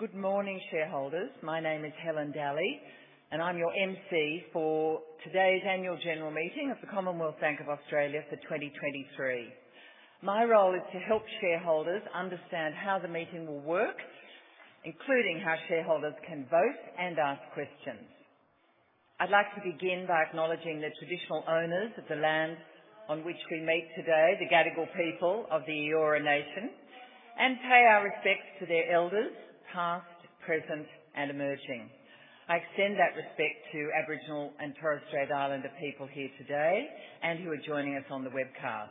Good morning, shareholders. My name is Helen Dalley, and I'm your emcee for today's Annual General Meeting of the Commonwealth Bank of Australia for 2023. My role is to help shareholders understand how the meeting will work, including how shareholders can vote and ask questions. I'd like to begin by acknowledging the traditional owners of the land on which we meet today, the Gadigal people of the Eora Nation, and pay our respects to their elders, past, present, and emerging. I extend that respect to Aboriginal and Torres Strait Islander people here today and who are joining us on the webcast.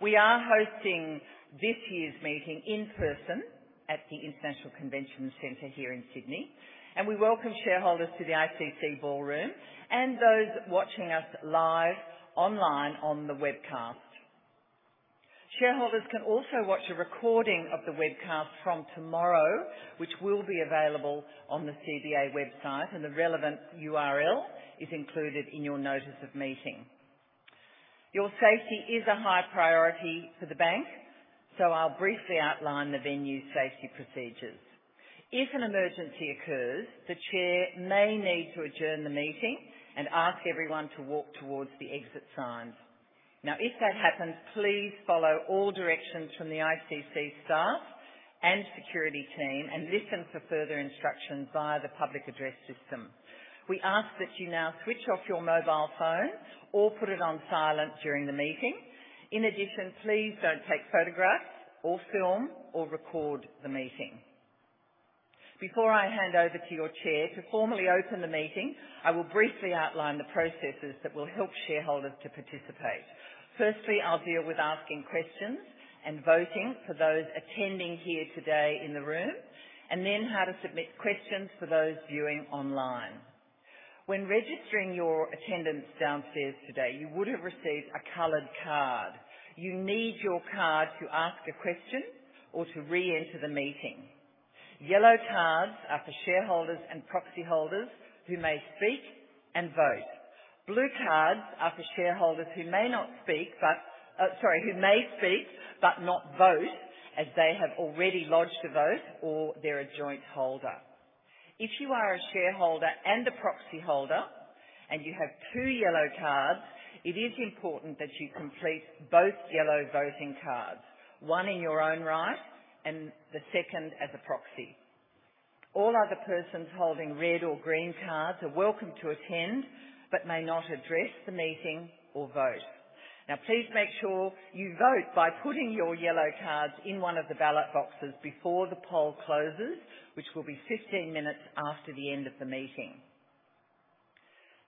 We are hosting this year's meeting in person at the International Convention Centre here in Sydney, and we welcome shareholders to the ICC Ballroom and those watching us live online on the webcast. Shareholders can also watch a recording of the webcast from tomorrow, which will be available on the CBA website, and the relevant URL is included in your notice of meeting. Your safety is a high priority for the bank, so I'll briefly outline the venue's safety procedures. If an emergency occurs, the Chair may need to adjourn the meeting and ask everyone to walk towards the exit signs. Now, if that happens, please follow all directions from the ICC staff and security team and listen for further instructions via the public address system. We ask that you now switch off your mobile phone or put it on silent during the meeting. In addition, please don't take photographs or film or record the meeting. Before I hand over to your Chair to formally open the meeting, I will briefly outline the processes that will help shareholders to participate. Firstly, I'll deal with asking questions and voting for those attending here today in the room, and then how to submit questions for those viewing online. When registering your attendance downstairs today, you would have received a colored card. You need your card to ask a question or to reenter the meeting. Yellow cards are for shareholders and proxy holders who may speak and vote. Blue cards are for shareholders who may not speak but, sorry, who may speak but not vote, as they have already lodged a vote or they're a joint holder. If you are a shareholder and a proxy holder, and you have two yellow cards, it is important that you complete both yellow voting cards, one in your own right and the second as a proxy. All other persons holding red or green cards are welcome to attend, but may not address the meeting or vote. Now, please make sure you vote by putting your yellow cards in one of the ballot boxes before the poll closes, which will be 15 minutes after the end of the meeting.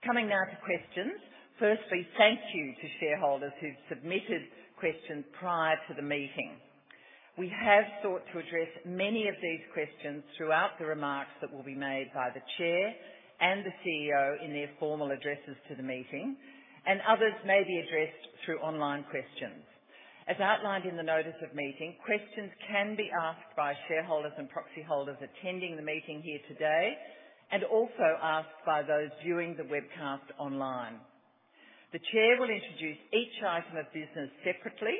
Coming now to questions. Firstly, thank you to shareholders who've submitted questions prior to the meeting. We have sought to address many of these questions throughout the remarks that will be made by the Chair and the CEO in their formal addresses to the meeting, and others may be addressed through online questions. As outlined in the notice of meeting, questions can be asked by shareholders and proxy holders attending the meeting here today and also asked by those viewing the webcast online. The Chair will introduce each item of business separately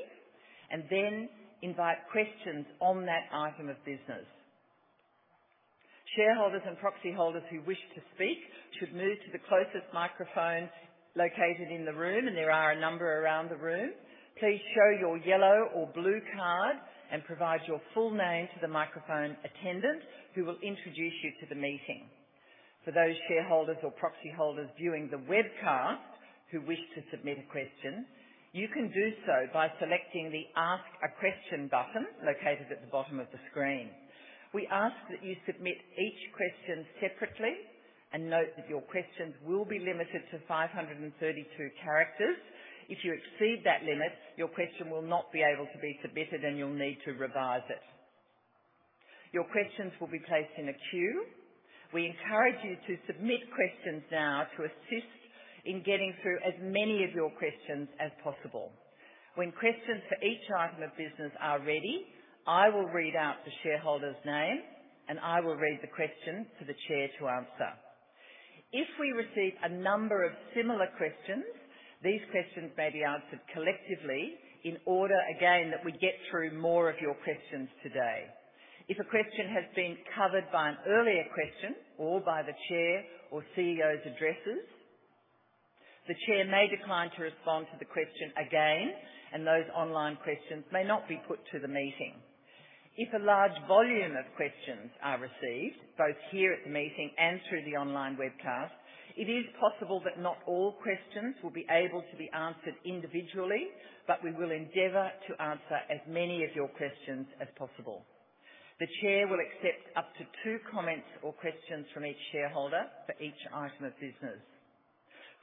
and then invite questions on that item of business. Shareholders and proxy holders who wish to speak should move to the closest microphone located in the room, and there are a number around the room. Please show your yellow or blue card and provide your full name to the microphone attendant, who will introduce you to the meeting. For those shareholders or proxy holders viewing the webcast who wish to submit a question, you can do so by selecting the "Ask a Question" button located at the bottom of the screen. We ask that you submit each question separately and note that your questions will be limited to 532 characters. If you exceed that limit, your question will not be able to be submitted, and you'll need to revise it. Your questions will be placed in a queue. We encourage you to submit questions now to assist in getting through as many of your questions as possible. When questions for each item of business are ready, I will read out the shareholder's name, and I will read the question to the Chair to answer. If we receive a number of similar questions, these questions may be answered collectively in order, again, that we get through more of your questions today. If a question has been covered by an earlier question or by the Chair or CEO's addresses, the Chair may decline to respond to the question again, and those online questions may not be put to the meeting. If a large volume of questions are received, both here at the meeting and through the online webcast, it is possible that not all questions will be able to be answered individually, but we will endeavor to answer as many of your questions as possible. The Chair will accept up to two comments or questions from each shareholder for each item of business.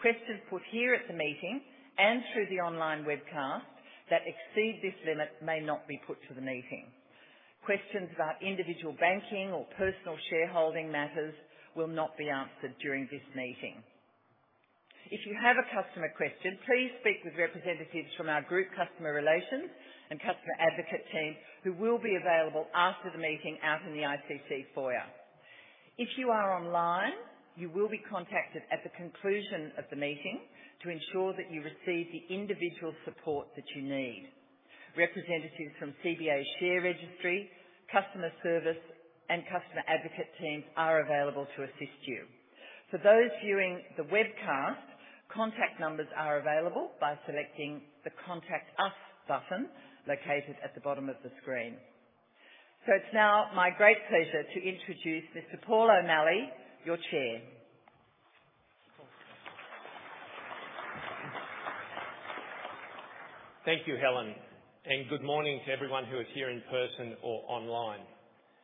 Questions put here at the meeting and through the online webcast that exceed this limit may not be put to the meeting. Questions about individual banking or personal shareholding matters will not be answered during this meeting. If you have a customer question, please speak with representatives from our Group Customer Relations and Customer Advocate Team, who will be available after the meeting out in the ICC foyer. If you are online, you will be contacted at the conclusion of the meeting to ensure that you receive the individual support that you need. Representatives from CBA Share Registry, Customer Service, and Customer Advocate Teams are available to assist you. For those viewing the webcast, contact numbers are available by selecting the Contact Us button located at the bottom of the screen. It's now my great pleasure to introduce Mr. Paul O’Malley, your Chair. Thank you, Helen, and good morning to everyone who is here in person or online.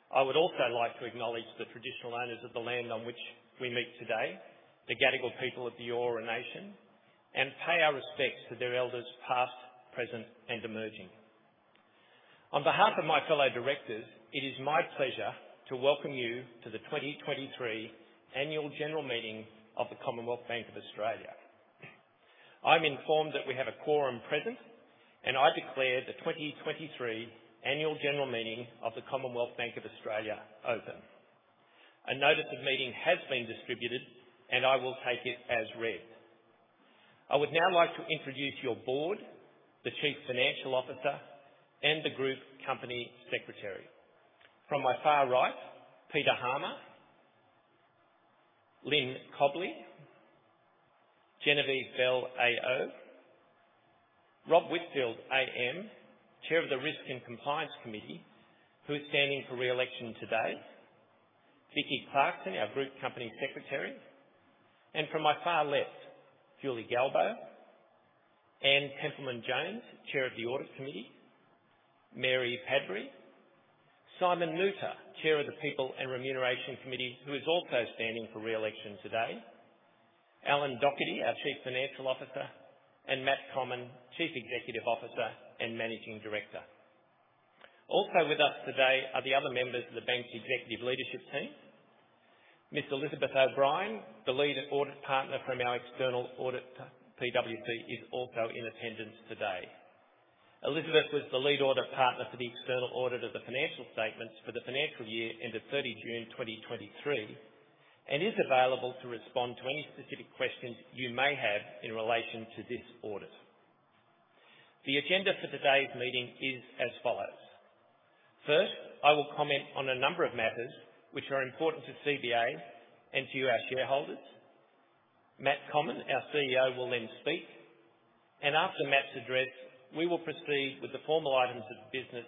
I would also like to acknowledge the traditional owners of the land on which we meet today, the Gadigal people of the Eora Nation, and pay our respects to their elders, past, present, and emerging. On behalf of my fellow directors, it is my pleasure to welcome you to the 2023 Annual General Meeting of the Commonwealth Bank of Australia. I'm informed that we have a quorum present, and I declare the 2023 Annual General Meeting of the Commonwealth Bank of Australia open. A notice of meeting has been distributed, and I will take it as read. I would now like to introduce your board, the Chief Financial Officer, and the Group Company Secretary. From my far right, Peter Harmer, Lyn Cobley, Genevieve Bell AO, Rob Whitfield AM, Chair of the Risk and Compliance Committee, who is standing for re-election today, Vicki Clarkson, our Group Company Secretary. And from my far left, Julie Galbo, Anne Templeman-Jones, Chair of the Audit Committee, Mary Padbury, Simon Moutter, Chair of the People and Remuneration Committee, who is also standing for re-election today, Alan Docherty, our Chief Financial Officer, and Matt Comyn, Chief Executive Officer and Managing Director. Also with us today are the other members of the bank's Executive Leadership Team. Ms. Elizabeth O’Brien, the lead audit partner from our external auditor, PwC, is also in attendance today. Elizabeth was the lead audit partner for the external audit of the financial statements for the financial year ended 30 June 2023, and is available to respond to any specific questions you may have in relation to this audit. The agenda for today's meeting is as follows: First, I will comment on a number of matters which are important to CBA and to you, our shareholders. Matt Comyn, our CEO, will then speak, and after Matt's address, we will proceed with the formal items of business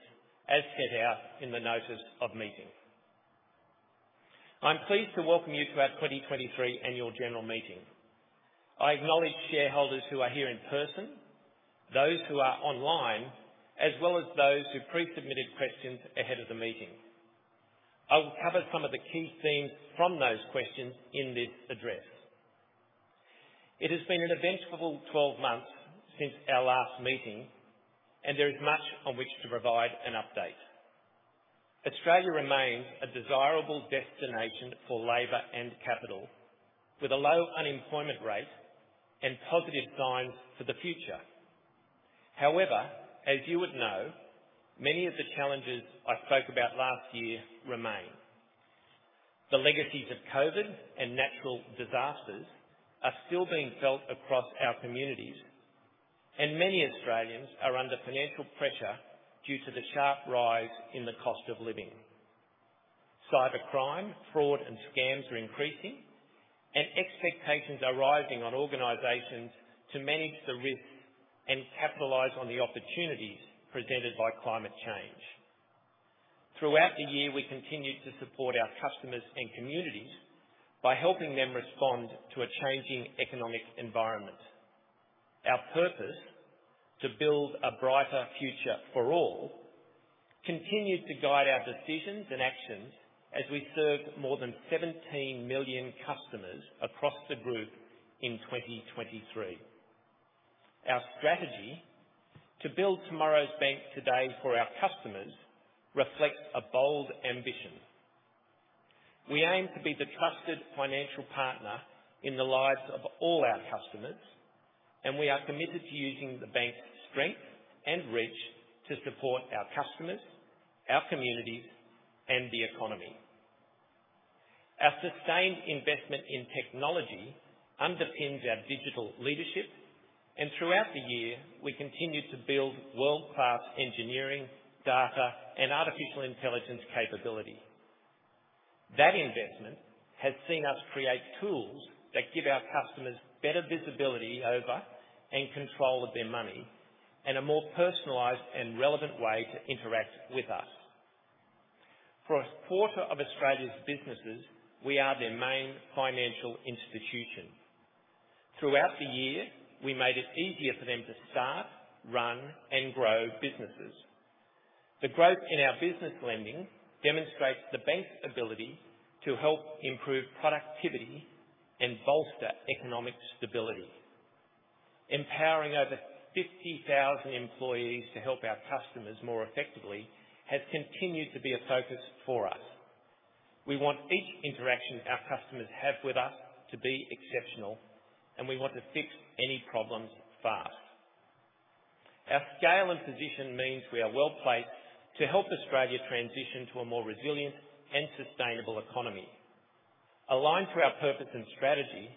as set out in the notice of meeting. I'm pleased to welcome you to our 2023 Annual General Meeting. I acknowledge shareholders who are here in person, those who are online, as well as those who pre-submitted questions ahead of the meeting. I will cover some of the key themes from those questions in this address. It has been an eventful 12 months since our last meeting, and there is much on which to provide an update. Australia remains a desirable destination for labor and capital, with a low unemployment rate and positive signs for the future. However, as you would know, many of the challenges I spoke about last year remain. The legacies of COVID and natural disasters are still being felt across our communities, and many Australians are under financial pressure due to the sharp rise in the cost of living. Cybercrime, fraud, and scams are increasing, and expectations are rising on organizations to manage the risks and capitalize on the opportunities presented by climate change. Throughout the year, we continued to support our customers and communities by helping them respond to a changing economic environment. Our purpose, to build a brighter future for all, continued to guide our decisions and actions as we served more than 17 million customers across the group in 2023. Our strategy to build tomorrow's bank today for our customers reflects a bold ambition. We aim to be the trusted financial partner in the lives of all our customers, and we are committed to using the bank's strength and reach to support our customers, our communities, and the economy. Our sustained investment in technology underpins our digital leadership, and throughout the year, we continued to build world-class engineering, data, and Artificial Intelligence capability. That investment has seen us create tools that give our customers better visibility over and control of their money, and a more personalized and relevant way to interact with us. For a quarter of Australia's businesses, we are their main financial institution. Throughout the year, we made it easier for them to start, run, and grow businesses. The growth in our business lending demonstrates the bank's ability to help improve productivity and bolster economic stability. Empowering over 50,000 employees to help our customers more effectively has continued to be a focus for us. We want each interaction our customers have with us to be exceptional, and we want to fix any problems fast. Our scale and position means we are well placed to help Australia transition to a more resilient and sustainable economy. Aligned to our purpose and strategy,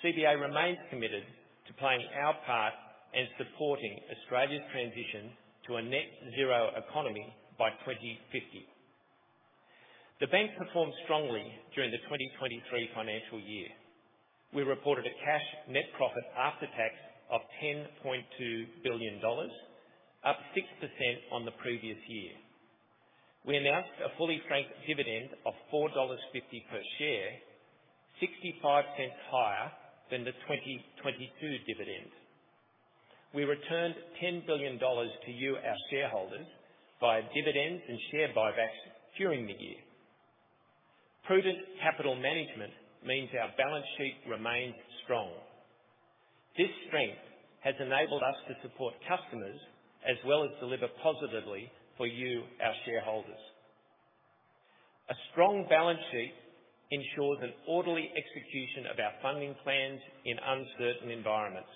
CBA remains committed to playing our part in supporting Australia's transition to a net zero economy by 2050. The bank performed strongly during the 2023 financial year. We reported a cash net profit after tax of 10.2 billion dollars, up 6% on the previous year. We announced a fully franked dividend of 4.50 dollars per share, 65 cents higher than the 2022 dividend. We returned 10 billion dollars to you, our shareholders, via dividends and share buybacks during the year. Prudent capital management means our balance sheet remains strong. This strength has enabled us to support customers as well as deliver positively for you, our shareholders. A strong balance sheet ensures an orderly execution of our funding plans in uncertain environments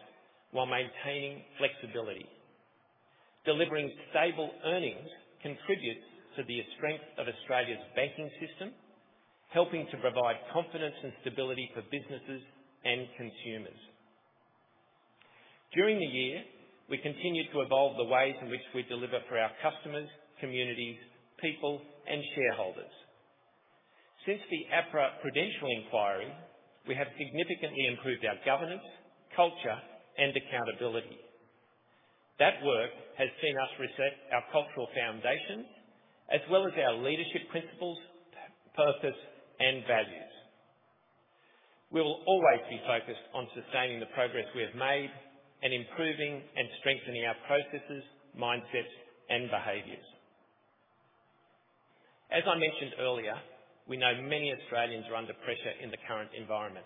while maintaining flexibility. Delivering stable earnings contributes to the strength of Australia's banking system, helping to provide confidence and stability for businesses and consumers. During the year, we continued to evolve the ways in which we deliver for our customers, communities, people, and shareholders. Since the APRA Prudential Inquiry, we have significantly improved our governance, culture, and accountability. That work has seen us reset our cultural foundations as well as our leadership principles, purpose, and values. We will always be focused on sustaining the progress we have made and improving and strengthening our processes, mindsets, and behaviors. As I mentioned earlier, we know many Australians are under pressure in the current environment.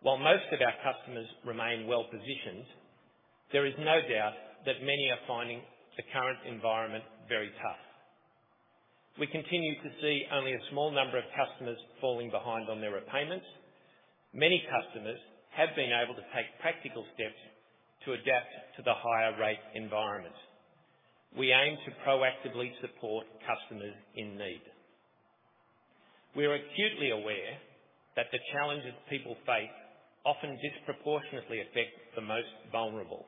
While most of our customers remain well-positioned, there is no doubt that many are finding the current environment very tough. We continue to see only a small number of customers falling behind on their repayments. Many customers have been able to take practical steps to adapt to the higher rate environment. We aim to proactively support customers in need. We are acutely aware that the challenges people face often disproportionately affect the most vulnerable.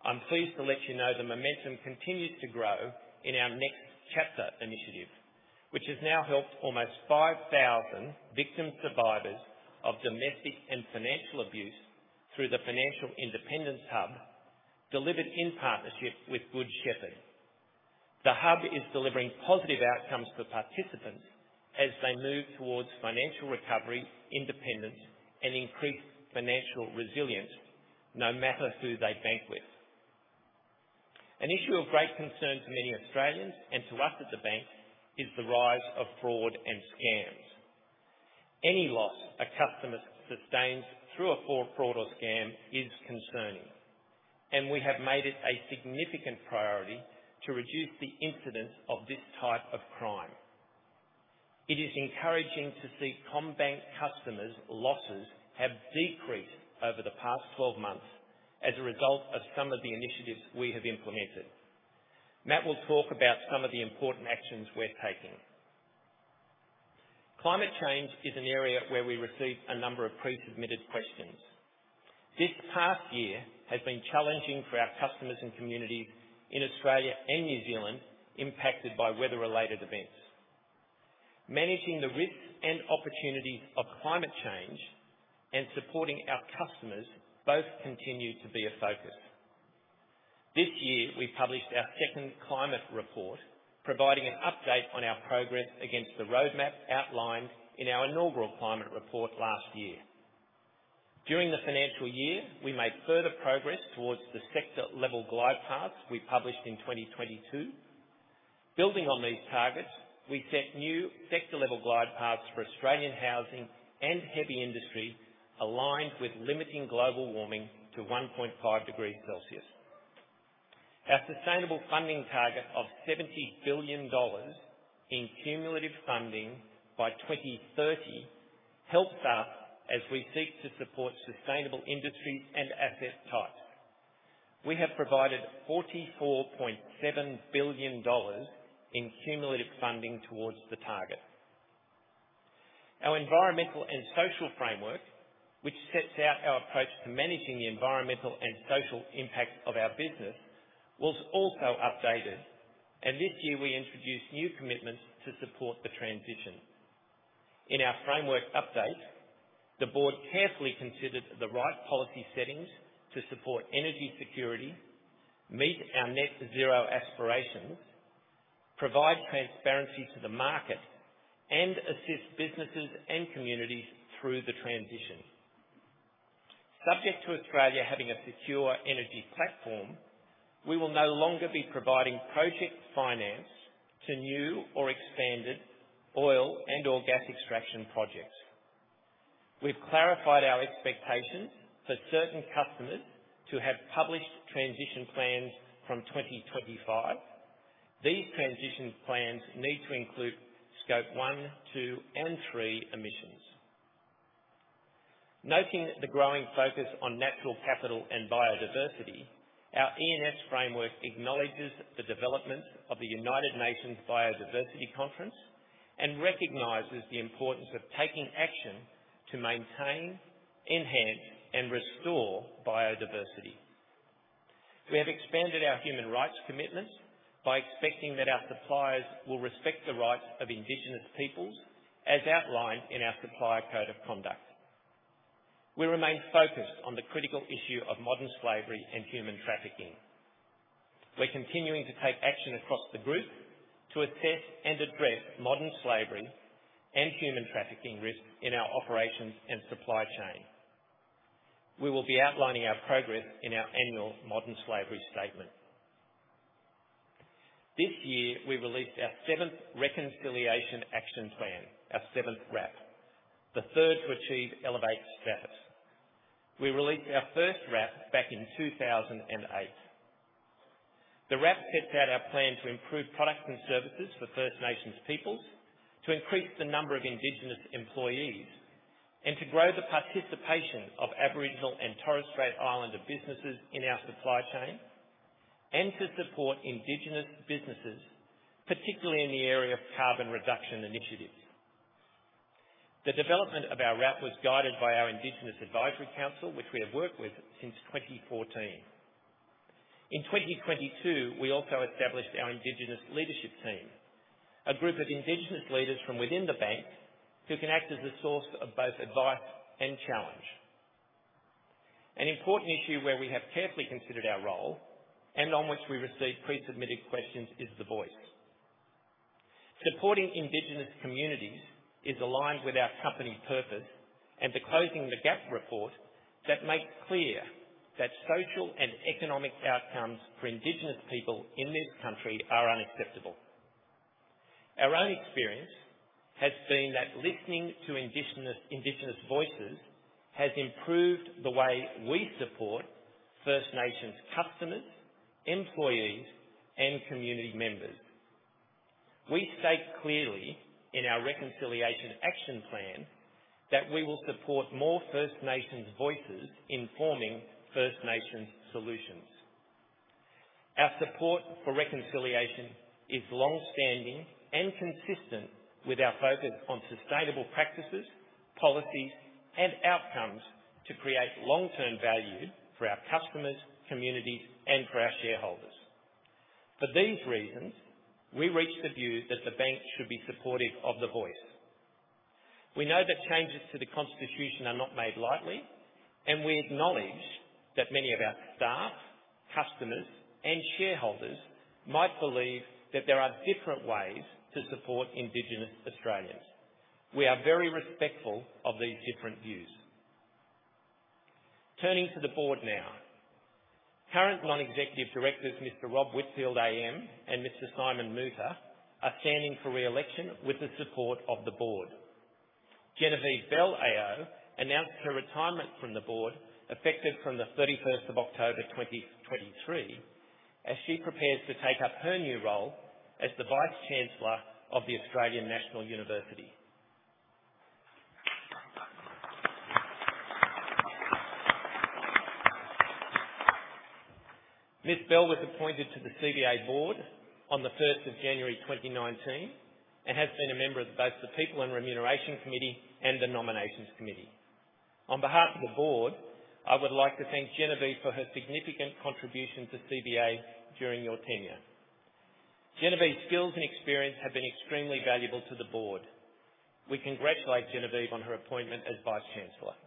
I'm pleased to let you know the momentum continues to grow in our Next Chapter initiative, which has now helped almost 5,000 victim-survivors of domestic and financial abuse through the Financial Independence Hub, delivered in partnership with Good Shepherd. The hub is delivering positive outcomes for participants as they move towards financial recovery, independence, and increased financial resilience, no matter who they bank with. An issue of great concern to many Australians, and to us at the bank, is the rise of fraud and scams. Any loss a customer sustains through a fraud or scam is concerning, and we have made it a significant priority to reduce the incidence of this type of crime. It is encouraging to see CommBank customers' losses have decreased over the past 12 months as a result of some of the initiatives we have implemented. Matt will talk about some of the important actions we're taking. Climate change is an area where we received a number of pre-submitted questions. This past year has been challenging for our customers and communities in Australia and New Zealand impacted by weather-related events. Managing the risks and opportunities of climate change and supporting our customers both continue to be a focus. This year, we published our second Climate Report, providing an update on our progress against the roadmap outlined in our inaugural Climate Report last year. During the financial year, we made further progress towards the sector-level glide paths we published in 2022. Building on these targets, we set new sector-level glide paths for Australian housing and heavy industry, aligned with limiting global warming to 1.5 degrees Celsius. Our sustainable funding target of 70 billion dollars in cumulative funding by 2030 helps us as we seek to support sustainable industries and asset types. We have provided 44.7 billion dollars in cumulative funding towards the target. Our Environmental and Social Framework, which sets out our approach to managing the environmental and social impact of our business, was also updated, and this year we introduced new commitments to support the transition. In our framework update, the board carefully considered the right policy settings to support energy security, meet our net zero aspirations, provide transparency to the market, and assist businesses and communities through the transition. Subject to Australia having a secure energy platform, we will no longer be providing project finance to new or expanded oil and/or gas extraction projects. We've clarified our expectations for certain customers to have published transition plans from 2025. These transition plans need to include Scope 1, 2, and 3 emissions. Noting the growing focus on natural capital and biodiversity, our E&S Framework acknowledges the development of the United Nations Biodiversity Conference and recognizes the importance of taking action to maintain, enhance, and restore biodiversity. We have expanded our human rights commitments by expecting that our suppliers will respect the rights of Indigenous peoples, as outlined in our Supplier Code of Conduct. We remain focused on the critical issue of modern slavery and human trafficking. We're continuing to take action across the group to assess and address modern slavery and human trafficking risk in our operations and supply chain. We will be outlining our progress in our annual Modern Slavery Statement. This year, we released our seventh Reconciliation Action Plan, our seventh RAP, the third to achieve Elevate status. We released our first RAP back in 2008. The RAP sets out our plan to improve products and services for First Nations peoples, to increase the number of Indigenous employees, and to grow the participation of Aboriginal and Torres Strait Islander businesses in our supply chain, and to support Indigenous businesses, particularly in the area of carbon reduction initiatives. The development of our RAP was guided by our Indigenous Advisory Council, which we have worked with since 2014. In 2022, we also established our Indigenous Leadership Team, a group of Indigenous leaders from within the bank who can act as a source of both advice and challenge. An important issue where we have carefully considered our role and on which we received pre-submitted questions, is the Voice. Supporting Indigenous communities is aligned with our company purpose and the Closing the Gap report that makes clear that social and economic outcomes for Indigenous people in this country are unacceptable. Our own experience has been that listening to Indigenous Voices has improved the way we support First Nations customers, employees, and community members. We state clearly in our Reconciliation Action Plan that we will support more First Nations Voices in forming First Nations solutions. Our support for reconciliation is long-standing and consistent with our focus on sustainable practices, policies, and outcomes to create long-term value for our customers, communities, and for our shareholders. For these reasons, we reached the view that the bank should be supportive of the Voice. We know that changes to the Constitution are not made lightly, and we acknowledge that many of our staff, customers, and shareholders might believe that there are different ways to support Indigenous Australians. We are very respectful of these different views. Turning to the board now. Current non-executive directors, Mr Rob Whitfield AM and Mr Simon Moutter, are standing for re-election with the support of the board. Genevieve Bell AO announced her retirement from the board, effective from the thirty-first of October 2023, as she prepares to take up her new role as the Vice-Chancellor of the Australian National University. Ms. Bell was appointed to the CBA board on the first of January 2019 and has been a member of both the People and Remuneration Committee and the Nominations Committee. On behalf of the board, I would like to thank Genevieve for her significant contribution to CBA during your tenure. Genevieve's skills and experience have been extremely valuable to the board. We congratulate Genevieve on her appointment as Vice-Chancellor.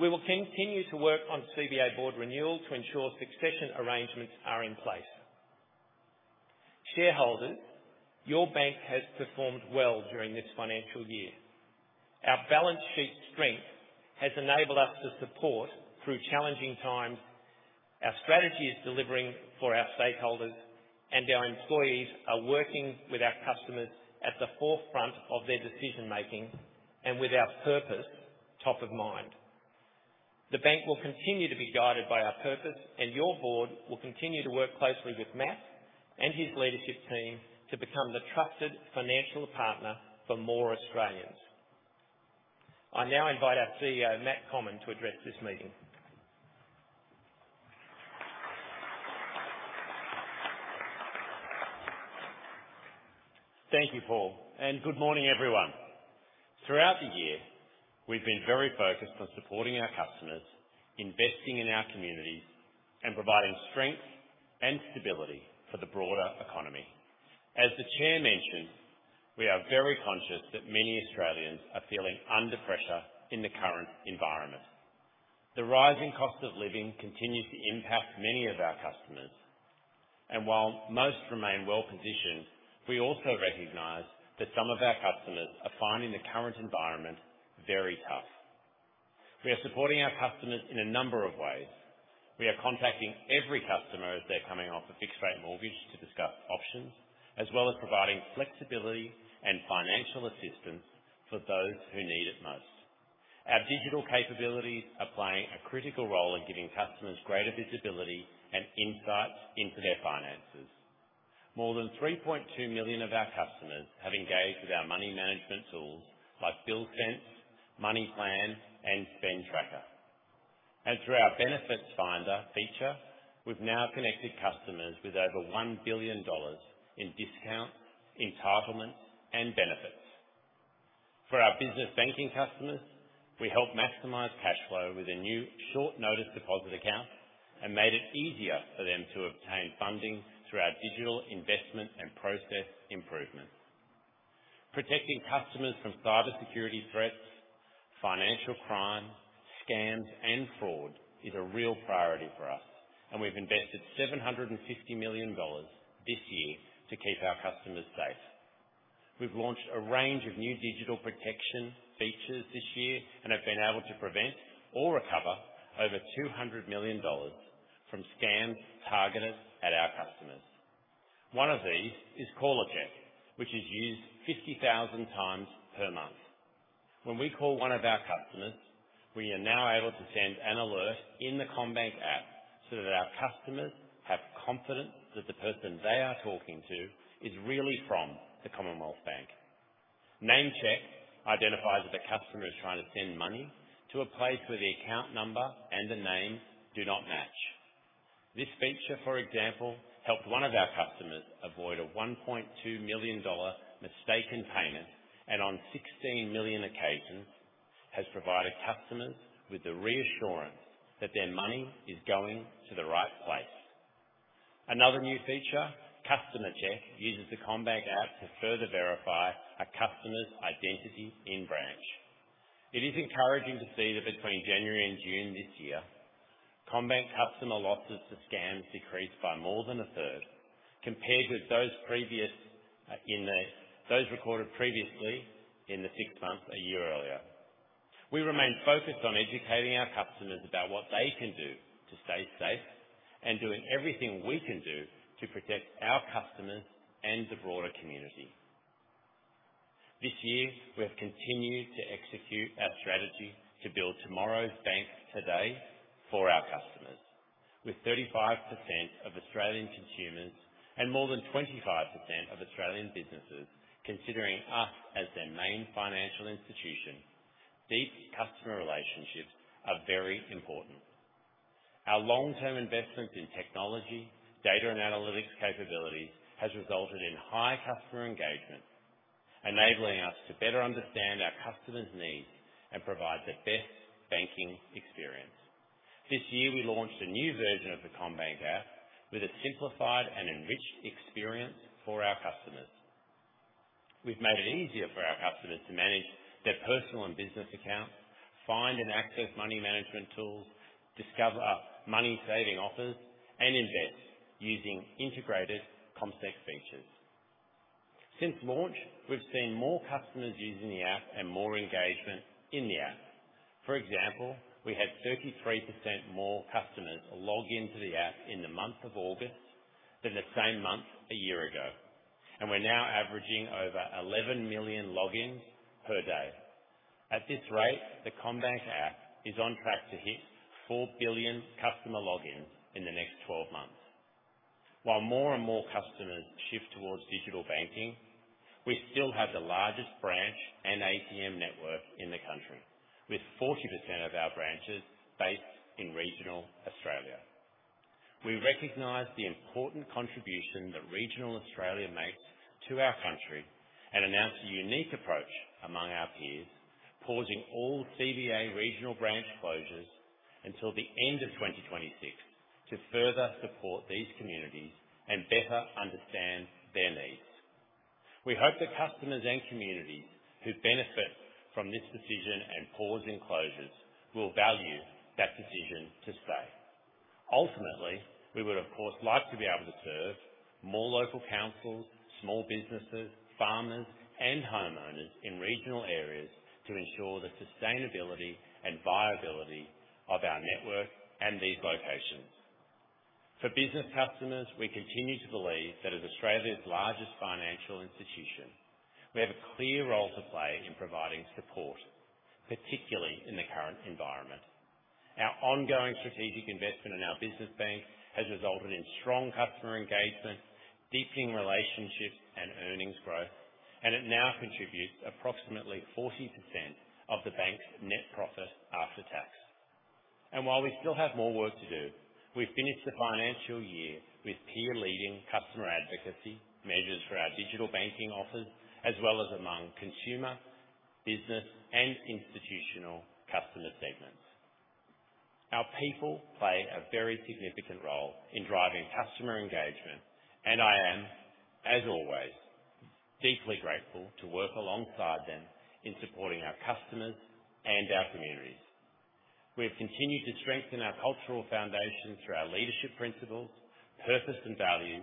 We will continue to work on CBA board renewal to ensure succession arrangements are in place. Shareholders, your bank has performed well during this financial year. Our balance sheet strength has enabled us to support through challenging times. Our strategy is delivering for our stakeholders, and our employees are working with our customers at the forefront of their decision-making and with our purpose top of mind. The bank will continue to be guided by our purpose, and your board will continue to work closely with Matt and his leadership team to become the trusted financial partner for more Australians. I now invite our CEO, Matt Comyn, to address this meeting. Thank you, Paul, and good morning, everyone. Throughout the year, we've been very focused on supporting our customers, investing in our communities, and providing strength and stability for the broader economy. As the Chair mentioned, we are very conscious that many Australians are feeling under pressure in the current environment. The rising cost of living continues to impact many of our customers, and while most remain well-positioned, we also recognize that some of our customers are finding the current environment very tough. We are supporting our customers in a number of ways. We are contacting every customer as they're coming off a fixed-rate mortgage to discuss options, as well as providing flexibility and financial assistance for those who need it most. Our digital capabilities are playing a critical role in giving customers greater visibility and insights into their finances. More than 3.2 million of our customers have engaged with our money management tools, like Bill Sense, Money Plan, and Spend Tracker. Through our Benefits Finder feature, we've now connected customers with over 1 billion dollars in discounts, entitlements, and benefits. For our business banking customers, we helped maximize cash flow with a new short-notice deposit account and made it easier for them to obtain funding through our digital investment and process improvements. Protecting customers from cybersecurity threats, financial crime, scams, and fraud is a real priority for us, and we've invested 750 million dollars this year to keep our customers safe. We've launched a range of new digital protection features this year and have been able to prevent or recover over 200 million dollars from scams targeted at our customers. One of these is CallerCheck, which is used 50,000 times per month. When we call one of our customers, we are now able to send an alert in the CommBank app so that our customers have confidence that the person they are talking to is really from the Commonwealth Bank. NameCheck identifies if a customer is trying to send money to a place where the account number and the name do not match. This feature, for example, helped one of our customers avoid a 1.2 million dollar mistaken payment, and on 16 million occasions, has provided customers with the reassurance that their money is going to the right place. Another new feature, CustomerCheck, uses the CommBank app to further verify a customer's identity in branch. It is encouraging to see that between January and June this year, CommBank customer losses to scams decreased by more than a third, compared with those previous, those recorded previously in the six months a year earlier. We remain focused on educating our customers about what they can do to stay safe and doing everything we can do to protect our customers and the broader community. This year, we have continued to execute our strategy to build tomorrow's bank today for our customers. With 35% of Australian consumers and more than 25% of Australian businesses considering us as their main financial institution, these customer relationships are very important. Our long-term investments in technology, data, and analytics capabilities has resulted in high customer engagement, enabling us to better understand our customers' needs and provide the best banking experience. This year, we launched a new version of the CommBank app with a simplified and enriched experience for our customers. We've made it easier for our customers to manage their personal and business accounts, find and access money management tools, discover money-saving offers, and invest using integrated CommSec features. Since launch, we've seen more customers using the app and more engagement in the app. For example, we had 33% more customers log into the app in the month of August than the same month a year ago, and we're now averaging over 11 million logins per day. At this rate, the CommBank app is on track to hit 4 billion customer logins in the next 12 months. While more and more customers shift towards digital banking, we still have the largest branch and ATM network in the country, with 40% of our branches based in regional Australia. We recognize the important contribution that regional Australia makes to our country and announce a unique approach among our peers, pausing all CBA regional branch closures until the end of 2026, to further support these communities and better understand their needs. We hope that customers and communities who benefit from this decision and pausing closures will value that decision to stay. Ultimately, we would, of course, like to be able to serve more local councils, small businesses, farmers, and homeowners in regional areas to ensure the sustainability and viability of our network and these locations. For business customers, we continue to believe that as Australia's largest financial institution, we have a clear role to play in providing support, particularly in the current environment. Our ongoing strategic investment in our business bank has resulted in strong customer engagement, deepening relationships, and earnings growth, and it now contributes approximately 40% of the bank's net profit after tax. While we still have more work to do, we've finished the financial year with peer-leading customer advocacy measures for our digital banking offers, as well as among consumer, business, and institutional customer segments. Our people play a very significant role in driving customer engagement, and I am, as always, deeply grateful to work alongside them in supporting our customers and our communities. We have continued to strengthen our cultural foundation through our leadership principles, purpose, and values,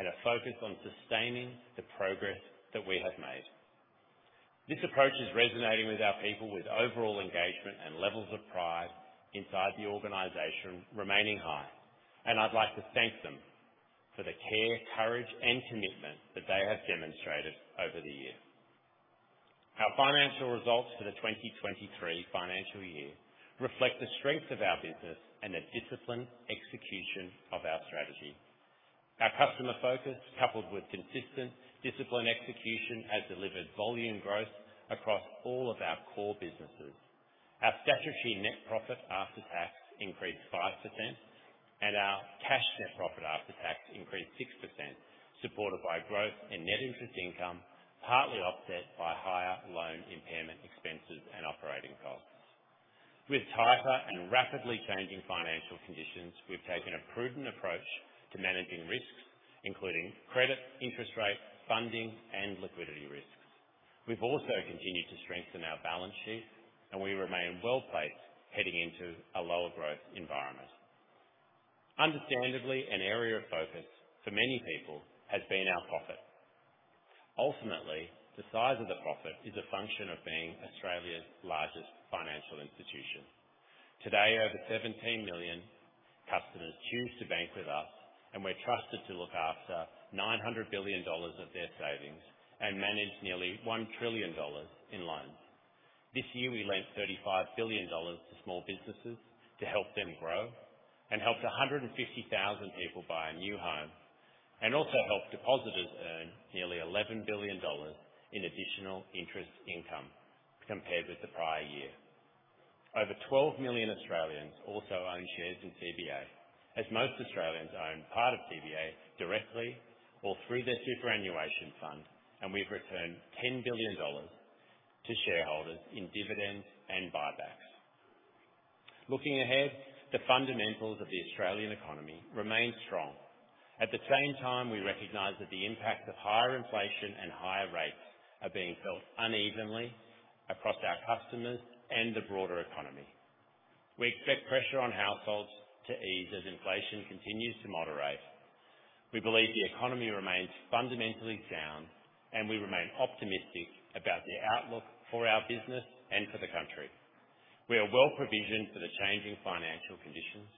and a focus on sustaining the progress that we have made. This approach is resonating with our people, with overall engagement and levels of pride inside the organization remaining high, and I'd like to thank them for the care, courage, and commitment that they have demonstrated over the years. Our financial results for the 2023 financial year reflect the strengths of our business and the disciplined execution of our strategy. Our customer focus, coupled with consistent disciplined execution, has delivered volume growth across all of our core businesses. Our statutory net profit after tax increased 5%, and our cash net profit after tax increased 6%, supported by growth in net interest income, partly offset by higher loan impairment expenses and operating costs. With tighter and rapidly changing financial conditions, we've taken a prudent approach to managing risks, including credit, interest rate, funding, and liquidity risks. We've also continued to strengthen our balance sheet, and we remain well placed heading into a lower growth environment. Understandably, an area of focus for many people has been our profit. Ultimately, the size of the profit is a function of being Australia's largest financial institution. Today, over 17 million customers choose to bank with us, and we're trusted to look after 900 billion dollars of their savings and manage nearly 1 trillion dollars in loans. This year, we lent 35 billion dollars to small businesses to help them grow and helped 150,000 people buy a new home, and also helped depositors earn nearly 11 billion dollars in additional interest income compared with the prior year. Over 12 million Australians also own shares in CBA, as most Australians own part of CBA directly or through their superannuation fund, and we've returned 10 billion dollars to shareholders in dividends and buybacks. Looking ahead, the fundamentals of the Australian economy remain strong. At the same time, we recognize that the impact of higher inflation and higher rates are being felt unevenly across our customers and the broader economy. We expect pressure on households to ease as inflation continues to moderate. We believe the economy remains fundamentally sound, and we remain optimistic about the outlook for our business and for the country. We are well provisioned for the changing financial conditions,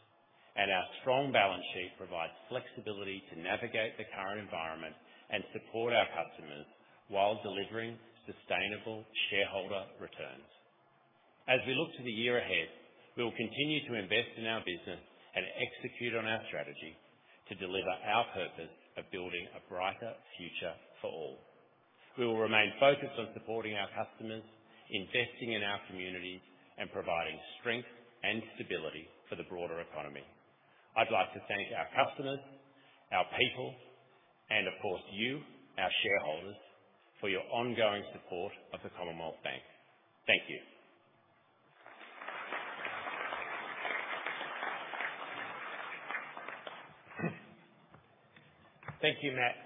and our strong balance sheet provides flexibility to navigate the current environment and support our customers while delivering sustainable shareholder returns. As we look to the year ahead, we will continue to invest in our business and execute on our strategy to deliver our purpose of building a brighter future for all. We will remain focused on supporting our customers, investing in our communities, and providing strength and stability for the broader economy. I'd like to thank our customers, our people, and of course, you, our shareholders, for your ongoing support of the Commonwealth Bank. Thank you. Thank you, Matt.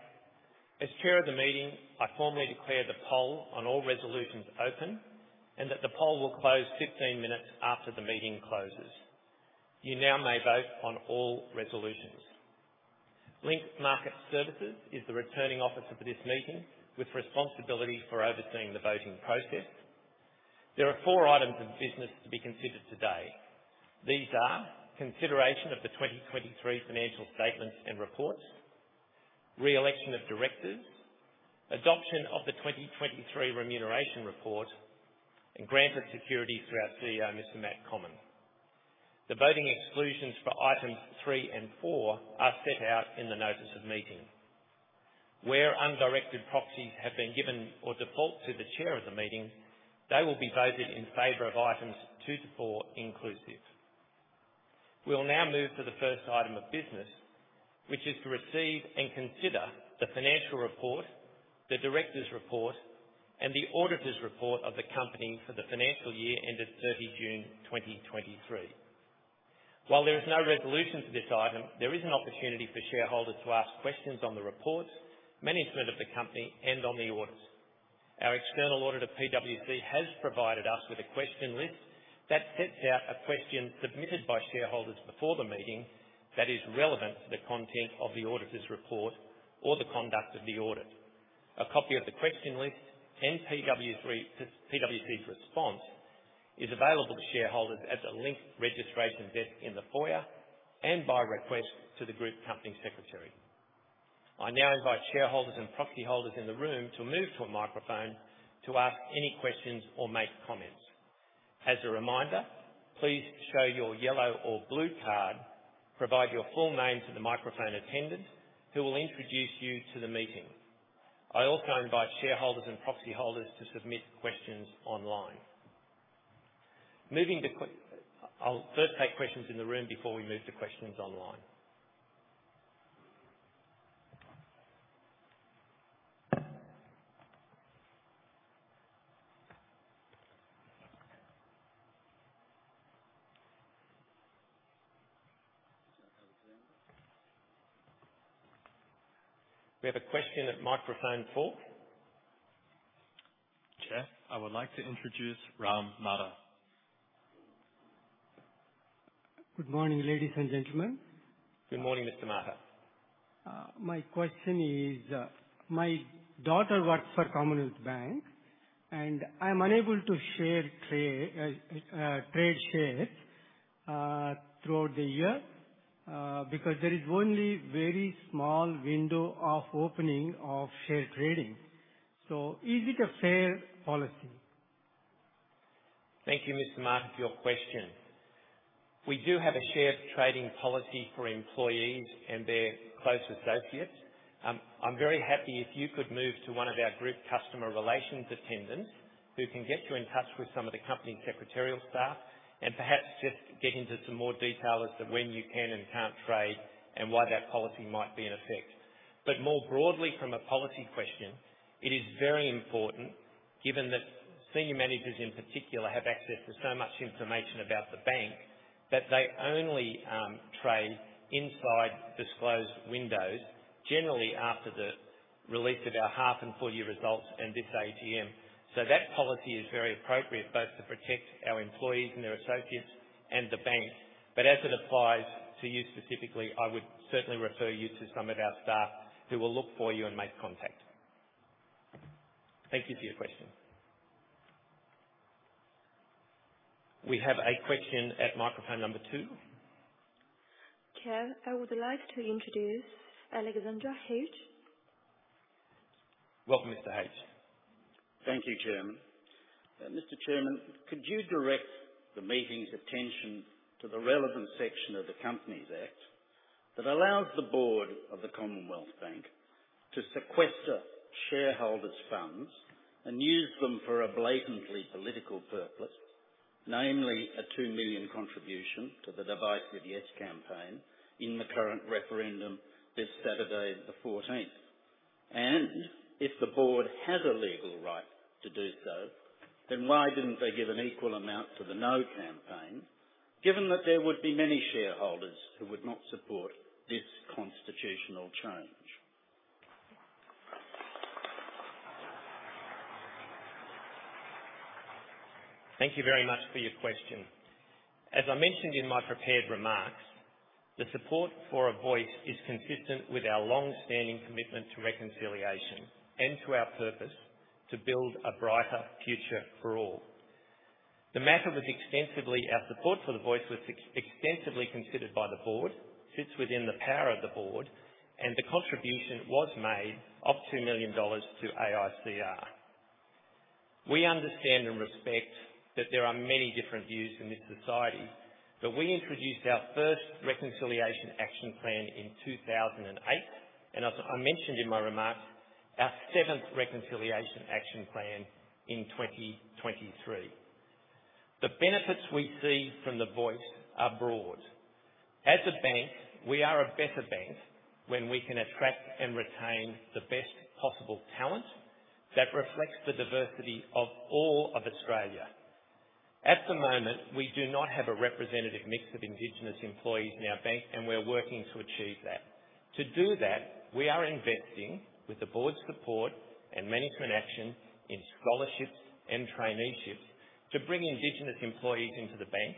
As chair of the meeting, I formally declare the poll on all resolutions open and that the poll will close 15 minutes after the meeting closes. You now may vote on all resolutions. Link Market Services is the Returning Officer for this meeting, with responsibility for overseeing the voting process. There are 4 items of business to be considered today. These are: consideration of the 2023 financial statements and reports, re-election of directors, adoption of the 2023 Remuneration Report, and granted securities through our CEO, Mr. Matt Comyn. The voting exclusions for items three and four are set out in the notice of meeting. Where undirected proxies have been given or default to the chair of the meeting, they will be voted in favor of items two to four inclusive. We will now move to the first item of business, which is to receive and consider the Financial Report, the Directors' Report, and the Auditors' Report of the company for the financial year ended 30 June 2023. While there is no resolution to this item, there is an opportunity for shareholders to ask questions on the report, management of the company, and on the audits. Our external auditor, PwC, has provided us with a question list that sets out a question submitted by shareholders before the meeting that is relevant to the content of the Auditors' Report or the conduct of the audit. A copy of the question list and PwC's response is available to shareholders at the Link registration desk in the foyer and by request to the group company secretary. I now invite shareholders and proxy holders in the room to move to a microphone to ask any questions or make comments. As a reminder, please show your yellow or blue card, provide your full name to the microphone attendant, who will introduce you to the meeting. I also invite shareholders and proxy holders to submit questions online. I'll first take questions in the room before we move to questions online. We have a question at microphone four. Chair, I would like to introduce Ram Matta. Good morning, ladies and gentlemen. Good morning, Mr. O’Malley. My question is, my daughter works for Commonwealth Bank, and I am unable to share trade, trade shares throughout the year because there is only very small window of opening of share trading. So is it a fair policy? Thank you, Mr. Mark, for your question. We do have a shared trading policy for employees and their close associates. I'm very happy if you could move to one of our Group Customer Relations attendants, who can get you in touch with some of the company's secretarial staff, and perhaps just get into some more detail as to when you can and can't trade, and why that policy might be in effect. But more broadly, from a policy question, it is very important, given that senior managers, in particular, have access to so much information about the bank, that they only trade inside disclosed windows, generally after the release of our half and full year results, and this AGM. That policy is very appropriate both to protect our employees and their associates and the bank. But as it applies to you specifically, I would certainly refer you to some of our staff, who will look for you and make contact. Thank you for your question. We have a question at microphone number 2. Chair, I would like to introduce Alexander Hauge. Welcome, Mr. Hauge. Thank you, Chairman. Mr. Chairman, could you direct the meeting's attention to the relevant section of the Companies Act, that allows the board of the Commonwealth Bank to sequester shareholders' funds and use them for a blatantly political purpose, namely an 2 million contribution to the Voice with Yes campaign in the current referendum this Saturday, the 14th? And if the board has a legal right to do so, then why didn't they give an equal amount to the No campaign, given that there would be many shareholders who would not support this constitutional change? Thank you very much for your question. As I mentioned in my prepared remarks, the support for the Voice is consistent with our long-standing commitment to reconciliation and to our purpose to build a brighter future for all. The matter was extensively considered by the board. Our support for the Voice was extensively considered by the board, sits within the power of the board, and the contribution was made of 2 million dollars to AICR. We understand and respect that there are many different views in this society, but we introduced our first Reconciliation Action Plan in 2008, and as I mentioned in my remarks, our seventh Reconciliation Action Plan in 2023. The benefits we see from the Voice are broad. As a bank, we are a better bank when we can attract and retain the best possible talent that reflects the diversity of all of Australia. At the moment, we do not have a representative mix of Indigenous employees in our bank, and we're working to achieve that. To do that, we are investing, with the board's support and management action, in scholarships and traineeships, to bring Indigenous employees into the bank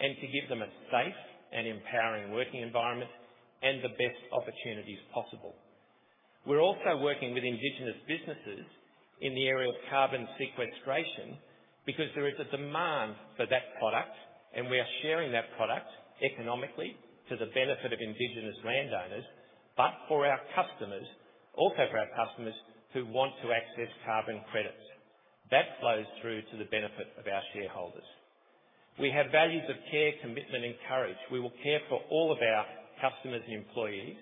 and to give them a safe and empowering working environment and the best opportunities possible. We're also working with Indigenous businesses in the area of carbon sequestration because there is a demand for that product, and we are sharing that product economically to the benefit of Indigenous landowners, but for our customers, also for our customers who want to access carbon credits. That flows through to the benefit of our shareholders. We have values of care, commitment, and courage. We will care for all of our customers and employees.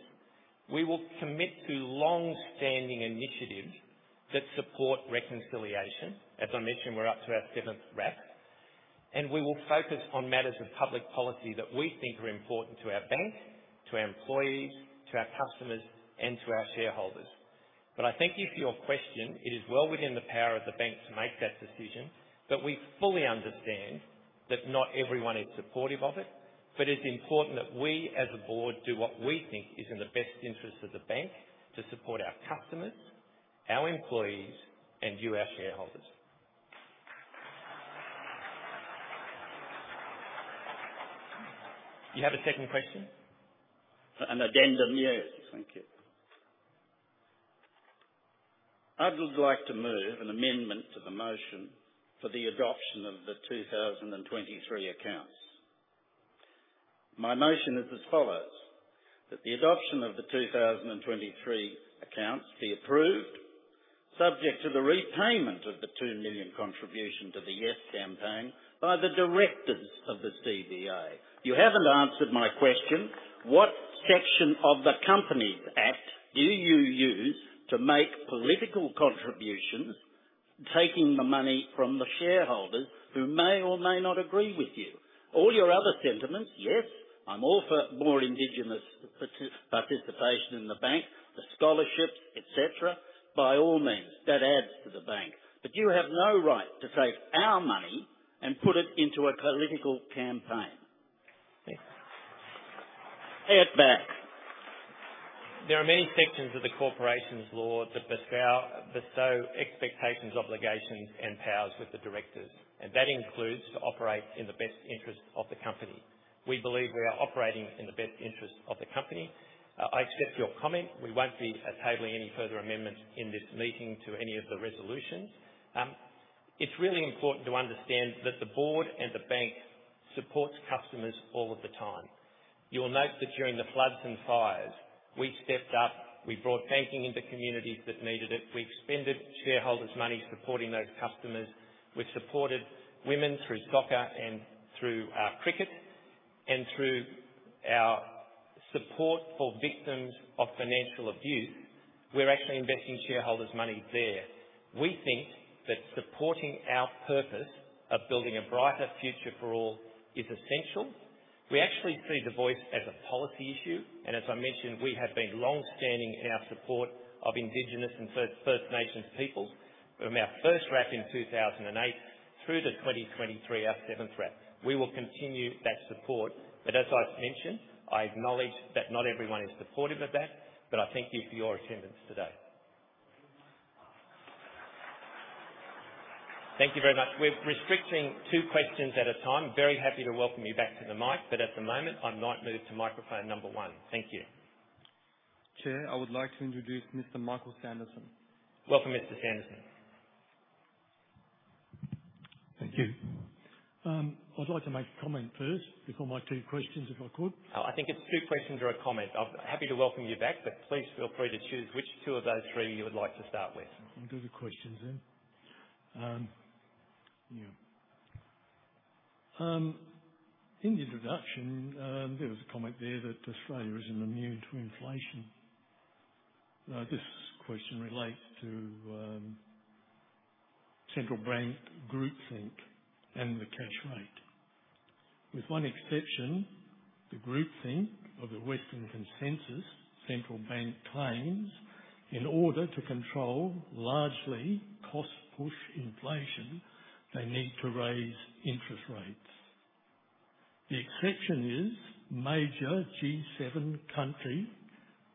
We will commit to long-standing initiatives that support reconciliation. As I mentioned, we're up to our seventh RAP, and we will focus on matters of public policy that we think are important to our bank, to our employees, to our customers, and to our shareholders. I thank you for your question. It is well within the power of the bank to make that decision, but we fully understand that not everyone is supportive of it. It's important that we, as a board, do what we think is in the best interest of the bank to support our customers, our employees, and you, our shareholders. You have a second question? An addendum, yes. Thank you. I would like to move an amendment to the motion for the adoption of the 2023 accounts. My motion is as follows, that the adoption of the 2023 accounts be approved, subject to the repayment of the 2 million contribution to the Yes campaign by the directors of the CBA. You haven't answered my question. What section of the Companies Act do you use to make political contributions, taking the money from the shareholders who may or may not agree with you? All your other sentiments, yes, I'm all for more Indigenous participation in the bank, the scholarships, et cetera. By all means, that adds to the bank. But you have no right to take our money and put it into a political campaign. Thank you. Pay it back. There are many sections of the Corporations Law that bestow, bestow expectations, obligations, and powers with the directors, and that includes to operate in the best interest of the company. We believe we are operating in the best interest of the company. I accept your comment. We won't be tabling any further amendments in this meeting to any of the resolutions. It's really important to understand that the board and the bank supports customers all of the time. You will note that during the floods and fires, we stepped up, we brought banking into communities that needed it. We expended shareholders' money supporting those customers. We've supported women through soccer and through cricket and through our support for victims of financial abuse. We're actually investing shareholders' money there. We think that supporting our purpose of building a brighter future for all is essential. We actually see the Voice as a policy issue, and as I mentioned, we have been long-standing in our support of Indigenous and First, First Nations peoples. From our first RAP in 2008 through to 2023, our seventh RAP. We will continue that support, but as I've mentioned, I acknowledge that not everyone is supportive of that, but I thank you for your attendance today. Thank you very much. We're restricting 2 questions at a time. Very happy to welcome you back to the mic, but at the moment, I might move to microphone number 1. Thank you. Chair, I would like to introduce Mr. Michael Sanderson. Welcome, Mr. Sanderson. Thank you. I'd like to make a comment first before my two questions, if I could? I think it's two questions or a comment. I'll be happy to welcome you back, but please feel free to choose which two of those three you would like to start with. I'll do the questions then. Yeah. In the introduction, there was a comment there that Australia isn't immune to inflation. Now, this question relates to central bank groupthink and the cash rate. With one exception, the groupthink or the Western consensus, central bank claims, in order to control largely cost-push inflation, they need to raise interest rates. The exception is major G7 country,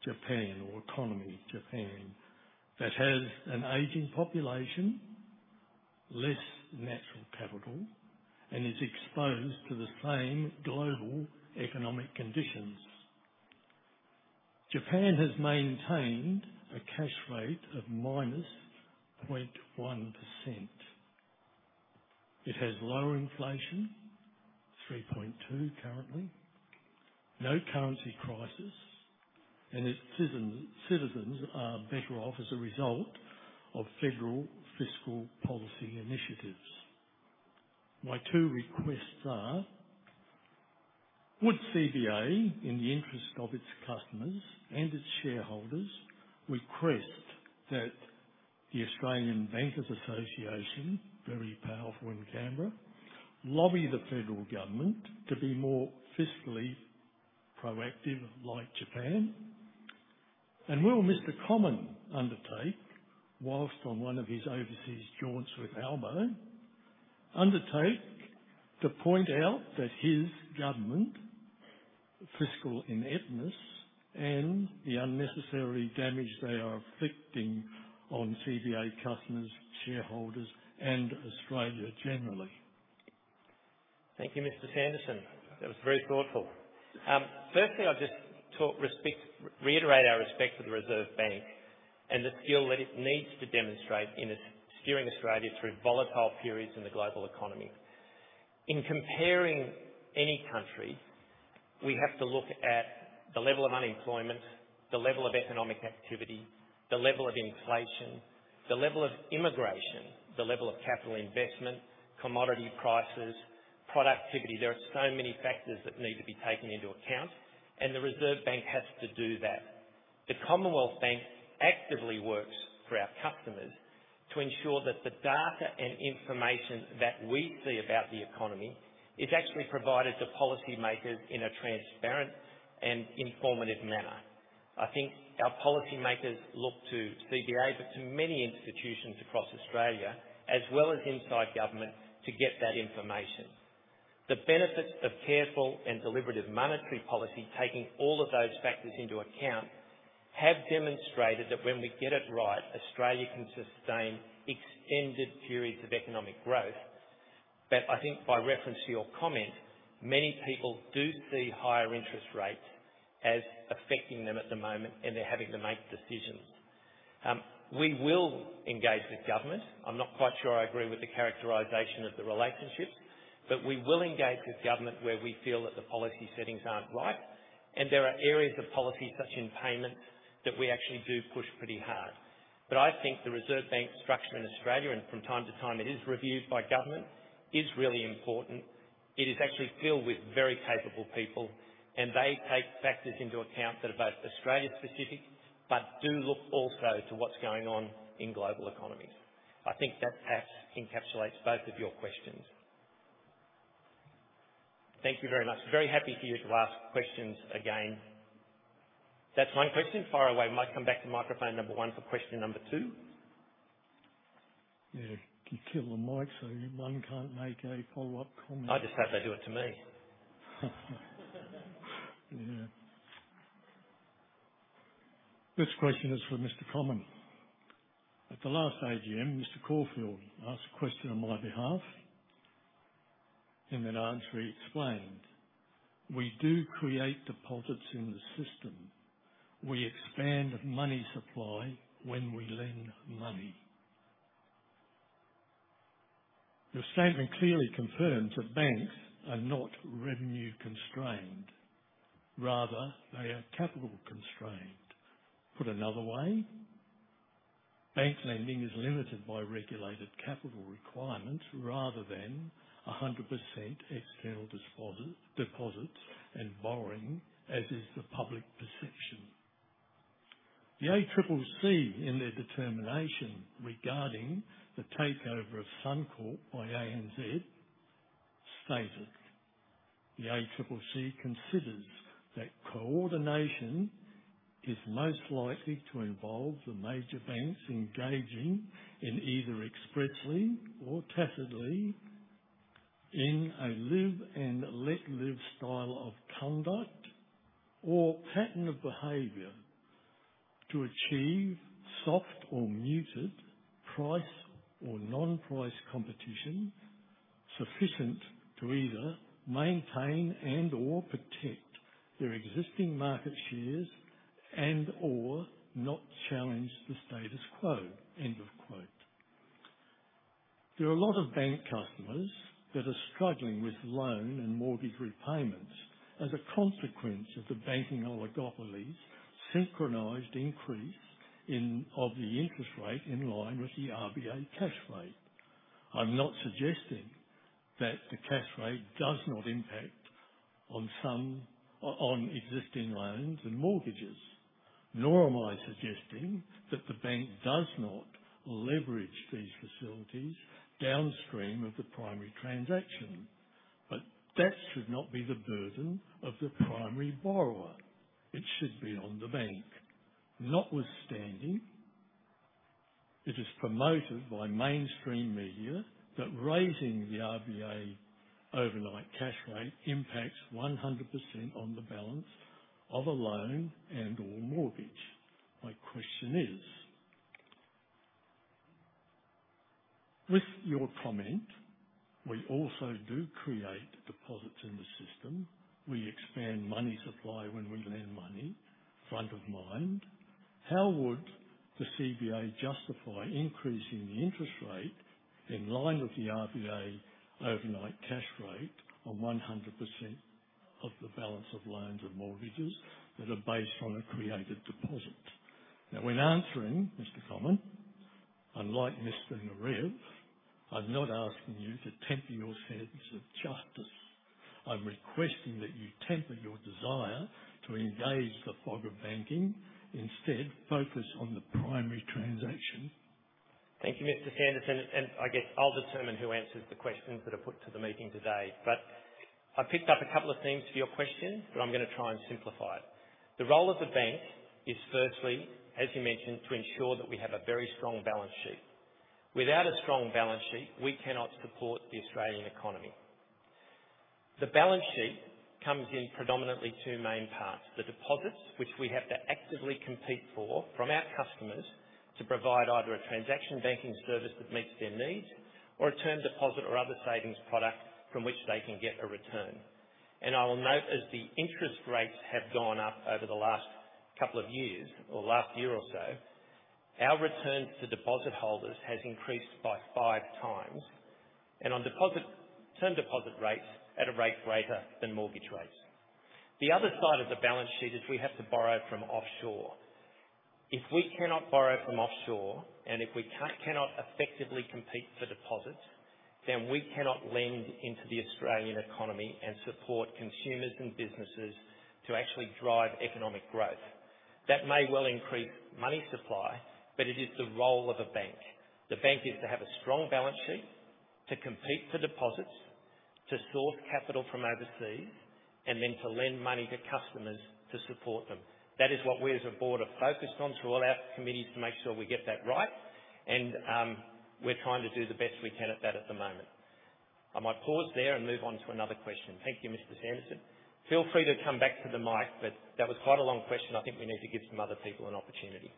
Japan, or economy, Japan, that has an aging population, less natural capital, and is exposed to the same global economic conditions. Japan has maintained a cash rate of -0.1%. It has lower inflation, 3.2%, currently, no currency crisis, and its citizen, citizens are better off as a result of federal fiscal policy initiatives. My two requests are: Would CBA, in the interest of its customers and its shareholders, request that the Australian Bankers Association, very powerful in Canberra, lobby the federal government to be more fiscally proactive like Japan? And will Mr. Comyn undertake, whilst on one of his overseas jaunts with Albo, to point out that his government's fiscal ineptness and the unnecessary damage they are inflicting on CBA customers, shareholders, and Australia generally? Thank you, Mr. Sanderson. That was very thoughtful. Firstly, I'll just reiterate our respect for the Reserve Bank and the skill that it needs to demonstrate in its steering Australia through volatile periods in the global economy. In comparing any country, we have to look at the level of unemployment, the level of economic activity, the level of inflation, the level of immigration, the level of capital investment, commodity prices, productivity. There are so many factors that need to be taken into account, and the Reserve Bank has to do that. The Commonwealth Bank actively works for our customers to ensure that the data and information that we see about the economy is actually provided to policymakers in a transparent and informative manner. I think our policymakers look to CBA, but to many institutions across Australia, as well as inside government, to get that information. The benefits of careful and deliberative monetary policy, taking all of those factors into account, have demonstrated that when we get it right, Australia can sustain extended periods of economic growth. But I think by reference to your comment, many people do see higher interest rates as affecting them at the moment, and they're having to make decisions. We will engage with government. I'm not quite sure I agree with the characterization of the relationship, but we will engage with government where we feel that the policy settings aren't right. And there are areas of policy, such in payment, that we actually do push pretty hard. But I think the Reserve Bank structure in Australia, and from time to time, it is reviewed by government, is really important. It is actually filled with very capable people, and they take factors into account that are both Australia specific, but do look also to what's going on in global economies. I think that perhaps encapsulates both of your questions. Thank you very much. Very happy for you to ask questions again. That's one question. Fire away. Might come back to microphone number one for question number two. Yeah, you kill the mic so one can't make a follow-up comment. I just had to do it to me. Yeah. This question is for Mr. Comyn. At the last AGM, Mr. Corfield asked a question on my behalf. In an answer, he explained: We do create deposits in the system. We expand money supply when we lend money. The statement clearly confirms that banks are not revenue constrained. Rather, they are capital constrained. Put another way, bank lending is limited by regulated capital requirements rather than 100% external deposits and borrowing, as is the public perception. The ACCC, in their determination regarding the takeover of Suncorp by ANZ, stated, "The ACCC considers that coordination is most likely to involve the major banks engaging in either expressly or tacitly in a live and let live style of conduct or pattern of behavior to achieve soft or muted price or non-price competition sufficient to either maintain and/or protect their existing market shares and/or not challenge the status quo." End of quote. There are a lot of bank customers that are struggling with loan and mortgage repayments as a consequence of the banking oligopolies synchronized increase in the interest rate in line with the RBA cash rate. I'm not suggesting that the cash rate does not impact on some existing loans and mortgages, nor am I suggesting that the bank does not leverage these facilities downstream of the primary transaction. But that should not be the burden of the primary borrower. It should be on the bank. Notwithstanding, it is promoted by mainstream media that raising the RBA overnight cash rate impacts 100% on the balance of a loan and/or mortgage. My question is: With your comment, we also do create deposits in the system. We expand money supply when we lend money, front of mind. How would the CBA justify increasing the interest rate in line with the RBA overnight cash rate on 100% of the balance of loans and mortgages that are based on a created deposit? Now, when answering, Mr. Comyn, unlike Mr. Narev, I'm not asking you to temper your sense of justice. I'm requesting that you temper your desire to engage the fog of banking. Instead, focus on the primary transaction. Thank you, Mr. Sanderson. And I guess I'll determine who answers the questions that are put to the meeting today. But I've picked up a couple of themes to your question, but I'm gonna try and simplify it. The role of the bank is firstly, as you mentioned, to ensure that we have a very strong balance sheet. Without a strong balance sheet, we cannot support the Australian economy. The balance sheet comes in predominantly two main parts, the deposits, which we have to actively compete for from our customers to provide either a transaction banking service that meets their needs or a term deposit or other savings product from which they can get a return. I will note, as the interest rates have gone up over the last couple of years or last year or so, our return to deposit holders has increased by five times, and on deposit term deposit rates at a rate greater than mortgage rates. The other side of the balance sheet is we have to borrow from offshore. If we cannot borrow from offshore, and if we cannot effectively compete for deposits, then we cannot lend into the Australian economy and support consumers and businesses to actually drive economic growth. That may well increase money supply, but it is the role of a bank. The bank is to have a strong balance sheet, to compete for deposits, to source capital from overseas, and then to lend money to customers to support them. That is what we as a board are focused on through all our committees to make sure we get that right. And, we're trying to do the best we can at that at the moment. I might pause there and move on to another question. Thank you, Mr. Sanderson. Feel free to come back to the mic, but that was quite a long question. I think we need to give some other people an opportunity.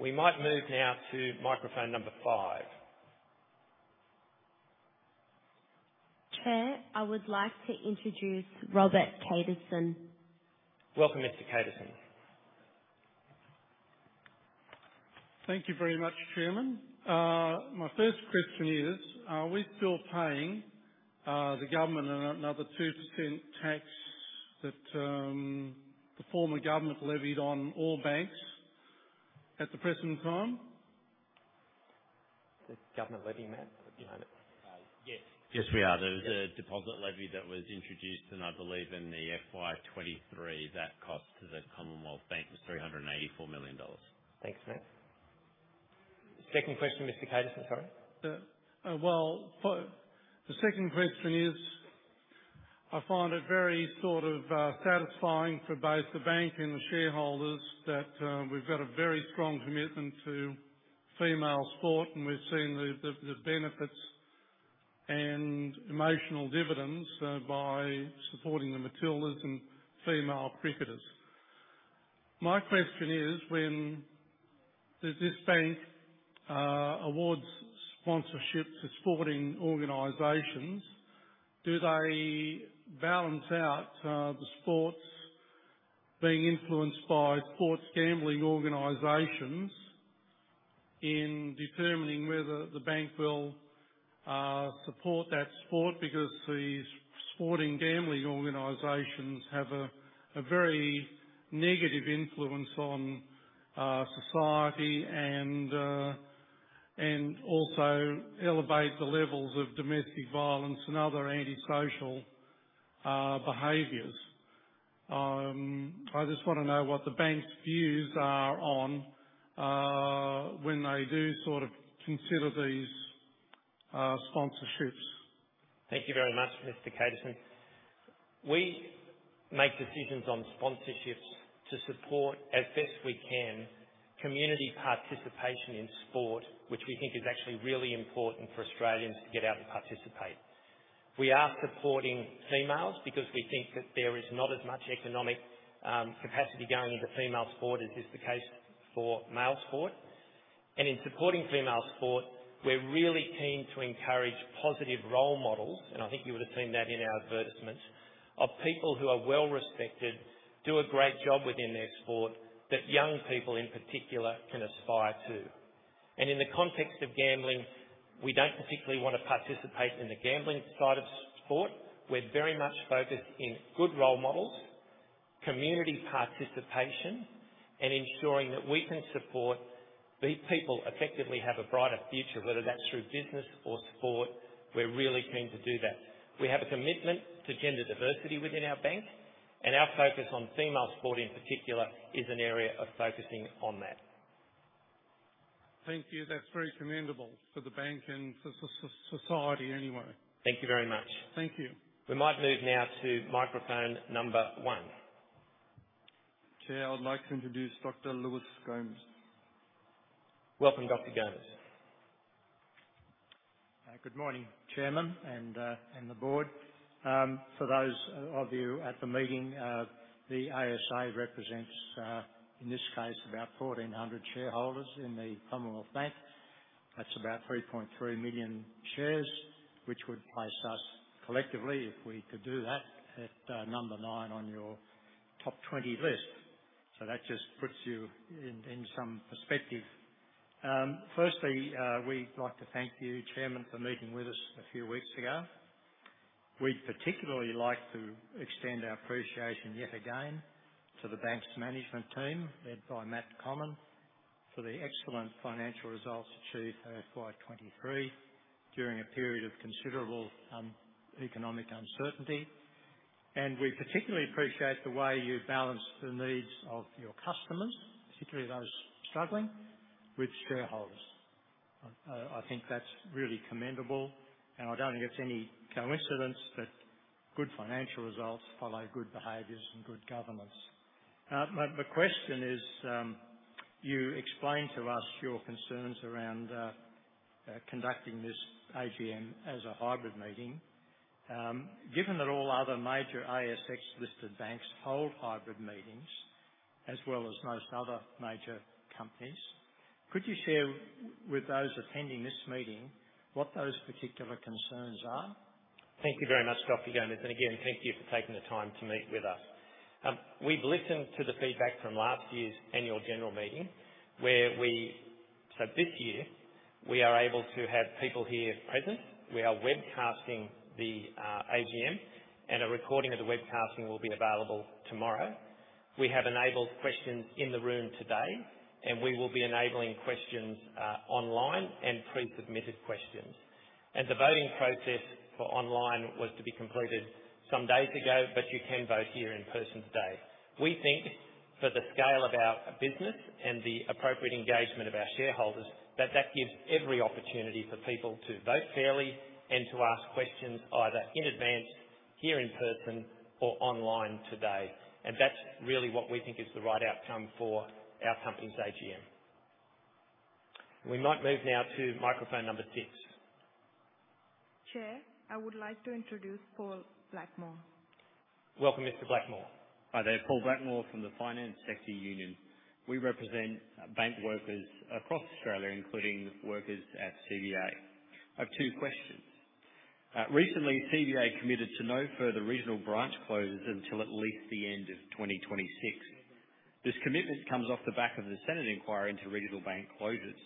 We might move now to microphone number five. Chair, I would like to introduce Robert Caterson. Welcome, Mr. Caterson. Thank you very much, Chairman. My first question is, are we still paying the government another 2% tax that the former government levied on all banks at the present time? The government levy, Matt, do you know it? Yes. Yes, we are. There was a deposit levy that was introduced, and I believe in the FY 2023, that cost to the Commonwealth Bank was 384 million dollars. Thanks, Matt. Second question, Mr. Caterson. Sorry. Well, the second question is, I find it very sort of satisfying for both the bank and the shareholders that we've got a very strong commitment to female sport, and we've seen the benefits and emotional dividends by supporting the Matildas and female cricketers. My question is, when does this bank awards sponsorship to sporting organizations, do they balance out the sports being influenced by sports gambling organizations in determining whether the bank will support that sport, because these sporting gambling organizations have a very negative influence on society and also elevate the levels of domestic violence and other antisocial behaviors. I just wanna know what the bank's views are on when they do sort of consider these sponsorships. Thank you very much, Mr. Caterson. We make decisions on sponsorships to support, as best we can, community participation in sport, which we think is actually really important for Australians to get out and participate. We are supporting females because we think that there is not as much economic capacity going into female sport as is the case for male sport. And in supporting female sport, we're really keen to encourage positive role models, and I think you would have seen that in our advertisements, of people who are well respected, do a great job within their sport, that young people, in particular, can aspire to. And in the context of gambling, we don't particularly want to participate in the gambling side of sport. We're very much focused in good role models, community participation, and ensuring that we can support these people effectively have a brighter future, whether that's through business or sport, we're really keen to do that. We have a commitment to gender diversity within our bank, and our focus on female sport, in particular, is an area of focusing on that. Thank you. That's very commendable for the bank and for society, anyway. Thank you very much. Thank you. We might move now to microphone number one. Chair, I would like to introduce Dr Lewis Gomes. Welcome, Dr. Gomes. Good morning, Chairman and the board. For those of you at the meeting, the ASA represents, in this case, about 1,400 shareholders in the Commonwealth Bank. That's about 3.3 million shares, which would place us collectively, if we could do that, at number nine on your top 20 list. So that just puts you in some perspective. Firstly, we'd like to thank you, Chairman, for meeting with us a few weeks ago. We'd particularly like to extend our appreciation yet again to the bank's management team, led by Matt Comyn, for the excellent financial results achieved for FY 2023 during a period of considerable economic uncertainty. And we particularly appreciate the way you balanced the needs of your customers, particularly those struggling, with shareholders. I think that's really commendable, and I don't think it's any coincidence that good financial results follow good behaviors and good governance. My question is, you explained to us your concerns around conducting this AGM as a hybrid meeting. Given that all other major ASX-listed banks hold hybrid meetings, as well as most other major companies, could you share with those attending this meeting what those particular concerns are? Thank you very much, Dr. Gomes. And again, thank you for taking the time to meet with us. We've listened to the feedback from last year's Annual General Meeting, where we... So this year, we are able to have people here present. We are webcasting the AGM, and a recording of the webcasting will be available tomorrow. We have enabled questions in the room today, and we will be enabling questions online and pre-submitted questions. And the voting process for online was to be completed some days ago, but you can vote here in person today. We think for the scale of our business and the appropriate engagement of our shareholders, that that gives every opportunity for people to vote fairly and to ask questions, either in advance, here in person, or online today. And that's really what we think is the right outcome for our company's AGM. We might move now to microphone number six. Chair, I would like to introduce Paul Blackmore. Welcome, Mr. Blackmore. Hi there, Paul Blackmore from the Finance Sector Union. We represent bank workers across Australia, including workers at CBA. I have two questions. Recently, CBA committed to no further regional branch closures until at least the end of 2026. This commitment comes off the back of the Senate inquiry into regional bank closures.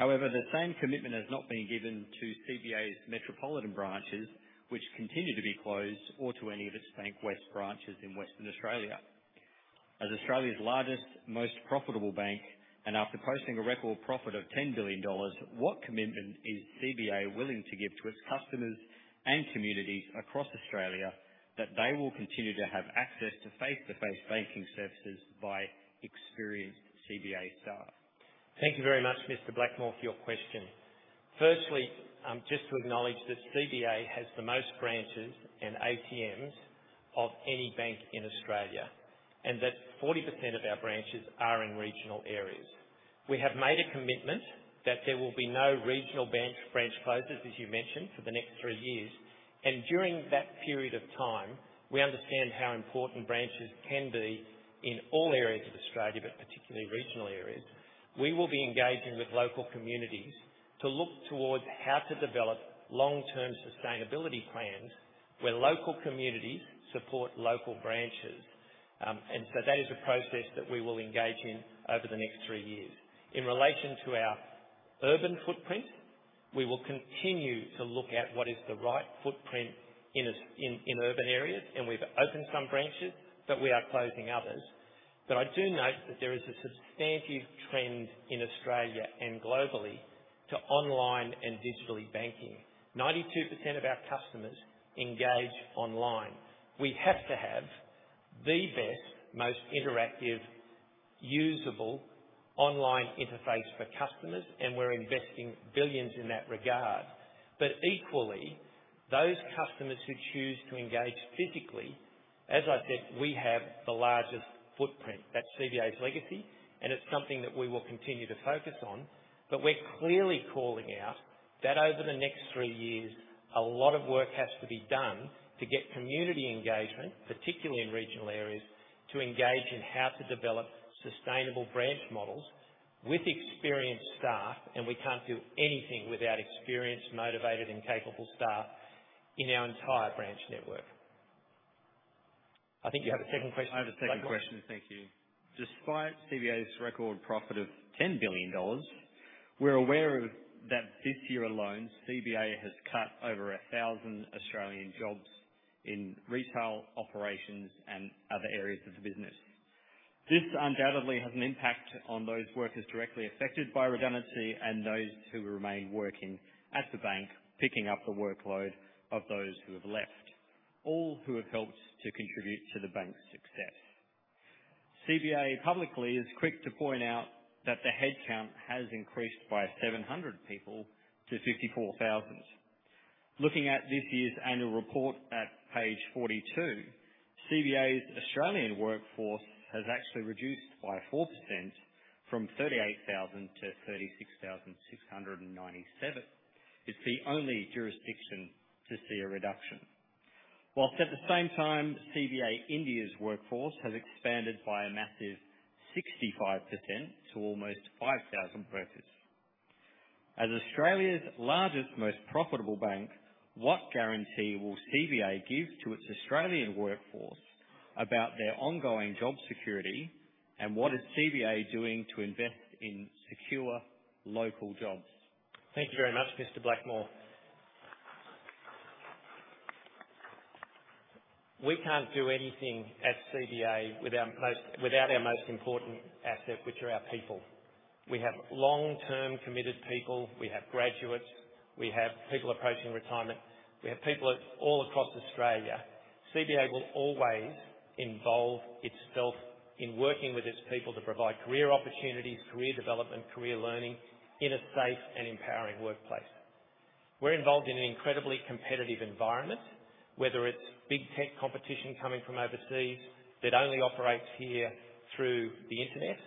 However, the same commitment has not been given to CBA's metropolitan branches, which continue to be closed, or to any of its Bankwest branches in Western Australia. As Australia's largest, most profitable bank, and after posting a record profit of 10 billion dollars, what commitment is CBA willing to give to its customers and communities across Australia, that they will continue to have access to face-to-face banking services by experienced CBA staff? Thank you very much, Mr. Blackmore, for your question. Firstly, just to acknowledge that CBA has the most branches and ATMs of any bank in Australia, and that 40% of our branches are in regional areas. We have made a commitment that there will be no regional bank branch closures, as you mentioned, for the next three years, and during that period of time, we understand how important branches can be in all areas of Australia, but particularly regional areas. We will be engaging with local communities to look towards how to develop long-term sustainability plans where local communities support local branches. And so that is a process that we will engage in over the next three years. In relation to our urban footprint, we will continue to look at what is the right footprint in urban areas, and we've opened some branches, but we are closing others. But I do note that there is a substantive trend in Australia and globally to online and digital banking. 92% of our customers engage online. We have to have the best, most interactive, usable online interface for customers, and we're investing billions in that regard. But equally, those customers who choose to engage physically, as I said, we have the largest footprint. That's CBA's legacy, and it's something that we will continue to focus on. But we're clearly calling out that over the next three years, a lot of work has to be done to get community engagement, particularly in regional areas, to engage in how to develop sustainable branch models with experienced staff, and we can't do anything without experienced, motivated, and capable staff in our entire branch network. I think you have a second question? I have a second question. Thank you. Despite CBA's record profit of 10 billion dollars, we're aware of that this year alone, CBA has cut over 1,000 Australian jobs in retail operations and other areas of the business. This undoubtedly has an impact on those workers directly affected by redundancy and those who remain working at the bank, picking up the workload of those who have left, all who have helped to contribute to the bank's success. CBA publicly is quick to point out that the headcount has increased by 700 people to 54,000. Looking at this year's annual report at page 42, CBA's Australian workforce has actually reduced by 4% from 38,000 to 36,697. It's the only jurisdiction to see a reduction. While at the same time, CBA India's workforce has expanded by a massive 65% to almost 5,000 workers. As Australia's largest, most profitable bank, what guarantee will CBA give to its Australian workforce about their ongoing job security, and what is CBA doing to invest in secure local jobs? Thank you very much, Mr. Blackmore. We can't do anything at CBA without our most important asset, which are our people. We have long-term, committed people. We have graduates. We have people approaching retirement. We have people all across Australia. CBA will always involve itself in working with its people to provide career opportunities, career development, career learning, in a safe and empowering workplace. We're involved in an incredibly competitive environment, whether it's Big Tech competition coming from overseas that only operates here through the Internet,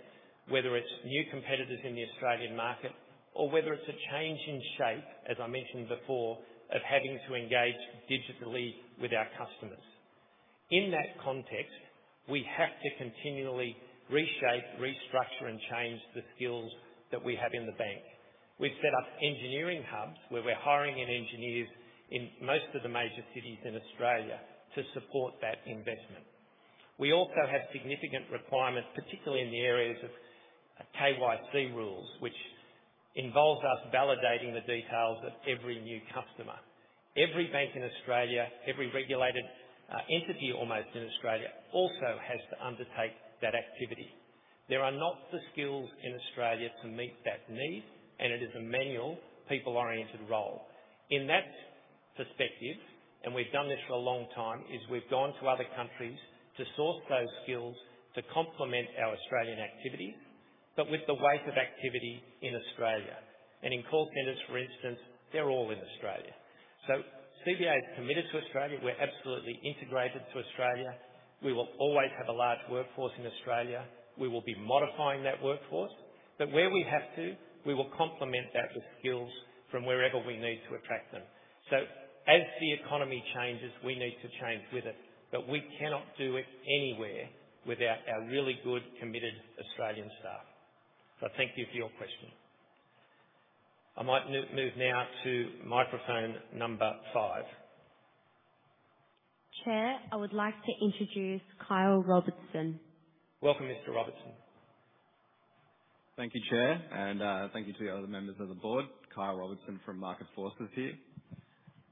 whether it's new competitors in the Australian market, or whether it's a change in shape, as I mentioned before, of having to engage digitally with our customers. In that context, we have to continually reshape, restructure, and change the skills that we have in the bank. We've set up engineering hubs, where we're hiring in engineers in most of the major cities in Australia to support that investment. We also have significant requirements, particularly in the areas of, KYC rules, which involves us validating the details of every new customer. Every bank in Australia, every regulated, entity, almost in Australia, also has to undertake that activity. There are not the skills in Australia to meet that need, and it is a manual, people-oriented role. In that perspective, and we've done this for a long time, is we've gone to other countries to source those skills to complement our Australian activity, but with the weight of activity in Australia. And in call centers, for instance, they're all in Australia. So CBA is committed to Australia. We're absolutely integrated to Australia. We will always have a large workforce in Australia. We will be modifying that workforce, but where we have to, we will complement that with skills from wherever we need to attract them. So as the economy changes, we need to change with it, but we cannot do it anywhere without our really good, committed Australian staff. So thank you for your question. I might move now to microphone number five. Chair, I would like to introduce Kyle Robertson. Welcome, Mr. Robertson. Thank you, Chair, and thank you to the other members of the board. Kyle Robertson from Market Forces here.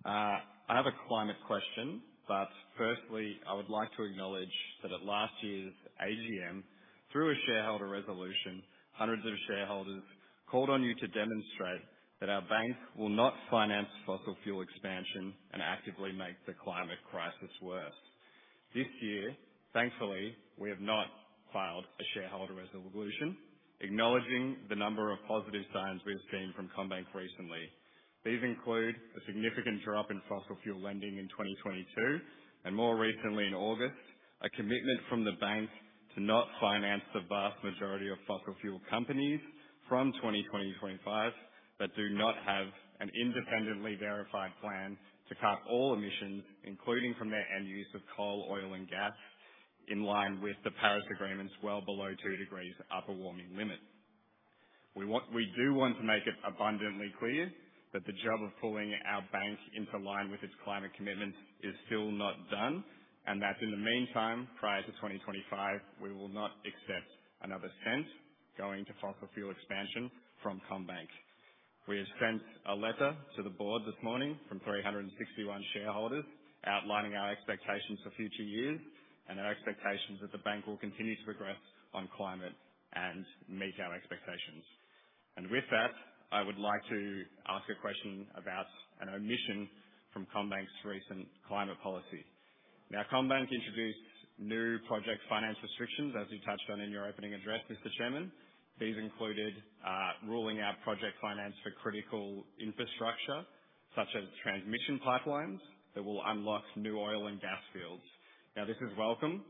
I have a climate question, but firstly, I would like to acknowledge that at last year's AGM, through a shareholder resolution, hundreds of shareholders called on you to demonstrate that our bank will not finance fossil fuel expansion and actively make the climate crisis worse. This year, thankfully, we have not filed a shareholder resolution, acknowledging the number of positive signs we've seen from CommBank recently. These include a significant drop in fossil fuel lending in 2022, and more recently, in August, a commitment from the bank to not finance the vast majority of fossil fuel companies from 2025, that do not have an independently verified plan to cut all emissions, including from their end use of coal, oil, and gas, in line with the Paris Agreement's well below 2 degrees upper warming limit. We want, we do want to make it abundantly clear that the job of pulling our bank into line with its climate commitment is still not done, and that in the meantime, prior to 2025, we will not accept another cent going to fossil fuel expansion from CommBank. We have sent a letter to the board this morning from 361 shareholders outlining our expectations for future years and our expectations that the bank will continue to progress on climate and meet our expectations. With that, I would like to ask a question about an omission from CommBank's recent climate policy. Now, CommBank introduced new project finance restrictions, as you touched on in your opening address, Mr. Chairman. These included ruling out project finance for critical infrastructure, such as transmission pipelines, that will unlock new oil and gas fields. Now, this is welcome,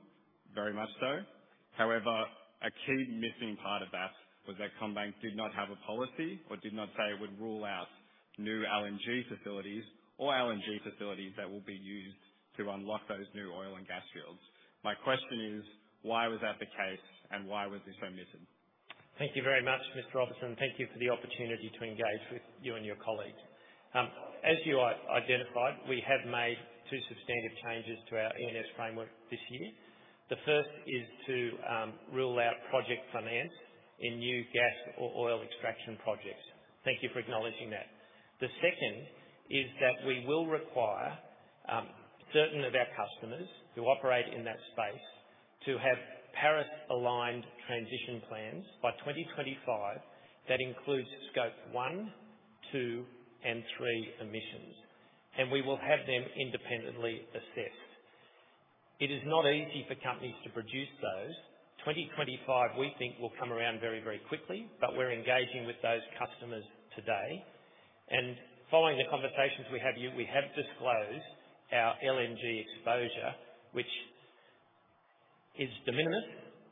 very much so. However, a key missing part of that was that CommBank did not have a policy or did not say it would rule out new LNG facilities or LNG facilities that will be used to unlock those new oil and gas fields. My question is, why was that the case, and why was this omitted? Thank you very much, Mr. Robertson. Thank you for the opportunity to engage with you and your colleagues. As you identified, we have made two substantive changes to our E&S Framework this year. The first is to rule out project finance in new gas or oil extraction projects. Thank you for acknowledging that. The second is that we will require certain of our customers who operate in that space to have Paris-aligned transition plans by 2025. That includes Scope 1, 2, and 3 emissions, and we will have them independently assessed. It is not easy for companies to produce those. 2025, we think, will come around very, very quickly, but we're engaging with those customers today. And following the conversations we have, we have disclosed our LNG exposure, which is de minimis,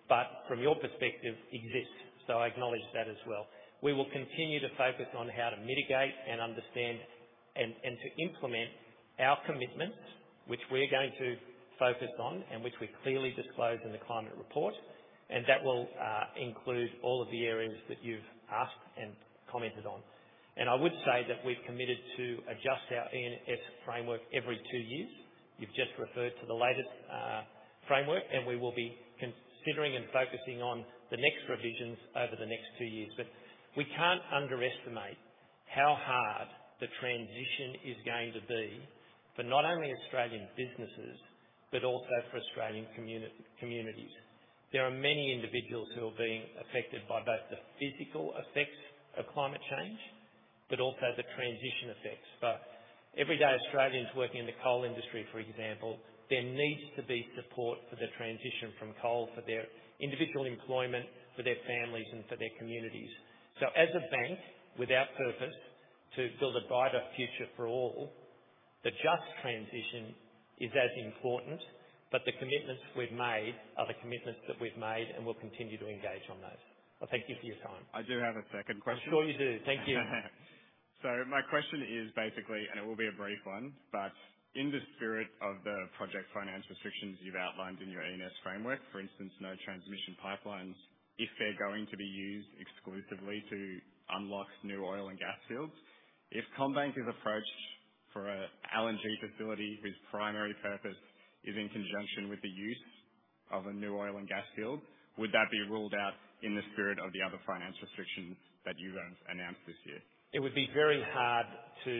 but from your perspective, exists. So I acknowledge that as well. We will continue to focus on how to mitigate and understand and to implement our commitments, which we're going to focus on and which we clearly disclose in the Climate Report. That will include all of the areas that you've asked and commented on. I would say that we've committed to adjust our E&S Framework every two years. You've just referred to the latest framework, and we will be considering and focusing on the next revisions over the next two years. We can't underestimate how hard the transition is going to be for not only Australian businesses, but also for Australian communities. There are many individuals who are being affected by both the physical effects of climate change, but also the transition effects. For everyday Australians working in the coal industry, for example, there needs to be support for the transition from coal, for their individual employment, for their families, and for their communities. So as a bank, with our purpose to build a brighter future for all, the just transition is as important, but the commitments we've made are the commitments that we've made, and we'll continue to engage on those. Well, thank you for your time. I do have a second question. I'm sure you do. Thank you. So my question is basically, and it will be a brief one, but in the spirit of the project finance restrictions you've outlined in your E&S Framework, for instance, no transmission pipelines, if they're going to be used exclusively to unlock new oil and gas fields, if CommBank is approached for a LNG facility whose primary purpose is in conjunction with the use of a new oil and gas field, would that be ruled out in the spirit of the other finance restrictions that you've announced this year? It would be very hard to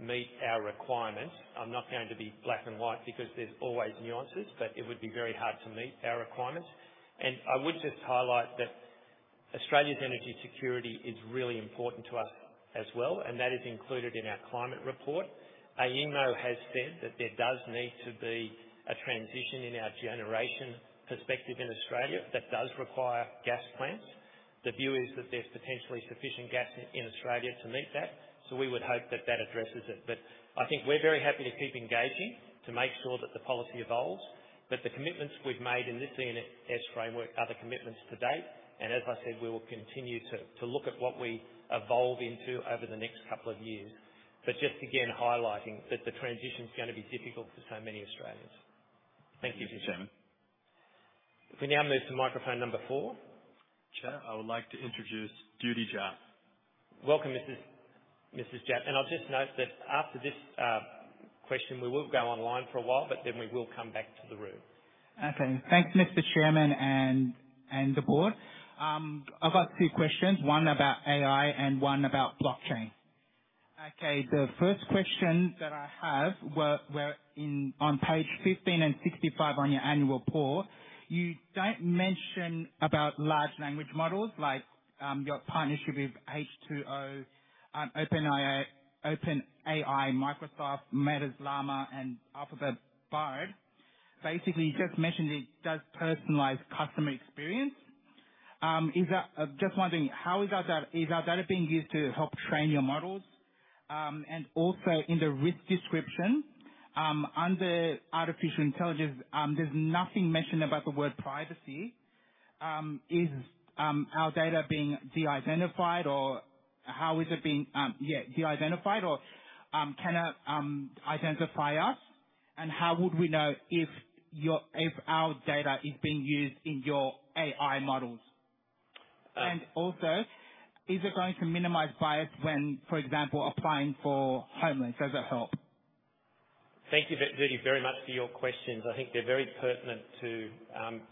meet our requirements. I'm not going to be black and white because there's always nuances, but it would be very hard to meet our requirements. I would just highlight that Australia's energy security is really important to us as well, and that is included in our Climate Report. AEMO has said that there does need to be a transition in our generation perspective in Australia that does require gas plants. The view is that there's potentially sufficient gas in Australia to meet that, so we would hope that that addresses it. I think we're very happy to keep engaging to make sure that the policy evolves. The commitments we've made in this E&S Framework are the commitments to date, and as I said, we will continue to look at what we evolve into over the next couple of years. Just again, highlighting that the transition is going to be difficult for so many Australians. Thank you, Mr. Chairman. We now move to microphone number four. Chair, I would like to introduce Judy Japp. Welcome, Mrs. Japp, and I'll just note that after this question, we will go online for a while, but then we will come back to the room. Okay. Thanks, Mr. Chairman and the board. I've got two questions, one about AI and one about blockchain. Okay, the first question that I have, on page 15 and 65 on your annual report, you don't mention about large language models like your partnership with H2O, OpenAI, Microsoft, Meta's Llama, and Alphabet Bard. Basically, you just mentioned it does personalized customer experience. Is that just wondering, how is our data being used to help train your models? And also in the risk description, under artificial intelligence, there's nothing mentioned about the word privacy. Is our data being de-identified or how is it being de-identified or can it identify us? And how would we know if our data is being used in your AI models? Also, is it going to minimize bias when, for example, applying for home loans, does that help? Thank you very, very much for your questions. I think they're very pertinent to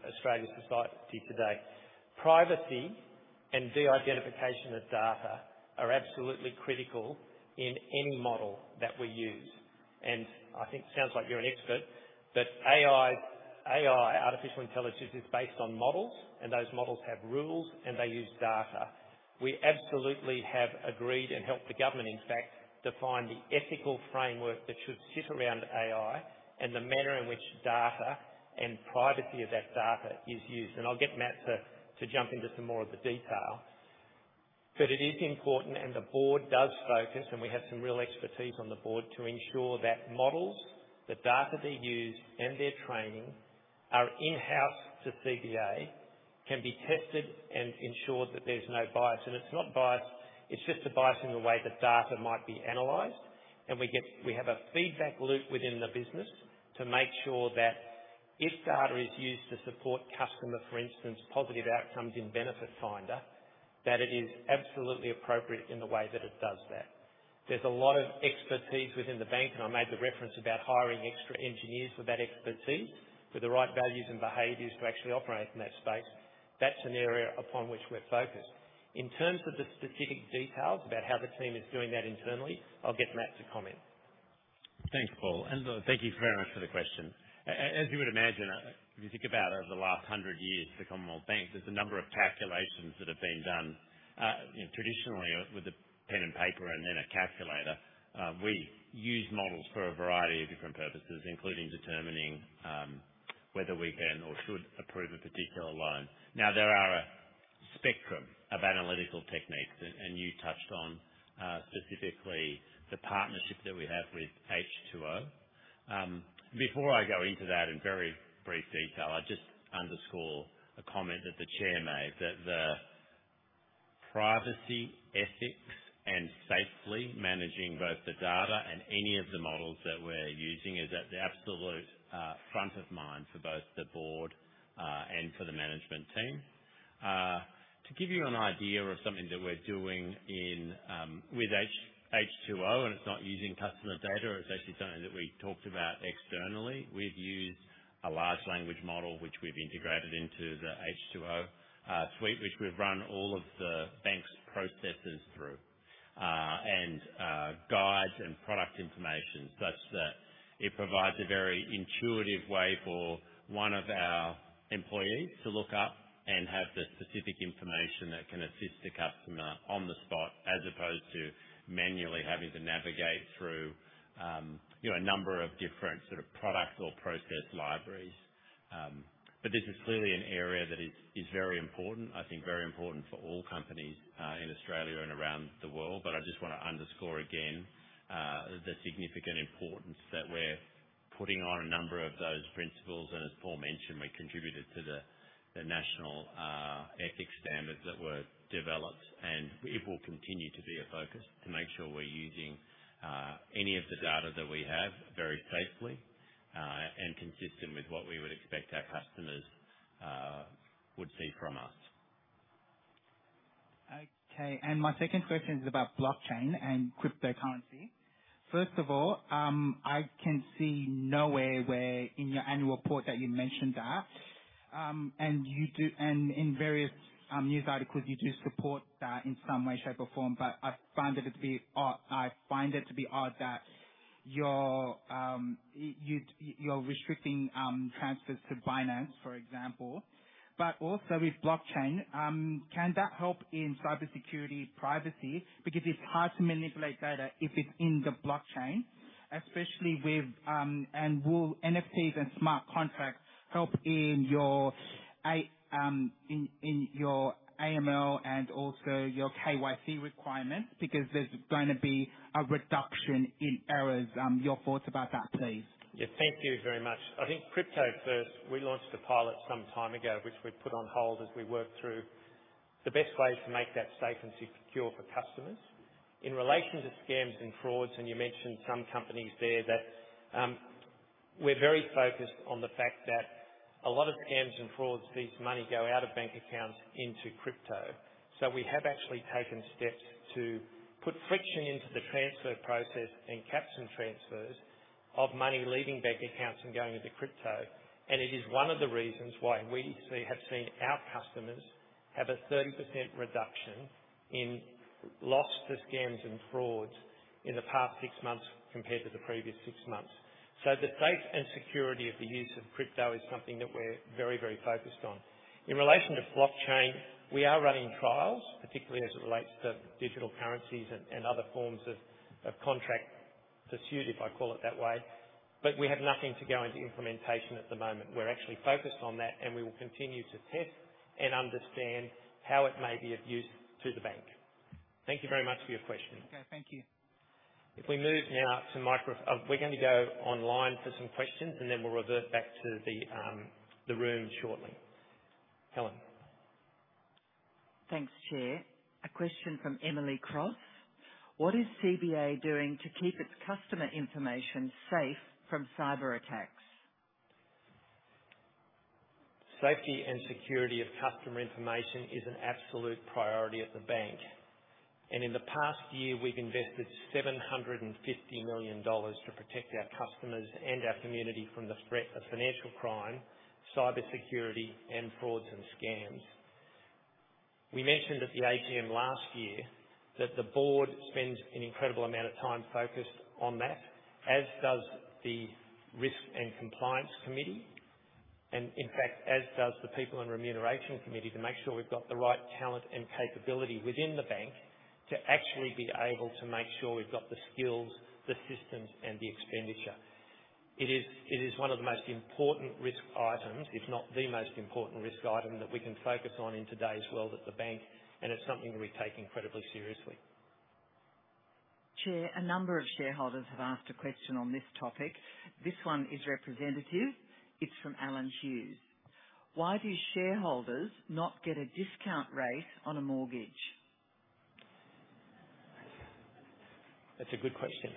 Australian society today. Privacy and de-identification of data are absolutely critical in any model that we use, and I think it sounds like you're an expert, but AI, AI, artificial intelligence, is based on models, and those models have rules, and they use data. We absolutely have agreed, and helped the government, in fact, define the ethical framework that should sit around AI and the manner in which data and privacy of that data is used, and I'll get Matt to jump into some more of the detail. But it is important, and the board does focus, and we have some real expertise on the board to ensure that models, the data they use, and their training are in-house to CBA, can be tested and ensured that there's no bias. It's not bias, it's just a bias in the way the data might be analyzed. We get... We have a feedback loop within the business to make sure that if data is used to support customer, for instance, positive outcomes in Benefits Finder, that it is absolutely appropriate in the way that it does that. There's a lot of expertise within the bank, and I made the reference about hiring extra engineers with that expertise, with the right values and behaviors to actually operate in that space. That's an area upon which we're focused. In terms of the specific details about how the team is doing that internally, I'll get Matt to comment. Thanks, Paul, and thank you very much for the question. As you would imagine, if you think about over the last hundred years, the Commonwealth Bank, there's a number of calculations that have been done, you know, traditionally with a pen and paper and then a calculator. We use models for a variety of different purposes, including determining whether we can or should approve a particular loan. Now, there are a spectrum of analytical techniques, and you touched on specifically the partnership that we have with H2O. Before I go into that in very brief detail, I just underscore a comment that the chair made, that the privacy, ethics, and safely managing both the data and any of the models that we're using is at the absolute front of mind for both the board and for the management team. To give you an idea of something that we're doing in with H2O, and it's not using customer data, it's actually something that we talked about externally. We've used a large language model, which we've integrated into the H2O suite, which we've run all of the bank's processes through, and guides and product information, such that it provides a very intuitive way for one of our employees to look up and have the specific information that can assist the customer on the spot, as opposed to manually having to navigate through, you know, a number of different sort of product or process libraries. But this is clearly an area that is very important, I think very important for all companies in Australia and around the world. But I just want to underscore again, the significant importance that we're putting on a number of those principles. And as Paul mentioned, we contributed to the national ethics standards that were developed, and it will continue to be a focus to make sure we're using any of the data that we have very safely, and consistent with what we would expect our customers would see from us. Okay, and my second question is about blockchain and cryptocurrency. First of all, I can see nowhere where in your annual report that you mentioned that, and you do... And in various news articles, you do support that in some way, shape, or form. But I find it to be odd, I find it to be odd that you're restricting transfers to Binance, for example. But also with blockchain, can that help in cybersecurity privacy? Because it's hard to manipulate data if it's in the blockchain, especially with, and will NFTs and smart contracts help in your AML and also your KYC requirements? Because there's going to be a reduction in errors. Your thoughts about that, please. Yeah, thank you very much. I think crypto first, we launched a pilot some time ago, which we put on hold as we worked through the best ways to make that safe and secure for customers. In relation to scams and frauds, and you mentioned some companies there that, we're very focused on the fact that a lot of scams and frauds, these money go out of bank accounts into crypto. So we have actually taken steps to put friction into the transfer process and cap some transfers of money leaving bank accounts and going into crypto. And it is one of the reasons why we see, have seen our customers have a 30% reduction in loss to scams and frauds in the past six months compared to the previous six months. So the safety and security of the use of crypto is something that we're very, very focused on. In relation to blockchain, we are running trials, particularly as it relates to digital currencies and other forms of smart contracts, if I put it that way, but we have nothing to go into implementation at the moment. We're actually focused on that, and we will continue to test and understand how it may be of use to the bank. Thank you very much for your question. Okay. Thank you. If we move now, we're gonna go online for some questions, and then we'll revert back to the room shortly. Helen? Thanks, Chair. A question from Emily Cross: What is CBA doing to keep its customer information safe from cyber attacks? Safety and security of customer information is an absolute priority at the bank, and in the past year, we've invested 750 million dollars to protect our customers and our community from the threat of financial crime, cyber security, and frauds and scams. We mentioned at the AGM last year that the board spends an incredible amount of time focused on that, as does the Risk and Compliance Committee, and in fact, as does the People and Remuneration Committee, to make sure we've got the right talent and capability within the bank to actually be able to make sure we've got the skills, the systems, and the expenditure. It is, it is one of the most important risk items, if not the most important risk item, that we can focus on in today's world at the bank, and it's something that we take incredibly seriously. Chair, a number of shareholders have asked a question on this topic. This one is representative. It's from Alan Hughes: Why do shareholders not get a discount rate on a mortgage? That's a good question.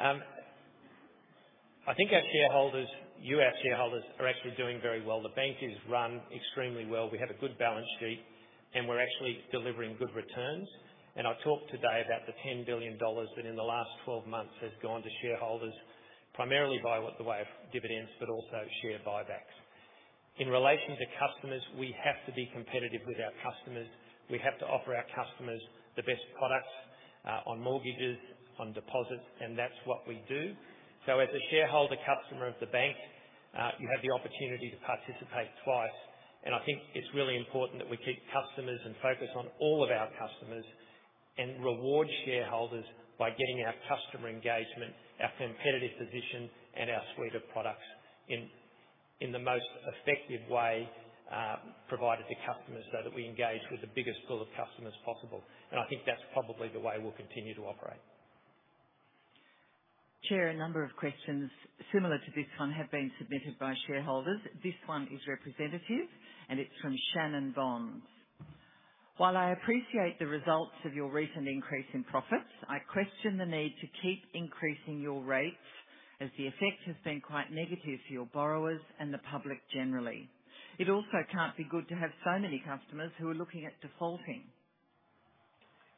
I think our shareholders, you, our shareholders, are actually doing very well. The bank is run extremely well. We have a good balance sheet, and we're actually delivering good returns. And I talked today about the 10 billion dollars that in the last 12 months has gone to shareholders, primarily by the way of dividends, but also share buybacks. In relation to customers, we have to be competitive with our customers. We have to offer our customers the best products, on mortgages, on deposits, and that's what we do. So as a shareholder customer of the bank, you have the opportunity to participate twice, and I think it's really important that we keep customers and focus on all of our customers and reward shareholders by getting our customer engagement, our competitive position, and our suite of products in the most effective way, provided to customers, so that we engage with the biggest pool of customers possible. And I think that's probably the way we'll continue to operate. Chair, a number of questions similar to this one have been submitted by shareholders. This one is representative, and it's from Shannon Bonds: While I appreciate the results of your recent increase in profits, I question the need to keep increasing your rates, as the effect has been quite negative for your borrowers and the public generally. It also can't be good to have so many customers who are looking at defaulting.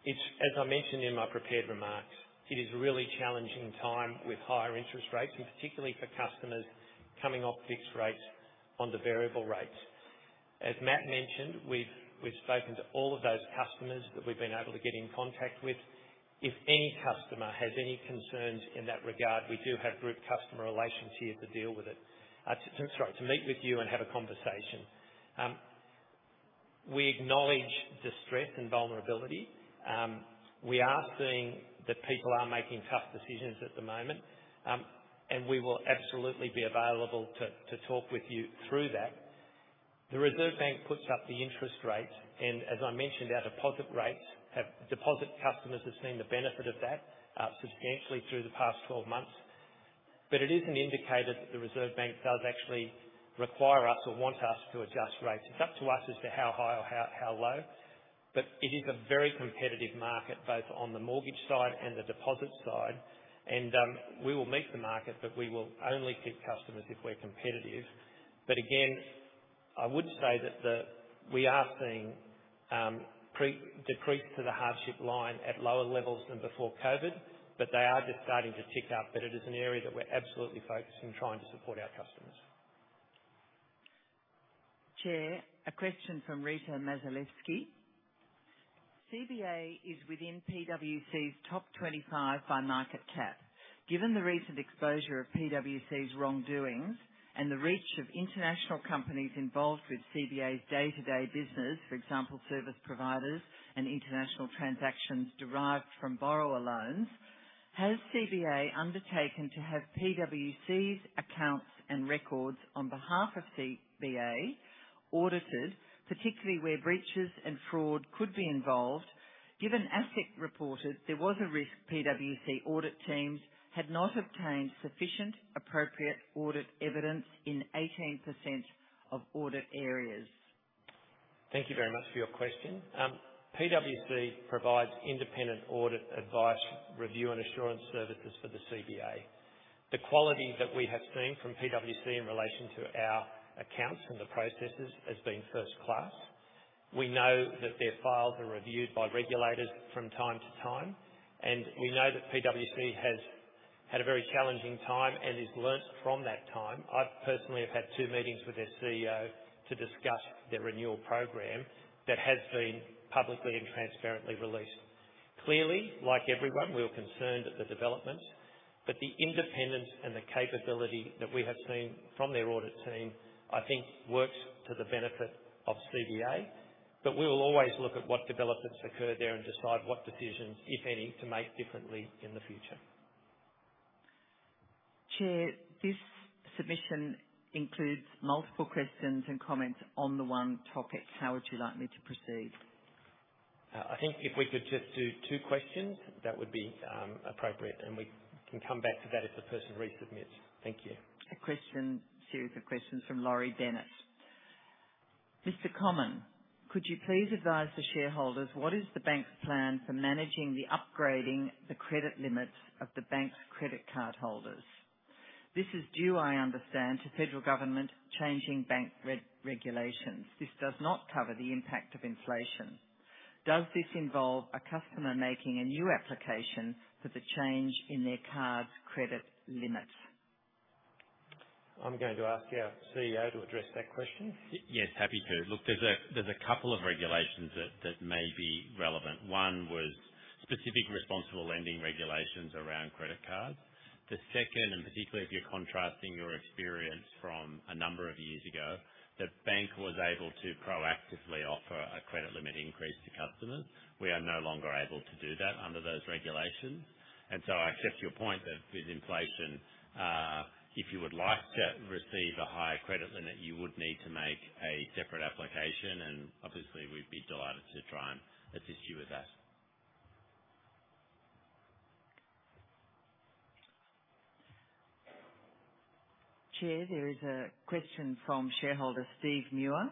As I mentioned in my prepared remarks, it is a really challenging time with higher interest rates and particularly for customers coming off fixed rates onto variable rates. As Matt mentioned, we've spoken to all of those customers that we've been able to get in contact with. If any customer has any concerns in that regard, we do have Group Customer Relations here to deal with it. Sorry, to meet with you and have a conversation. We acknowledge distress and vulnerability. We are seeing that people are making tough decisions at the moment, and we will absolutely be available to talk with you through that. The Reserve Bank puts up the interest rates, and as I mentioned, our deposit rates have. Deposit customers have seen the benefit of that substantially through the past 12 months. But it is an indicator that the Reserve Bank does actually require us or want us to adjust rates. It's up to us as to how high or how, how low, but it is a very competitive market, both on the mortgage side and the deposit side. We will meet the market, but we will only keep customers if we're competitive. But again, I would say that the... We are seeing pre-declines to the hardship line at lower levels than before COVID, but they are just starting to tick up, but it is an area that we're absolutely focused on trying to support our customers. Chair, a question from Rita Mazalevskis: CBA is within PwC's top 25 by market cap. Given the recent exposure of PwC's wrongdoings and the reach of international companies involved with CBA's day-to-day business, for example, service providers and international transactions derived from borrower loans, has CBA undertaken to have PwC's accounts and records on behalf of CBA audited, particularly where breaches and fraud could be involved, given ASIC reported there was a risk PwC audit teams had not obtained sufficient appropriate audit evidence in 18% of audit areas? Thank you very much for your question. PwC provides independent audit advice, review, and assurance services for the CBA. The quality that we have seen from PwC in relation to our accounts and the processes has been first class. We know that their files are reviewed by regulators from time to time, and we know that PwC has had a very challenging time and has learned from that time. I personally have had two meetings with their CEO to discuss their renewal program that has been publicly and transparently released. Clearly, like everyone, we were concerned at the development, but the independence and the capability that we have seen from their audit team, I think, works to the benefit of CBA. But we will always look at what developments occur there and decide what decisions, if any, to make differently in the future. Chair, this submission includes multiple questions and comments on the one topic. How would you like me to proceed? I think if we could just do two questions, that would be appropriate, and we can come back to that if the person resubmits. Thank you. A question, series of questions from Laurie Dennis. Mr. Comyn, could you please advise the shareholders what is the bank's plan for managing the upgrading the credit limits of the bank's credit card holders? This is due, I understand, to federal government changing bank regulations. This does not cover the impact of inflation. Does this involve a customer making a new application for the change in their card's credit limits? I'm going to ask our CEO to address that question. Yes, happy to. Look, there's a couple of regulations that may be relevant. One was specific responsible lending regulations around credit cards. The second, and particularly if you're contrasting your experience from a number of years ago, the bank was able to proactively offer a credit limit increase to customers. We are no longer able to do that under those regulations. And so I accept your point that with inflation, if you would like to receive a higher credit limit, you would need to make a separate application, and obviously, we'd be delighted to try and assist you with that. Chair, there is a question from shareholder Steve Muir.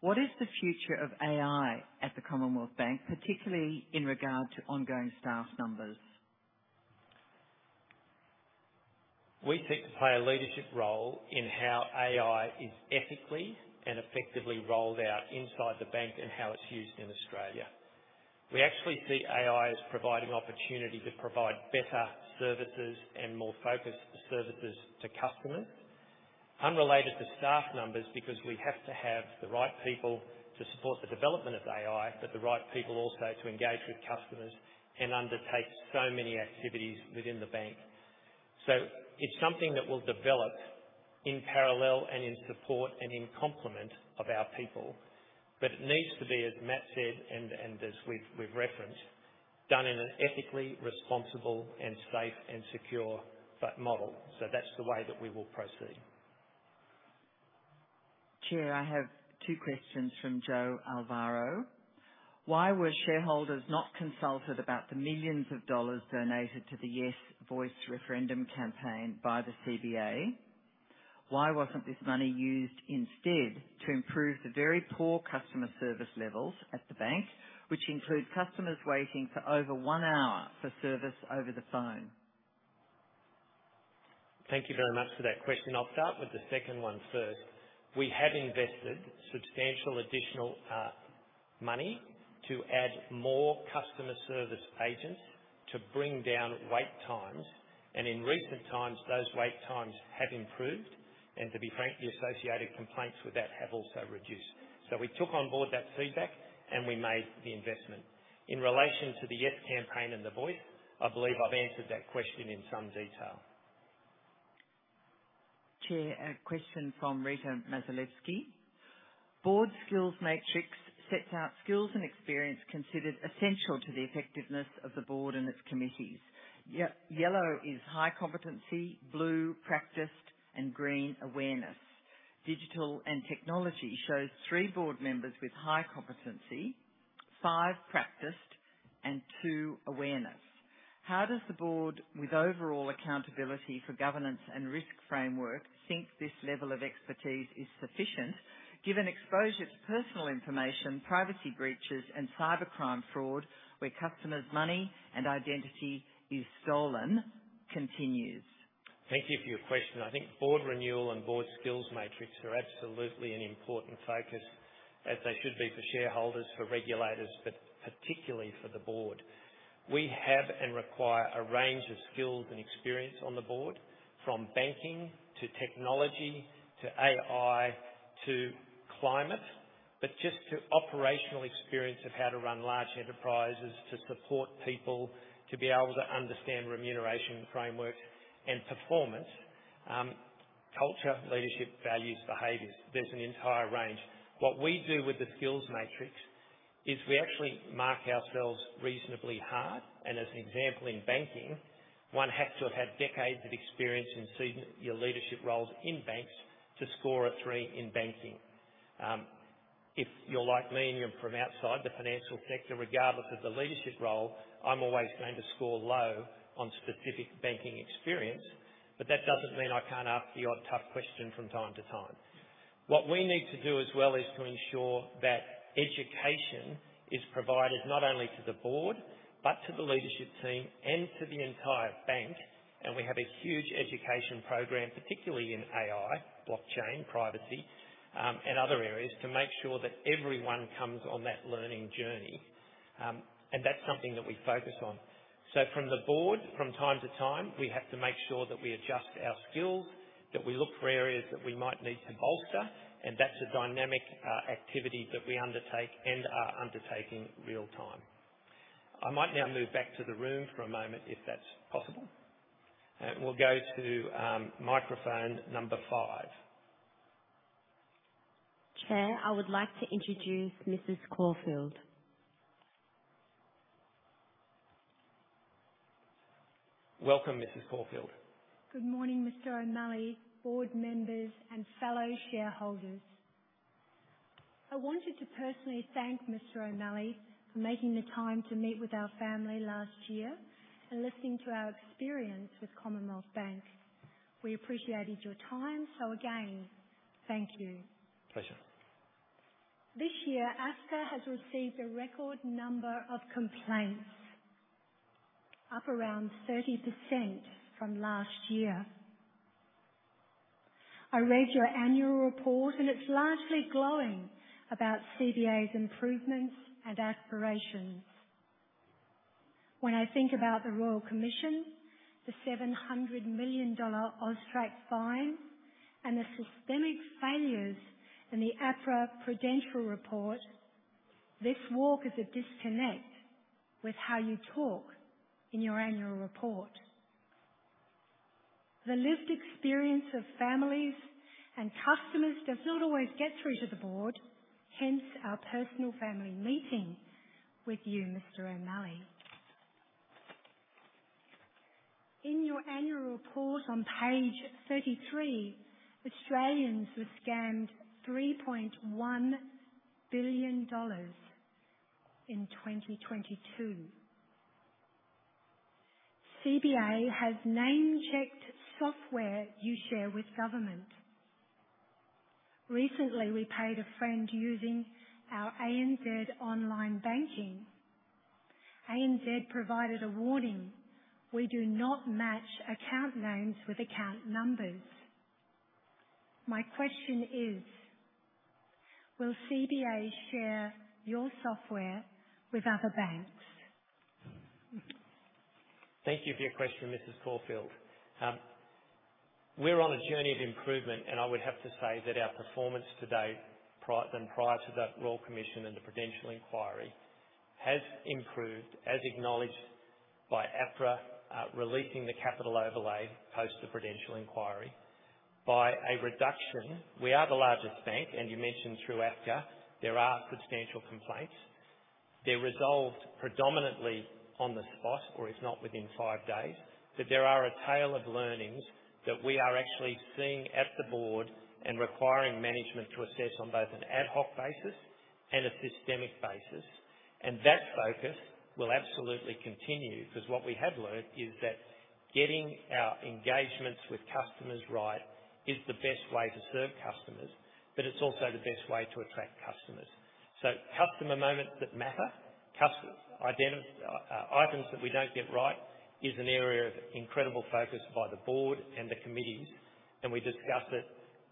What is the future of AI at the Commonwealth Bank, particularly in regard to ongoing staff numbers? We seek to play a leadership role in how AI is ethically and effectively rolled out inside the bank and how it's used in Australia. We actually see AI as providing opportunity to provide better services and more focused services to customers, unrelated to staff numbers, because we have to have the right people to support the development of AI, but the right people also to engage with customers and undertake so many activities within the bank. So it's something that will develop in parallel and in support and in complement of our people, but it needs to be, as Matt said, and as we've referenced, done in an ethically responsible and safe and secure model. So that's the way that we will proceed. Chair, I have two questions from Joe Alvaro. Why were shareholders not consulted about the millions dollars donated to the Yes Voice referendum campaign by the CBA? Why wasn't this money used instead to improve the very poor customer service levels at the bank, which include customers waiting for over one hour for service over the phone? Thank you very much for that question. I'll start with the second one first. We have invested substantial additional money to add more Customer Service Agents to bring down wait times, and in recent times, those wait times have improved, and to be frank, the associated complaints with that have also reduced. So we took on board that feedback, and we made the investment. In relation to the Yes campaign and the Voice, I believe I've answered that question in some detail. Chair, a question from Rita Mazalevskis. Board skills matrix sets out skills and experience considered essential to the effectiveness of the board and its committees. Yello is high competency, blue practiced, and green awareness. Digital and technology shows three board members with high competency, five practiced, and two awareness. How does the board, with overall accountability for governance and risk framework, think this level of expertise is sufficient given exposure to personal information, privacy breaches, and cybercrime fraud, where customers' money and identity is stolen, continues? Thank you for your question. I think board renewal and board skills matrix are absolutely an important focus, as they should be for shareholders, for regulators, but particularly for the board. We have and require a range of skills and experience on the board, from banking to technology, to AI, to climate, but just to operational experience of how to run large enterprises, to support people, to be able to understand remuneration framework and performance, culture, leadership, values, behaviors. There's an entire range. What we do with the skills matrix is we actually mark ourselves reasonably hard, and as an example, in banking, one has to have had decades of experience in senior leadership roles in banks to score a three in banking. If you're like me and you're from outside the financial sector, regardless of the leadership role, I'm always going to score low on specific banking experience, but that doesn't mean I can't ask the odd tough question from time to time. What we need to do as well is to ensure that education is provided not only to the board, but to the leadership team and to the entire bank. We have a huge education program, particularly in AI, blockchain, privacy, and other areas, to make sure that everyone comes on that learning journey. And that's something that we focus on. So from the board, from time to time, we have to make sure that we adjust our skills, that we look for areas that we might need to bolster, and that's a dynamic activity that we undertake and are undertaking real time. I might now move back to the room for a moment, if that's possible. We'll go to microphone number five. Chair, I would like to introduce Mrs. Caulfield. Welcome, Mrs. Caulfield. Good morning, Mr. O'Malley, board members, and fellow shareholders. I wanted to personally thank Mr. O'Malley for making the time to meet with our family last year and listening to our experience with Commonwealth Bank. We appreciated your time, so again, thank you. Pleasure. This year, AFCA has received a record number of complaints, up around 30% from last year. I read your annual report, and it's largely glowing about CBA's improvements and aspirations. When I think about the Royal Commission, the 700 million dollar AUSTRAC fine, and the systemic failures in the APRA Prudential report, this talk is a disconnect with how you talk in your annual report. The lived experience of families and customers does not always get through to the board, hence our personal family meeting with you, Mr. O'Malley. In your annual report on page 33, Australians were scammed 3.1 billion dollars in 2022. CBA has NameCheck software you share with government. Recently, we paid a friend using our ANZ online banking. ANZ provided a warning: "We do not match account names with account numbers." My question is, will CBA share your software with other banks? Thank you for your question, Mrs. Caulfield. We're on a journey of improvement, and I would have to say that our performance today, better than prior to that Royal Commission and the Prudential Inquiry, has improved, as acknowledged by APRA, releasing the capital overlay post the Prudential Inquiry. By a reduction, we are the largest bank, and you mentioned through AFCA, there are substantial complaints. They're resolved predominantly on the spot, or if not, within five days. But there are a tail of learnings that we are actually seeing at the board and requiring management to assess on both an ad hoc basis and a systemic basis. And that focus will absolutely continue, because what we have learned is that getting our engagements with customers right is the best way to serve customers, but it's also the best way to attract customers. So customer moments that matter, customer identity items that we don't get right, is an area of incredible focus by the board and the committees, and we discuss it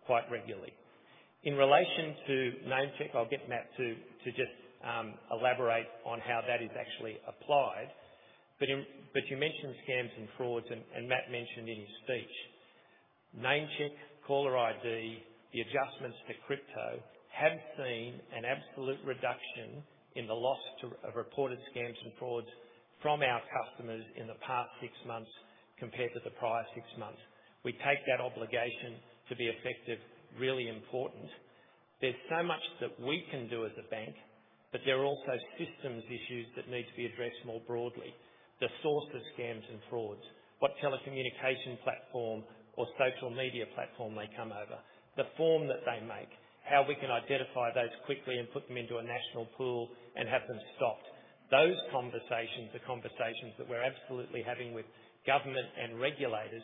quite regularly. In relation to NameCheck, I'll get Matt to just elaborate on how that is actually applied. But you mentioned scams and frauds, and Matt mentioned in his speech, NameCheck, CallerCheck, the adjustments to crypto have seen an absolute reduction in the loss of reported scams and frauds from our customers in the past six months compared to the prior six months. We take that obligation to be effective really important. There's so much that we can do as a bank, but there are also systems issues that need to be addressed more broadly. The source of scams and frauds, what telecommunication platform or social media platform they come over, the form that they make, how we can identify those quickly and put them into a national pool and have them stopped. Those conversations are conversations that we're absolutely having with government and regulators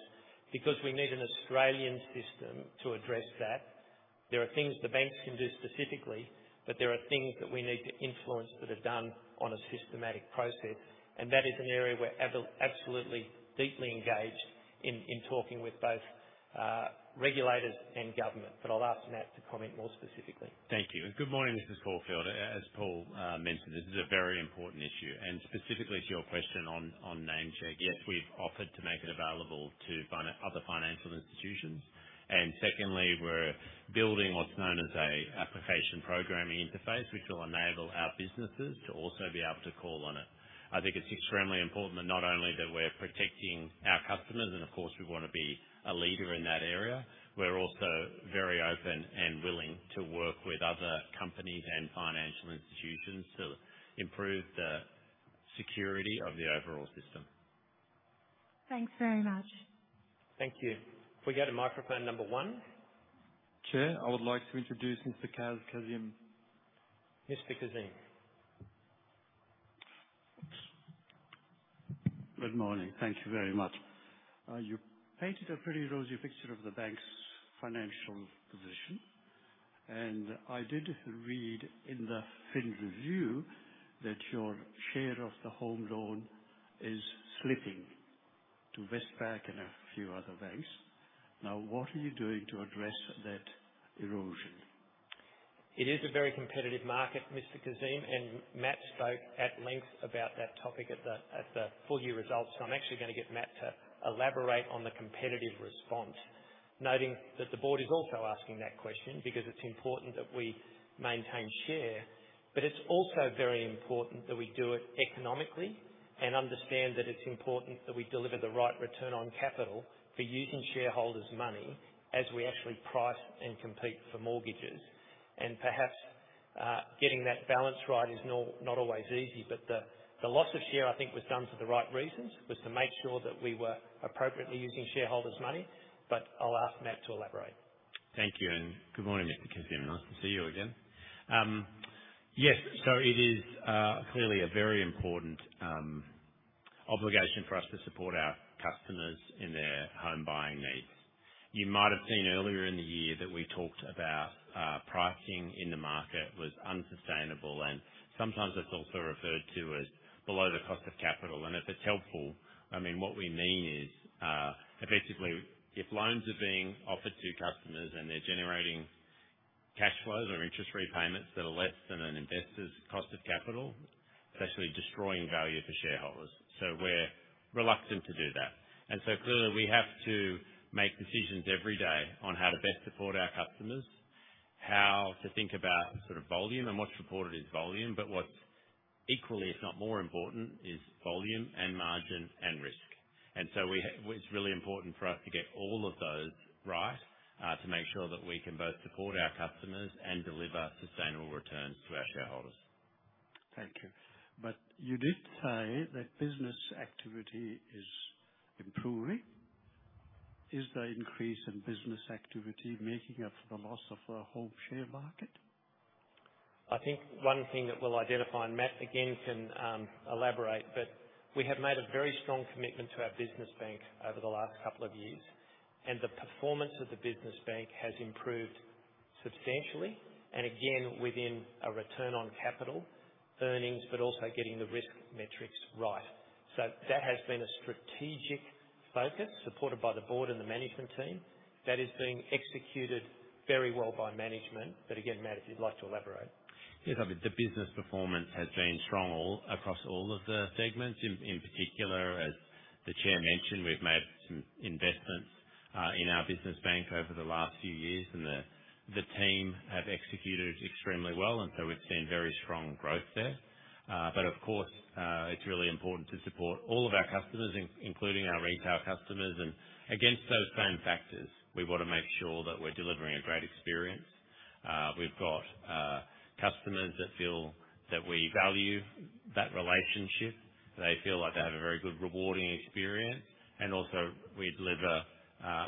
because we need an Australian system to address that. There are things the banks can do specifically, but there are things that we need to influence that are done on a systematic process, and that is an area we're absolutely, deeply engaged in, in talking with both, regulators and government. But I'll ask Matt to comment more specifically. Thank you, and good morning, Mrs. Caulfield. As Paul mentioned, this is a very important issue, and specifically to your question on NameCheck, yes, we've offered to make it available to other financial institutions. And secondly, we're building what's known as an application programming interface, which will enable our businesses to also be able to call on it. I think it's extremely important that not only that we're protecting our customers, and of course, we want to be a leader in that area, we're also very open and willing to work with other companies and financial institutions to improve the security of the overall system. Thanks very much. Thank you. Can we go to microphone number one? Chair, I would like to introduce Mr. Kaz Kazim. Mr. Kazim. Good morning. Thank you very much. You painted a pretty rosy picture of the bank's financial position, and I did read in the Fin Review that your share of the home loan is slipping to Westpac and a few other banks. Now, what are you doing to address that erosion? It is a very competitive market, Mr. Kazim, and Matt spoke at length about that topic at the full year results. So I'm actually going to get Matt to elaborate on the competitive response, noting that the board is also asking that question because it's important that we maintain share. But it's also very important that we do it economically and understand that it's important that we deliver the right return on capital for using shareholders' money as we actually price and compete for mortgages. And perhaps getting that balance right is not always easy, but the loss of share, I think, was done for the right reasons. Was to make sure that we were appropriately using shareholders' money. But I'll ask Matt to elaborate. Thank you, and good morning, Kaz. Nice to see you again. Yes, so it is clearly a very important obligation for us to support our customers in their home buying needs. You might have seen earlier in the year that we talked about pricing in the market was unsustainable, and sometimes that's also referred to as below the cost of capital. And if it's helpful, I mean, what we mean is effectively, if loans are being offered to customers and they're generating cash flows or interest repayments that are less than an investor's cost of capital, that's really destroying value for shareholders. So we're reluctant to do that. And so clearly, we have to make decisions every day on how to best support our customers, how to think about sort of volume, and what's reported is volume. But what's equally, if not more important, is volume and margin and risk. And so we well, it's really important for us to get all of those right, to make sure that we can both support our customers and deliver sustainable returns to our shareholders. Thank you. But you did say that business activity is improving. Is the increase in business activity making up for the loss of the home share market? I think one thing that we'll identify, and Matt again can elaborate, but we have made a very strong commitment to our business bank over the last couple of years, and the performance of the business bank has improved substantially, and again, within a return on capital, earnings, but also getting the risk metrics right. So that has been a strategic focus, supported by the board and the management team, that is being executed very well by management. But again, Matt, if you'd like to elaborate. Yes, I mean, the business performance has been strong all across all of the segments. In particular, as the chair mentioned, we've made some investments in our business bank over the last few years, and the team have executed extremely well, and so we've seen very strong growth there. But of course, it's really important to support all of our customers, including our retail customers. And against those same factors, we want to make sure that we're delivering a great experience. We've got customers that feel that we value that relationship. They feel like they have a very good, rewarding experience, and also we deliver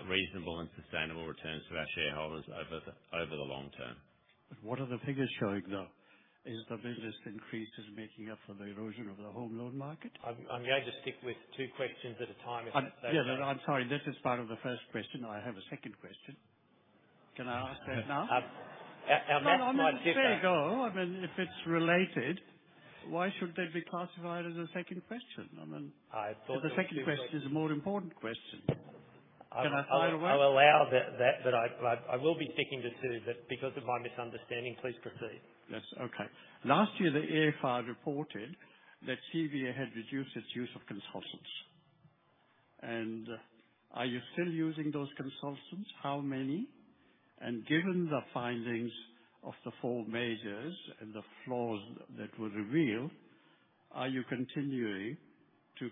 reasonable and sustainable returns to our shareholders over the long term. What are the figures showing, though? Is the business increases making up for the erosion of the home loan market? I'm going to stick with two questions at a time, if that's okay? Yeah, but I'm sorry, this is part of the first question. I have a second question. Can I ask that now? Matt might differ. No, I mean, there you go. I mean, if it's related, why shouldn't it be classified as a second question? I mean... I thought the two- The second question is a more important question. Can I fire away? I'll allow that, but I will be sticking to two, but because of my misunderstanding, please proceed. Yes, okay. Last year, the AFR reported that CBA had reduced its use of consultants. And, are you still using those consultants? How many? And given the findings of the four majors and the flaws that were revealed, are you continuing to...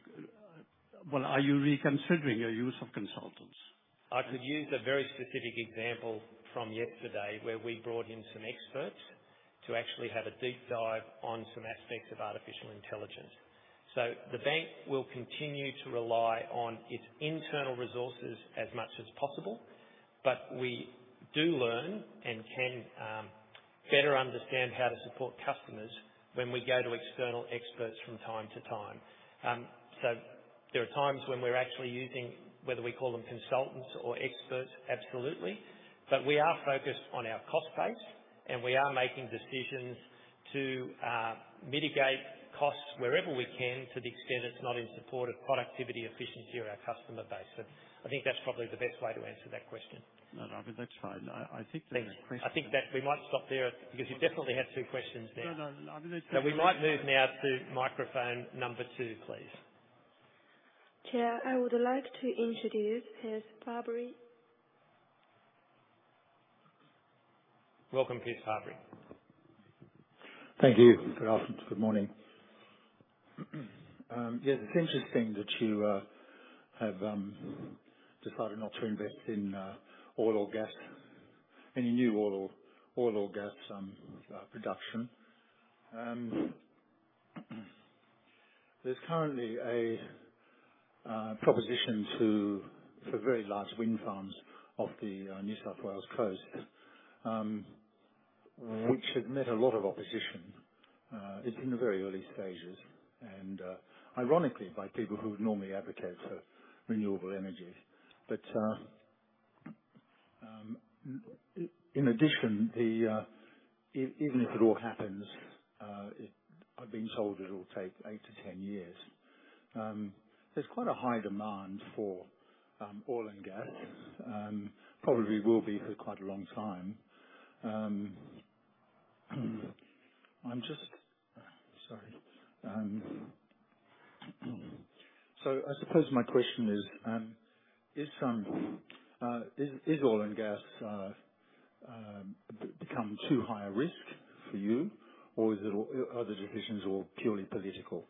Well, are you reconsidering your use of consultants? I could use a very specific example from yesterday, where we brought in some experts to actually have a deep dive on some aspects of artificial intelligence. The bank will continue to rely on its internal resources as much as possible, but we do learn and can better understand how to support customers when we go to external experts from time to time. There are times when we're actually using, whether we call them consultants or experts, absolutely, but we are focused on our cost base, and we are making decisions to mitigate costs wherever we can, to the extent it's not in support of productivity, efficiency, or our customer base. I think that's probably the best way to answer that question. No, no, but that's fine. I think the question- I think that we might stop there because you definitely had two questions there. No, no, I did- We might move now to microphone number 2, please. Chair, I would like to introduce Piers Barbrie. Welcome, Piers Barbrie. Thank you. Good afternoon. Good morning. Yeah, it's interesting that you have decided not to invest in oil or gas, any new oil or gas production. There's currently a proposition for very large wind farms off the New South Wales coast, which has met a lot of opposition. It's in the very early stages and, ironically, by people who would normally advocate for renewable energy. But in addition, even if it all happens, I've been told it'll take 8-10 years. There's quite a high demand for oil and gas, probably will be for quite a long time. I'm just... Sorry. So I suppose my question is, is oil and gas become too high a risk for you, or is it all, are the decisions all purely political?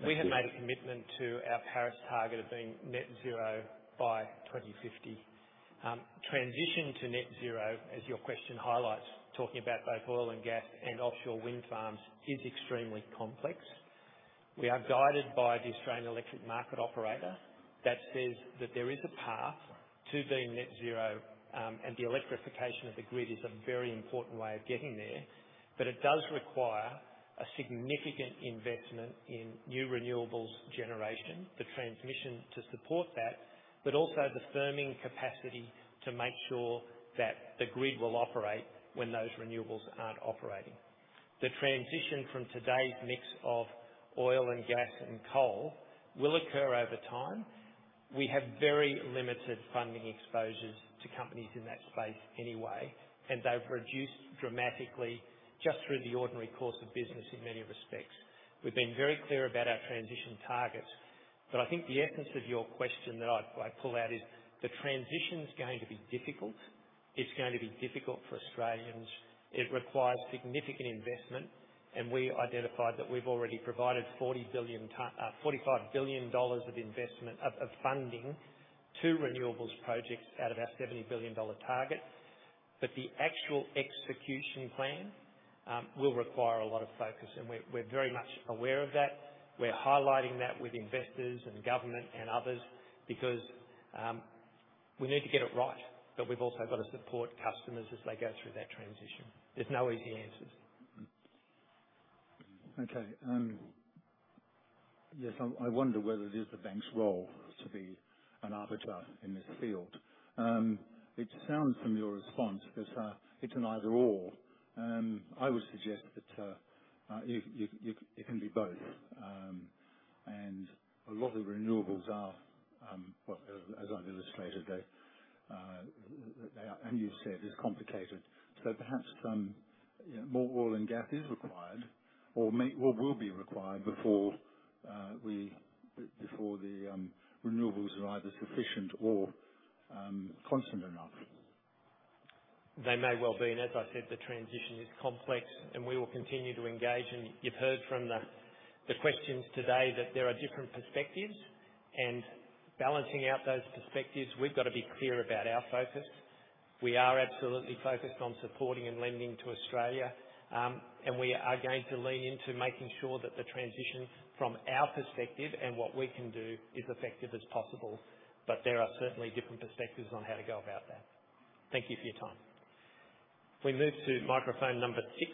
We have made a commitment to our Paris target of being net zero by 2050. Transition to net zero, as your question highlights, talking about both oil and gas and offshore wind farms, is extremely complex. We are guided by the Australian Energy Market Operator that says that there is a path to being net zero, and the electrification of the grid is a very important way of getting there. But it does require a significant investment in new renewables generation, the transmission to support that, but also the firming capacity to make sure that the grid will operate when those renewables aren't operating. The transition from today's mix of oil and gas and coal will occur over time. We have very limited funding exposures to companies in that space anyway, and they've reduced dramatically just through the ordinary course of business in many respects. We've been very clear about our transition targets, but I think the essence of your question that I, I pull out is, the transition's going to be difficult. It's going to be difficult for Australians. It requires significant investment, and we identified that we've already provided 45 billion dollars of investment, of, of funding to renewables projects out of our 70 billion dollar target. But the actual execution plan will require a lot of focus, and we're, we're very much aware of that. We're highlighting that with investors and government and others because, we need to get it right, but we've also got to support customers as they go through that transition. There's no easy answers. Okay, yes, I wonder whether it is the bank's role to be an arbiter in this field. It sounds from your response as it's an either/or. I would suggest that it can be both. And a lot of renewables are, well, as I've illustrated, they, they are. And you've said it's complicated, so perhaps some, you know, more oil and gas is required or may or will be required before we before the renewables are either sufficient or constant enough. They may well be, and as I said, the transition is complex, and we will continue to engage. And you've heard from the, the questions today that there are different perspectives, and balancing out those perspectives, we've got to be clear about our focus. We are absolutely focused on supporting and lending to Australia, and we are going to lean into making sure that the transition from our perspective and what we can do is effective as possible. But there are certainly different perspectives on how to go about that. Thank you for your time. We move to microphone number six.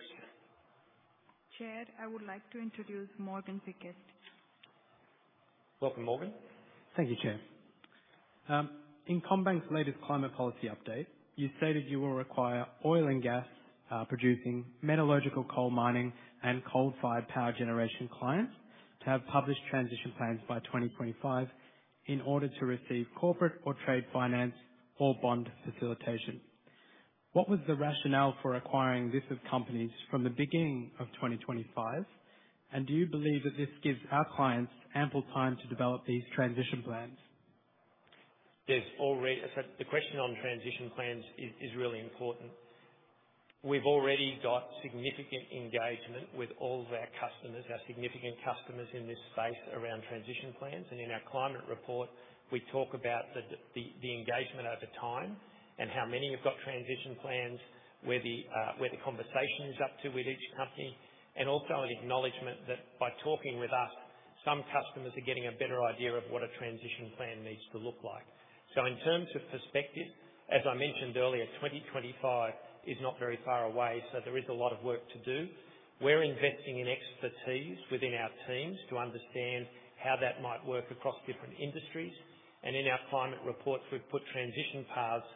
Chair, I would like to introduce Morgan Pickett. Welcome, Morgan. Thank you, Chair. In CommBank's latest climate policy update, you stated you will require oil and gas producing metallurgical coal mining and coal-fired power generation clients to have published transition plans by 2025 in order to receive corporate or trade finance or bond facilitation. What was the rationale for acquiring this of companies from the beginning of 2025? And do you believe that this gives our clients ample time to develop these transition plans? There's already. So the question on transition plans is really important. We've already got significant engagement with all of our customers, our significant customers in this space around transition plans. And in our Climate Report, we talk about the engagement over time and how many have got transition plans, where the conversation is up to with each company, and also an acknowledgement that by talking with us, some customers are getting a better idea of what a transition plan needs to look like. So in terms of perspective, as I mentioned earlier, 2025 is not very far away, so there is a lot of work to do. We're investing in expertise within our teams to understand how that might work across different industries. And in our Climate Reports, we've put transition paths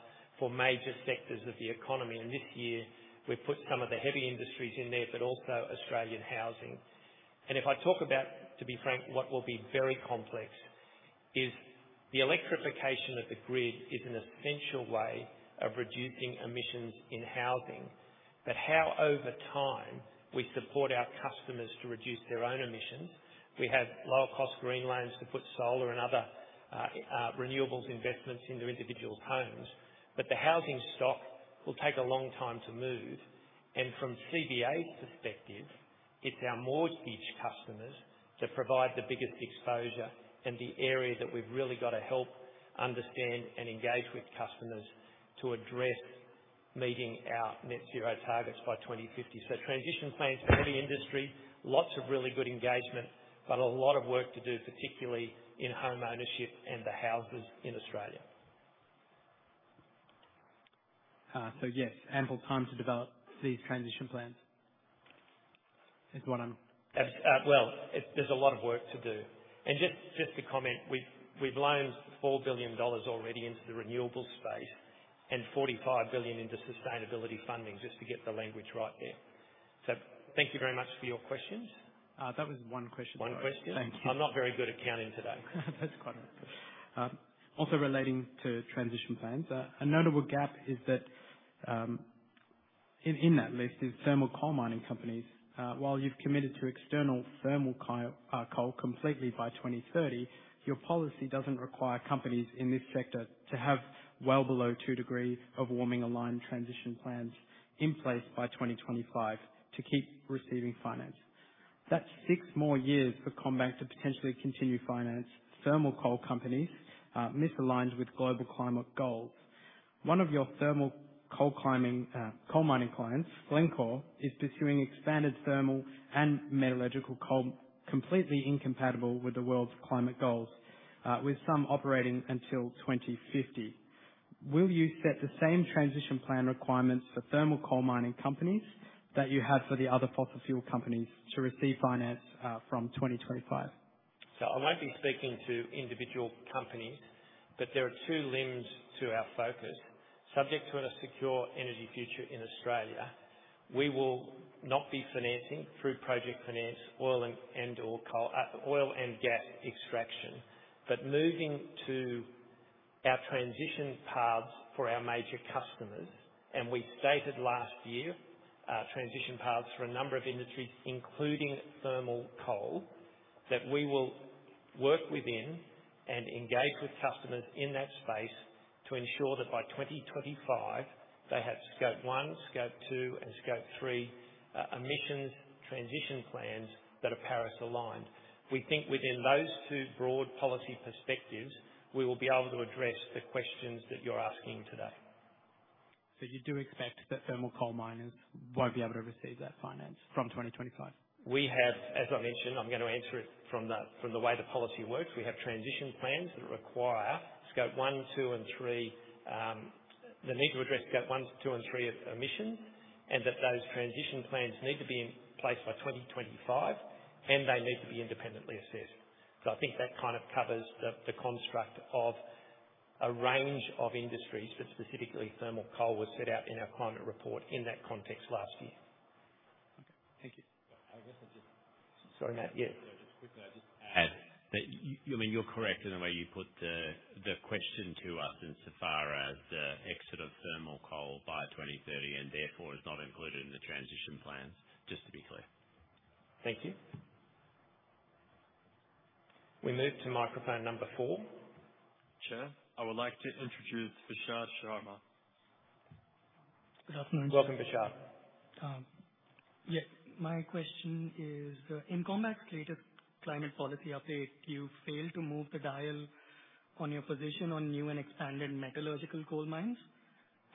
for major sectors of the economy, and this year we've put some of the heavy industries in there, but also Australian housing. And if I talk about, to be frank, what will be very complex, is the electrification of the grid is an essential way of reducing emissions in housing. But how, over time, we support our customers to reduce their own emissions. We have lower-cost green loans to put solar and other renewables investments in their individual homes. But the housing stock will take a long time to move, and from CBA's perspective, it's our mortgage customers that provide the biggest exposure and the area that we've really got to help understand and engage with customers to address meeting our net zero targets by 2050. Transition plans for any industry, lots of really good engagement, but a lot of work to do, particularly in homeownership and the houses in Australia. So, yes, ample time to develop these transition plans is what I'm- Well, there's a lot of work to do. Just to comment, we've loaned 4 billion dollars already into the renewables space and 45 billion into sustainability funding, just to get the language right there. So thank you very much for your questions. That was one question. One question? Thank you. I'm not very good at counting today. That's quite all right. Also relating to transition plans, a notable gap is that, in, in that list is thermal coal mining companies. While you've committed to external thermal coal completely by 2030, your policy doesn't require companies in this sector to have well below two degrees of warming aligned transition plans in place by 2025 to keep receiving finance. That's six more years for CommBank to potentially continue finance thermal coal companies, misaligned with global climate goals. One of your thermal coal mining clients, Glencore, is pursuing expanded thermal and metallurgical coal, completely incompatible with the world's climate goals, with some operating until 2050. Will you set the same transition plan requirements for thermal coal mining companies that you have for the other fossil fuel companies to receive finance, from 2025? So I won't be speaking to individual companies, but there are two limbs to our focus. Subject to a secure energy future in Australia, we will not be financing through project finance, oil and, and/or coal, oil and gas extraction. But moving to our transition paths for our major customers, and we stated last year, transition paths for a number of industries, including thermal coal, that we will work within and engage with customers in that space to ensure that by 2025, they have Scope 1, Scope 2, and Scope 3 emissions transition plans that are Paris-aligned. We think within those two broad policy perspectives, we will be able to address the questions that you're asking today. You do expect that thermal coal miners won't be able to receive that finance from 2025? We have, as I mentioned, I'm gonna answer it from the, from the way the policy works. We have transition plans that require Scope 1, 2, and 3. The need to address Scope 1, 2, and 3 of emissions, and that those transition plans need to be in place by 2025, and they need to be independently assessed. So I think that kind of covers the, the construct of a range of industries, but specifically, thermal coal was set out in our Climate Report in that context last year. Okay, thank you. I guess I'll just- Sorry, Matt, yeah. Just quickly, I'll just add that you, I mean, you're correct in the way you put the question to us in so far as the exit of thermal coal by 2030, and therefore, is not included in the transition plans. Just to be clear. Thank you. We move to microphone number 4. Chair, I would like to introduce Vishal Sharma. Good afternoon. Welcome, Vishal. Yeah, my question is, in CommBank's latest climate policy update, you failed to move the dial on your position on new and expanded metallurgical coal mines.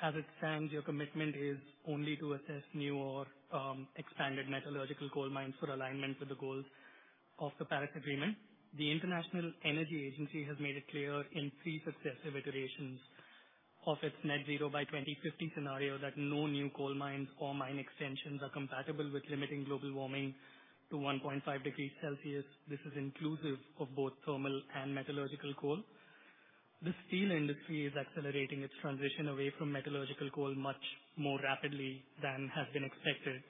As it stands, your commitment is only to assess new or expanded metallurgical coal mines for alignment with the goals of the Paris Agreement. The International Energy Agency has made it clear in three successive iterations of its Net Zero by 2050 scenario, that no new coal mines or mine extensions are compatible with limiting global warming to 1.5 degrees Celsius. This is inclusive of both thermal and metallurgical coal. The steel industry is accelerating its transition away from metallurgical coal much more rapidly than has been expected.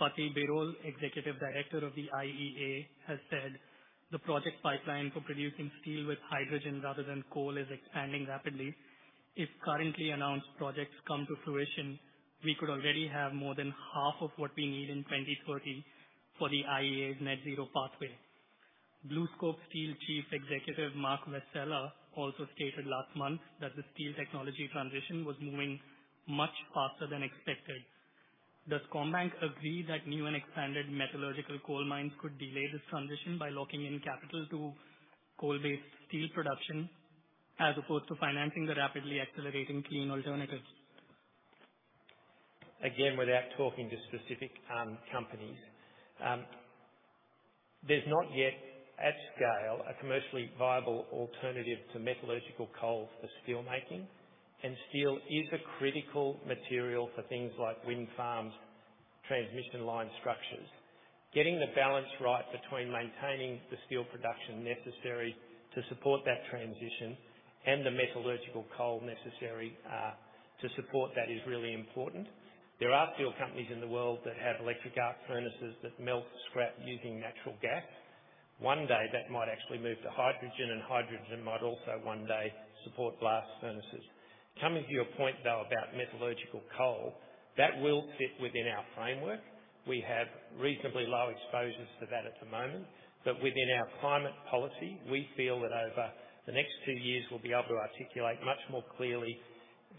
Fatih Birol, Executive Director of the IEA, has said the project pipeline for producing steel with hydrogen rather than coal is expanding rapidly. If currently announced projects come to fruition, we could already have more than half of what we need in 2030 for the IEA's net zero pathway. BlueScope Steel Chief Executive, Mark Vassella, also stated last month that the steel technology transition was moving much faster than expected. Does CommBank agree that new and expanded metallurgical coal mines could delay this transition by locking in capital to coal-based steel production, as opposed to financing the rapidly accelerating clean alternatives? Again, without talking to specific companies, there's not yet, at scale, a commercially viable alternative to metallurgical coal for steelmaking, and steel is a critical material for things like wind farms, transmission line structures. Getting the balance right between maintaining the steel production necessary to support that transition and the metallurgical coal necessary to support that is really important. There are steel companies in the world that have electric arc furnaces that melt scrap using natural gas. One day, that might actually move to hydrogen, and hydrogen might also one day support blast furnaces. Coming to your point, though, about metallurgical coal, that will fit within our framework. We have reasonably low exposures to that at the moment, but within our climate policy, we feel that over the next two years, we'll be able to articulate much more clearly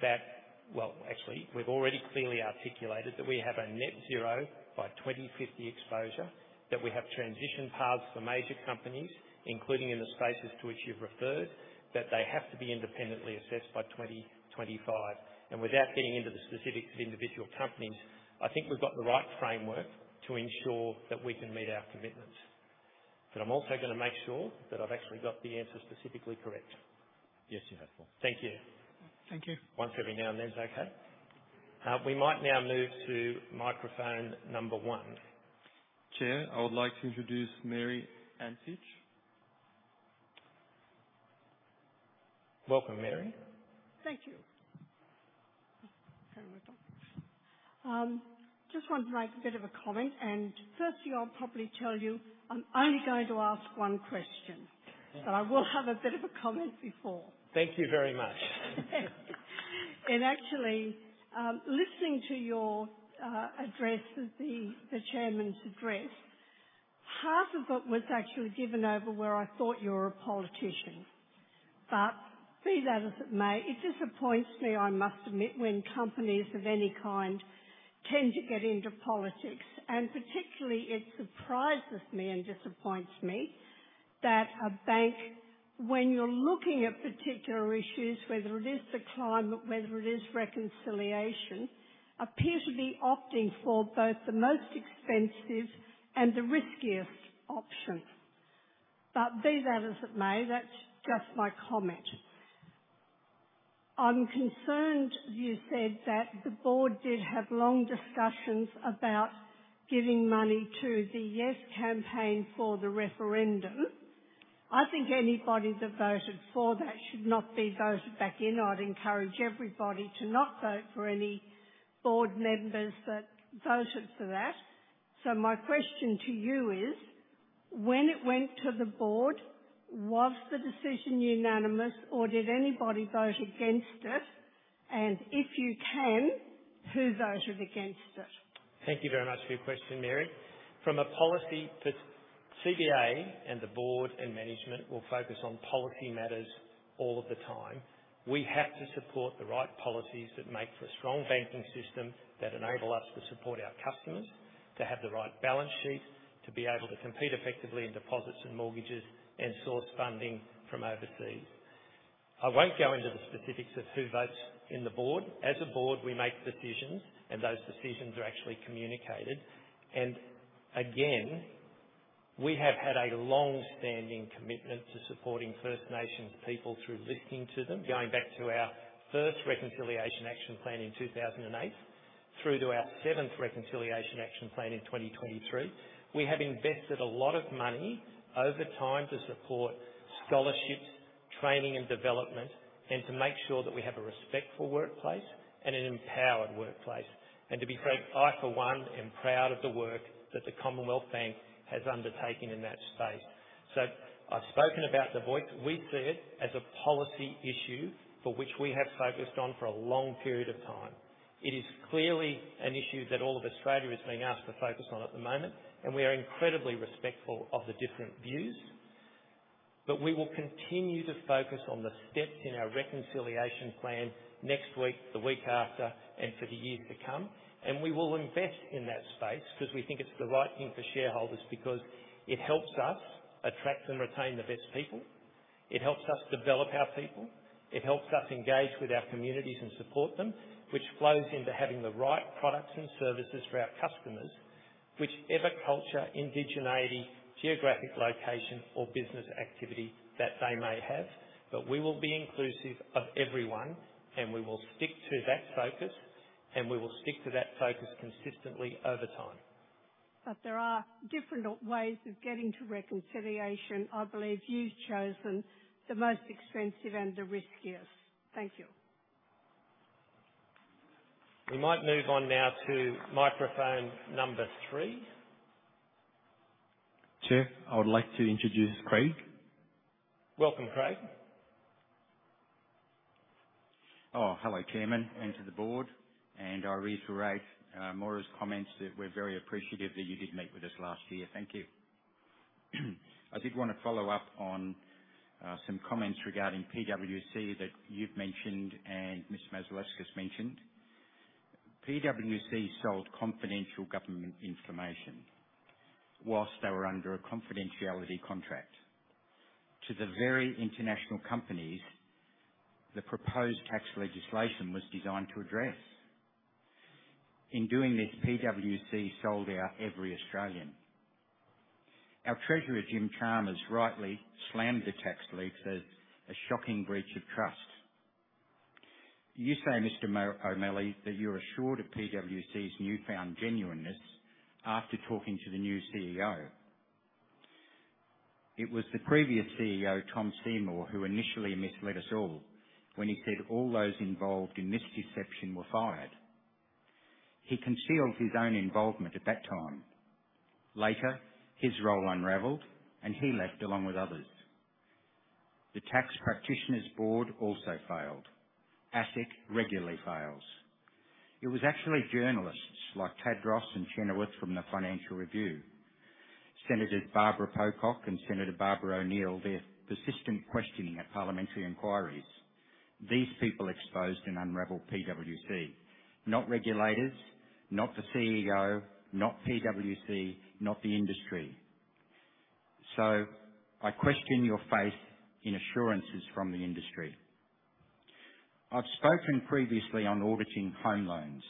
that... Well, actually, we've already clearly articulated that we have a Net zero by 2050 exposure, that we have transition paths for major companies, including in the spaces to which you've referred, that they have to be independently assessed by 2025. And without getting into the specifics of individual companies, I think we've got the right framework to ensure that we can meet our commitments. But I'm also gonna make sure that I've actually got the answer specifically correct. Yes, you have, Mark. Thank you. Thank you. Once every now and then is okay. We might now move to microphone number one. Chair, I would like to introduce Mary Ancich. Welcome, Mary. Thank you. Just wanted to make a bit of a comment, and firstly, I'll probably tell you, I'm only going to ask one question, so I will have a bit of a comment before. Thank you very much. And actually, listening to your address as the chairman's address, half of it was actually given over where I thought you were a politician. But be that as it may, it disappoints me, I must admit, when companies of any kind tend to get into politics, and particularly it surprises me and disappoints me that a bank, when you're looking at particular issues, whether it is the climate, whether it is reconciliation, appear to be opting for both the most expensive and the riskiest option. But be that as it may, that's just my comment. I'm concerned, you said that the board did have long discussions about giving money to the Yes campaign for the referendum. I think anybody that voted for that should not be voted back in. I'd encourage everybody to not vote for any board members that voted for that. My question to you is: When it went to the board, was the decision unanimous, or did anybody vote against it? And if you can, who voted against it? Thank you very much for your question, Mary. From a policy perspective, CBA and the board and management will focus on policy matters all of the time. We have to support the right policies that make for a strong banking system, that enable us to support our customers, to have the right balance sheets, to be able to compete effectively in deposits and mortgages and source funding from overseas. I won't go into the specifics of who votes in the board. As a board, we make decisions, and those decisions are actually communicated. And again, we have had a long-standing commitment to supporting First Nations people through listening to them, going back to our first Reconciliation Action Plan in 2008, through to our seventh Reconciliation Action Plan in 2023. We have invested a lot of money over time to support scholarships, training, and development, and to make sure that we have a respectful workplace and an empowered workplace. And to be frank, I, for one, am proud of the work that the Commonwealth Bank has undertaken in that space. So I've spoken about the voice. We see it as a policy issue for which we have focused on for a long period of time. It is clearly an issue that all of Australia is being asked to focus on at the moment, and we are incredibly respectful of the different views. But we will continue to focus on the steps in our reconciliation plan next week, the week after, and for the years to come. We will invest in that space because we think it's the right thing for shareholders, because it helps us attract and retain the best people. It helps us develop our people. It helps us engage with our communities and support them, which flows into having the right products and services for our customers, whichever culture, indigeneity, geographic location, or business activity that they may have. But we will be inclusive of everyone, and we will stick to that focus, and we will stick to that focus consistently over time. But there are different ways of getting to reconciliation. I believe you've chosen the most expensive and the riskiest. Thank you. We might move on now to microphone number three. Chair, I would like to introduce Craig. Welcome, Craig. Oh, hello, Chairman, and to the board, and I reiterate Maura's comments that we're very appreciative that you did meet with us last year. Thank you. I did want to follow up on some comments regarding PwC that you've mentioned and Mr. Masalskas mentioned. PwC sold confidential government information while they were under a confidentiality contract to the very international companies the proposed tax legislation was designed to address. In doing this, PwC sold out every Australian. Our Treasurer, Jim Chalmers, rightly slammed the tax leaks as a shocking breach of trust. You say, Mr. O'Malley, that you're assured of PwC's newfound genuineness after talking to the new CEO. It was the previous CEO, Tom Seymour, who initially misled us all when he said all those involved in this deception were fired. He concealed his own involvement at that time. Later, his role unraveled, and he left, along with others. The Tax Practitioners Board also failed. ASIC regularly fails. It was actually journalists like Tadros and Chenoweth from the Financial Review, Senator Barbara Pocock and Senator Barbara O’Neill, their persistent questioning at parliamentary inquiries. These people exposed and unraveled PwC, not regulators, not the CEO, not PwC, not the industry. So I question your faith in assurances from the industry. I've spoken previously on auditing home loans.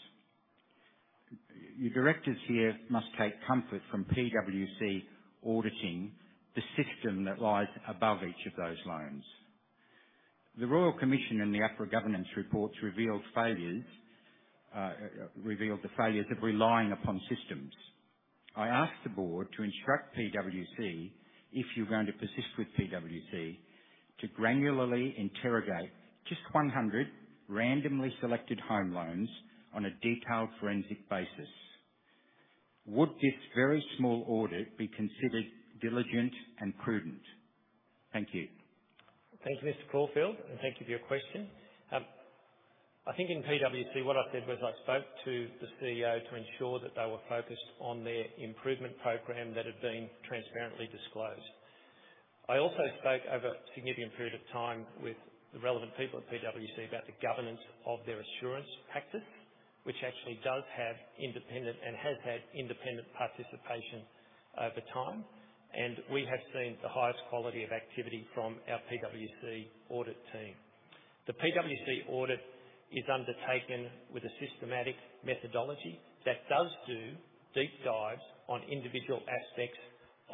You directors here must take comfort from PwC auditing the system that lies above each of those loans. The Royal Commission and the Hayne Governance reports revealed failures, revealed the failures of relying upon systems. I ask the board to instruct PwC, if you're going to persist with PwC, to granularly interrogate just 100 randomly selected home loans on a detailed forensic basis. Would this very small audit be considered diligent and prudent? Thank you. Thank you, Mr. Caulfield, and thank you for your question. I think in PwC, what I said was, I spoke to the CEO to ensure that they were focused on their improvement program that had been transparently disclosed. I also spoke over a significant period of time with the relevant people at PwC about the governance of their assurance practice, which actually does have independent and has had independent participation over time, and we have seen the highest quality of activity from our PwC audit team. The PwC audit is undertaken with a systematic methodology that does do deep dives on individual aspects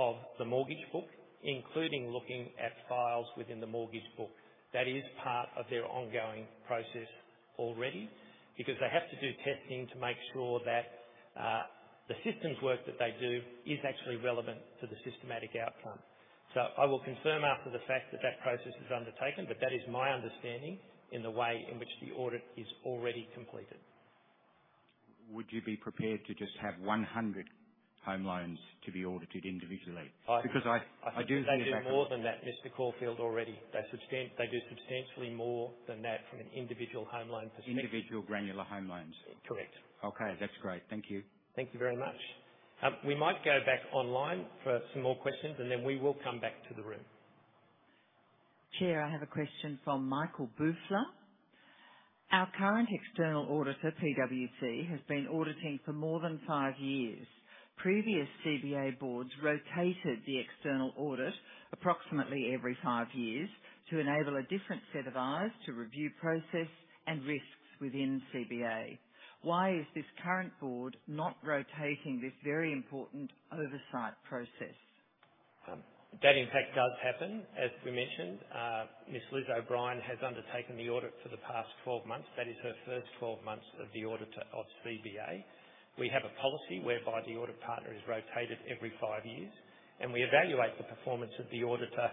of the mortgage book, including looking at files within the mortgage book. That is part of their ongoing process already, because they have to do testing to make sure that, the systems work that they do is actually relevant to the systematic outcome. I will confirm after the fact that that process is undertaken, but that is my understanding in the way in which the audit is already completed. Would you be prepared to just have 100 home loans to be audited individually? Because I do- They do more than that, Mr. Caulfield, already. They do substantially more than that from an individual home loan perspective. Individual granular home loans. Correct. Okay, that's great. Thank you. Thank you very much. We might go back online for some more questions, and then we will come back to the room. Chair, I have a question from Michael Bufler. Our current external auditor, PwC, has been auditing for more than five years. Previous CBA boards rotated the external audit approximately every five years, to enable a different set of eyes to review process and risks within CBA. Why is this current board not rotating this very important oversight process? That in fact does happen. As we mentioned, Ms. Liz O’Brien has undertaken the audit for the past 12 months. That is her first 12 months as the audit partner of CBA. We have a policy whereby the audit partner is rotated every five years, and we evaluate the performance of the auditor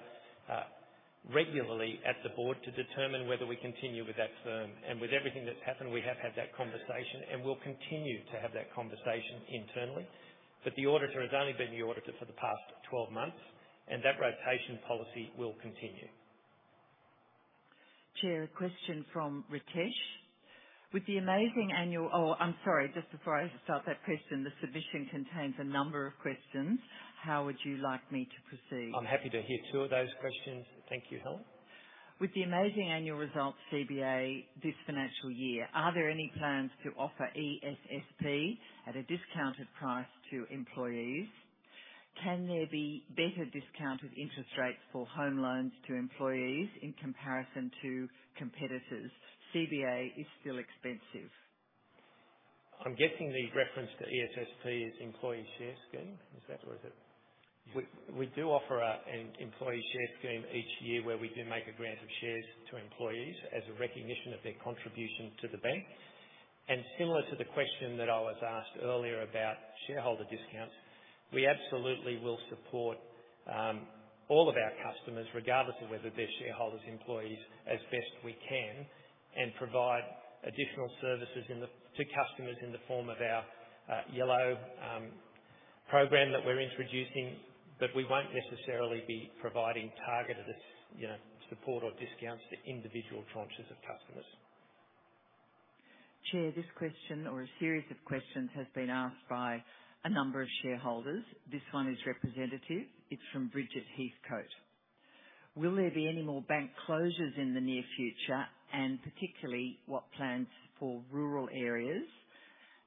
regularly at the board to determine whether we continue with that firm. With everything that's happened, we have had that conversation, and we'll continue to have that conversation internally. But the auditor has only been the auditor for the past 12 months, and that rotation policy will continue. Chair, a question from Ritesh. With the amazing annual... Oh, I'm sorry, just before I start that question, the submission contains a number of questions. How would you like me to proceed? I'm happy to hear two of those questions. Thank you, Helen. With the amazing annual results, CBA, this financial year, are there any plans to offer ESSP at a discounted price to employees? Can there be better discounted interest rates for home loans to employees in comparison to competitors? CBA is still expensive. I'm guessing the reference to ESSP is employee share scheme. Is that, or is it? We do offer an employee share scheme each year, where we do make a grant of shares to employees as a recognition of their contribution to the bank. And similar to the question that I was asked earlier about shareholder discounts, we absolutely will support all of our customers, regardless of whether they're shareholders, employees, as best we can, and provide additional services to customers in the form of our Yello program that we're introducing. But we won't necessarily be providing targeted, you know, support or discounts to individual tranches of customers. Chair, this question, or a series of questions, has been asked by a number of shareholders. This one is representative. It's from Bridget Heathcote. Will there be any more bank closures in the near future, and particularly, what plans for rural areas?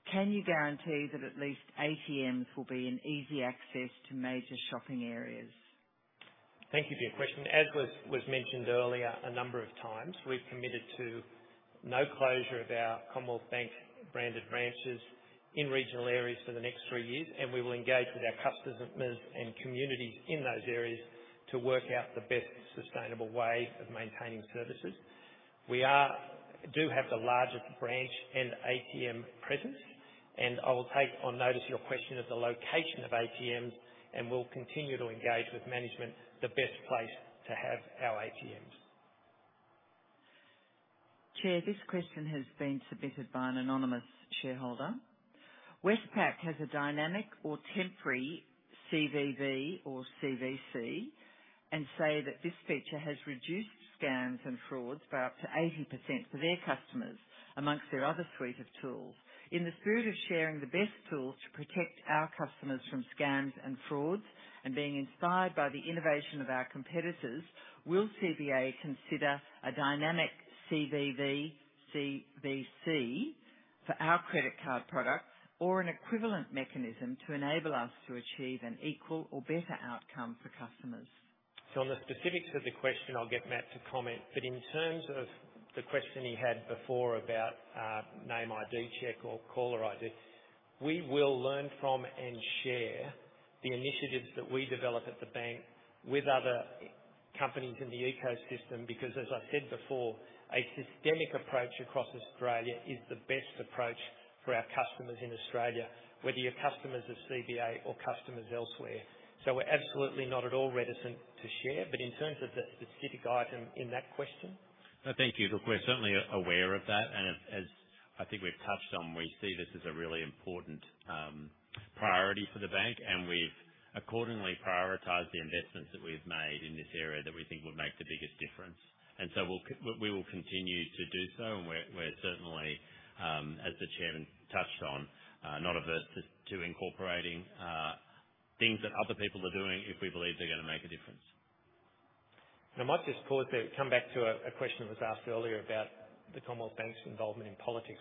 Can you guarantee that at least ATMs will be in easy access to major shopping areas? Thank you for your question. As was mentioned earlier, a number of times, we've committed to no closure of our Commonwealth Bank branded branches in regional areas for the next three years, and we will engage with our customers and communities in those areas to work out the best sustainable way of maintaining services. We do have the largest branch and ATM presence, and I will take on notice your question of the location of ATMs, and we'll continue to engage with management, the best place to have our ATMs. Chair, this question has been submitted by an anonymous shareholder. Westpac has a dynamic or temporary CVV or CVC, and say that this feature has reduced scams and frauds by up to 80% for their customers, among their other suite of tools. In the spirit of sharing the best tools to protect our customers from scams and frauds, and being inspired by the innovation of our competitors, will CBA consider a dynamic CVV/CVC for our credit card products or an equivalent mechanism to enable us to achieve an equal or better outcome for customers? So on the specifics of the question, I'll get Matt to comment, but in terms of the question you had before about name ID check or caller ID, we will learn from and share the initiatives that we develop at the bank with other companies in the ecosystem. Because as I said before, a systemic approach across Australia is the best approach for our customers in Australia, whether you're customers of CBA or customers elsewhere. So we're absolutely not at all reticent to share, but in terms of the specific item in that question? Thank you. Look, we're certainly aware of that, and as I think we've touched on, we see this as a really important priority for the bank, and we've accordingly prioritized the investments that we've made in this area that we think would make the biggest difference. And so we will continue to do so, and we're certainly, as the chairman touched on, not averse to incorporating things that other people are doing if we believe they're gonna make a difference. I might just pause there, come back to a question that was asked earlier about the Commonwealth Bank's involvement in politics.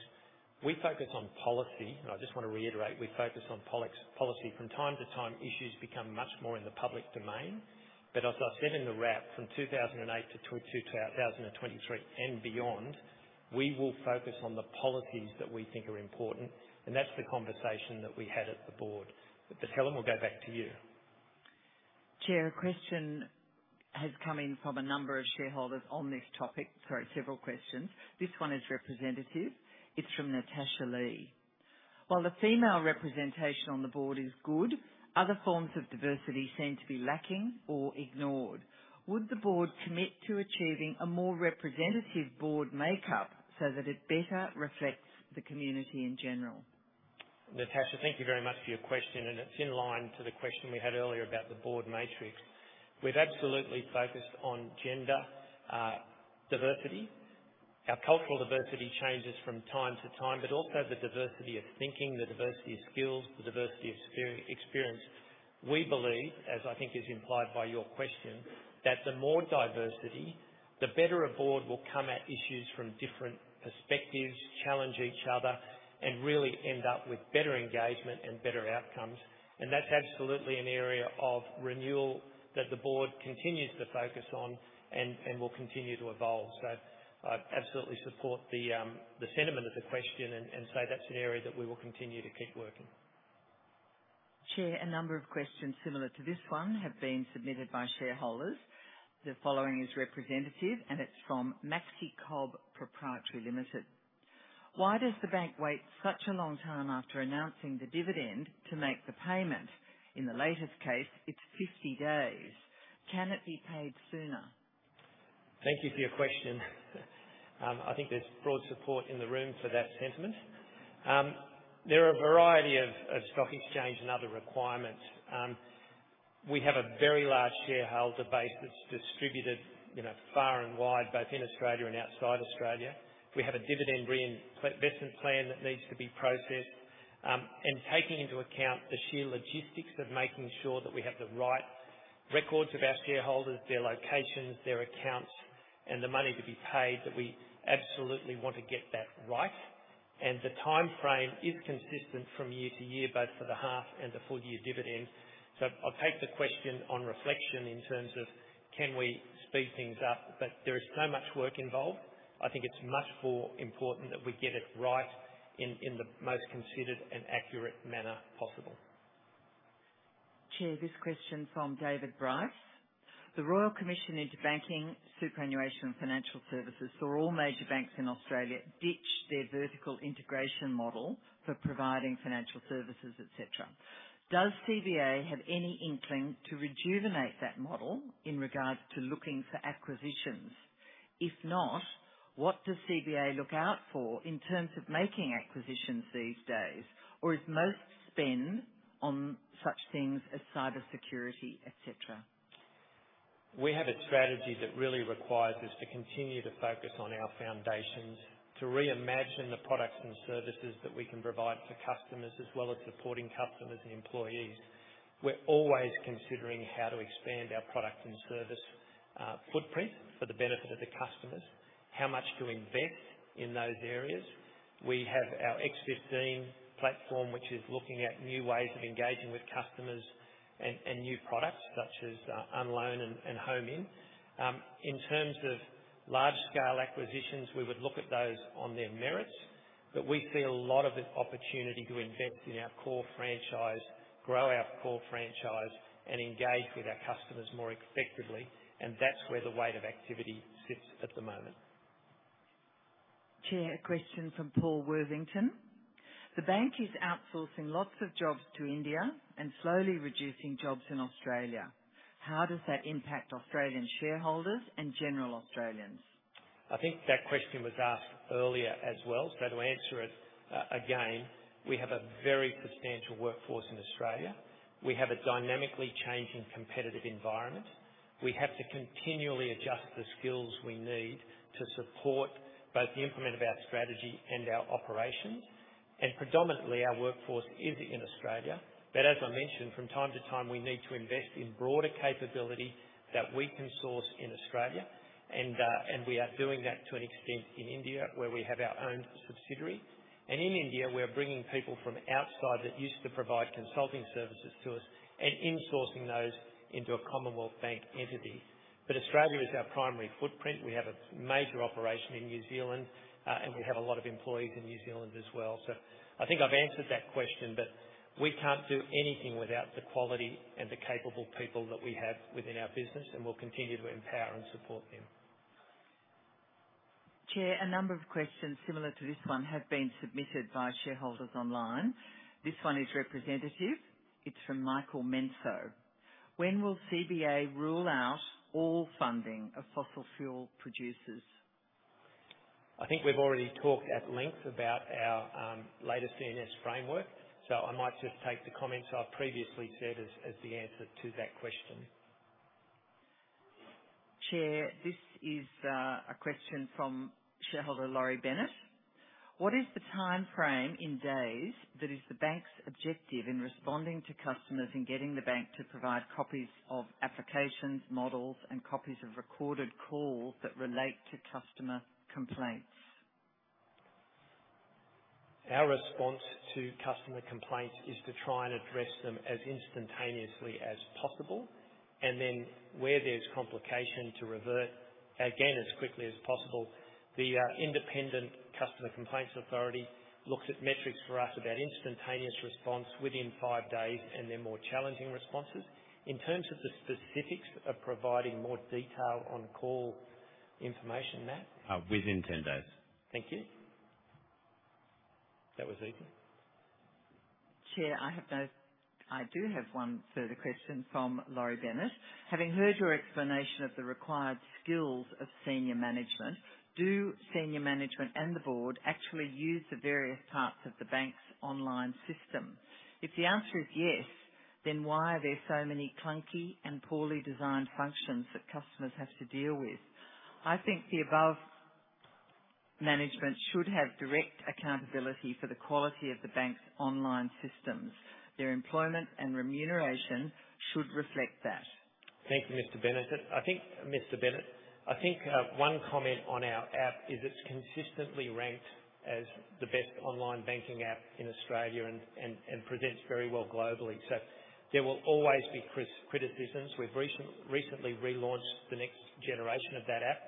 We focus on policy, and I just wanna reiterate, we focus on policy. From time to time, issues become much more in the public domain. But as I said in the wrap, from 2008 to 2023, and beyond, we will focus on the policies that we think are important, and that's the conversation that we had at the board. But, Helen, we'll go back to you. Chair, a question has come in from a number of shareholders on this topic. Sorry, several questions. This one is representative. It's from Natasha Lee: While the female representation on the board is good, other forms of diversity seem to be lacking or ignored. Would the board commit to achieving a more representative board makeup so that it better reflects the community in general? Natasha, thank you very much for your question, and it's in line to the question we had earlier about the board matrix. We've absolutely focused on gender diversity. Our cultural diversity changes from time to time, but also the diversity of thinking, the diversity of skills, the diversity of experience. We believe, as I think is implied by your question, that the more diversity, the better a board will come at issues from different perspectives, challenge each other, and really end up with better engagement and better outcomes. And that's absolutely an area of renewal that the board continues to focus on and will continue to evolve. So I absolutely support the sentiment of the question and say that's an area that we will continue to keep working. Chair, a number of questions similar to this one have been submitted by shareholders. The following is representative, and it's from Maxi Cobb Proprietary Limited: Why does the bank wait such a long time after announcing the dividend to make the payment? In the latest case, it's 50 days. Can it be paid sooner? Thank you for your question. I think there's broad support in the room for that sentiment. There are a variety of, of stock exchange and other requirements. We have a very large shareholder base that's distributed, you know, far and wide, both in Australia and outside Australia. We have a dividend reinvestment plan that needs to be processed. And taking into account the sheer logistics of making sure that we have the right records of our shareholders, their locations, their accounts, and the money to be paid, that we absolutely want to get that right. And the timeframe is consistent from year to year, both for the half and the full year dividend. So I take the question on reflection in terms of can we speed things up, but there is so much work involved. I think it's much more important that we get it right in the most considered and accurate manner possible. Chair, this question is from David Bryce: The Royal Commission into banking, superannuation, and financial services saw all major banks in Australia ditch their vertical integration model for providing financial services, et cetera. Does CBA have any inkling to rejuvenate that model in regards to looking for acquisitions? If not, what does CBA look out for in terms of making acquisitions these days, or is most spend on such things as cybersecurity, et cetera? We have a strategy that really requires us to continue to focus on our foundations, to reimagine the products and services that we can provide to customers, as well as supporting customers and employees. We're always considering how to expand our product and service footprint for the benefit of the customers, how much to invest in those areas. We have our x15 platform, which is looking at new ways of engaging with customers and new products such as Unloan and Home-in. In terms of large-scale acquisitions, we would look at those on their merits, but we see a lot of opportunity to invest in our core franchise, grow our core franchise, and engage with our customers more effectively, and that's where the weight of activity sits at the moment. Chair, a question from Paul Worthington: The bank is outsourcing lots of jobs to India and slowly reducing jobs in Australia. How does that impact Australian shareholders and general Australians? I think that question was asked earlier as well. So to answer it, again, we have a very substantial workforce in Australia. We have a dynamically changing competitive environment. We have to continually adjust the skills we need to support both the implement of our strategy and our operations. And predominantly, our workforce is in Australia. But as I mentioned, from time to time, we need to invest in broader capability that we can source in Australia, and, and we are doing that to an extent in India, where we have our own subsidiary. And in India, we are bringing people from outside that used to provide consulting services to us and insourcing those into a Commonwealth Bank entity. But Australia is our primary footprint. We have a major operation in New Zealand, and we have a lot of employees in New Zealand as well. I think I've answered that question, but we can't do anything without the quality and the capable people that we have within our business, and we'll continue to empower and support them. Chair, a number of questions similar to this one have been submitted by shareholders online. This one is representative. It's from Michael Mensah:... When will CBA rule out all funding of fossil fuel producers? I think we've already talked at length about our latest E&S Framework, so I might just take the comments I've previously said as the answer to that question. Chair, this is a question from shareholder Laurie Bennett. What is the timeframe in days that is the bank's objective in responding to customers and getting the bank to provide copies of applications, models, and copies of recorded calls that relate to customer complaints? Our response to customer complaints is to try and address them as instantaneously as possible, and then where there's complication, to revert again, as quickly as possible. The independent Customer Complaints Authority looks at metrics for us about instantaneous response within five days and then more challenging responses. In terms of the specifics of providing more detail on call information, Matt? Within 10 days. Thank you. That was easy. Chair, I have no... I do have one further question from Laurie Bennett. Having heard your explanation of the required skills of senior management, do senior management and the board actually use the various parts of the bank's online system? If the answer is yes, then why are there so many clunky and poorly designed functions that customers have to deal with? I think the above management should have direct accountability for the quality of the bank's online systems. Their employment and remuneration should reflect that. Thank you, Mr. Bennett. I think, Mr. Bennett, I think, one comment on our app is it's consistently ranked as the best online banking app in Australia and presents very well globally. So there will always be criticisms. We've recently relaunched the next generation of that app.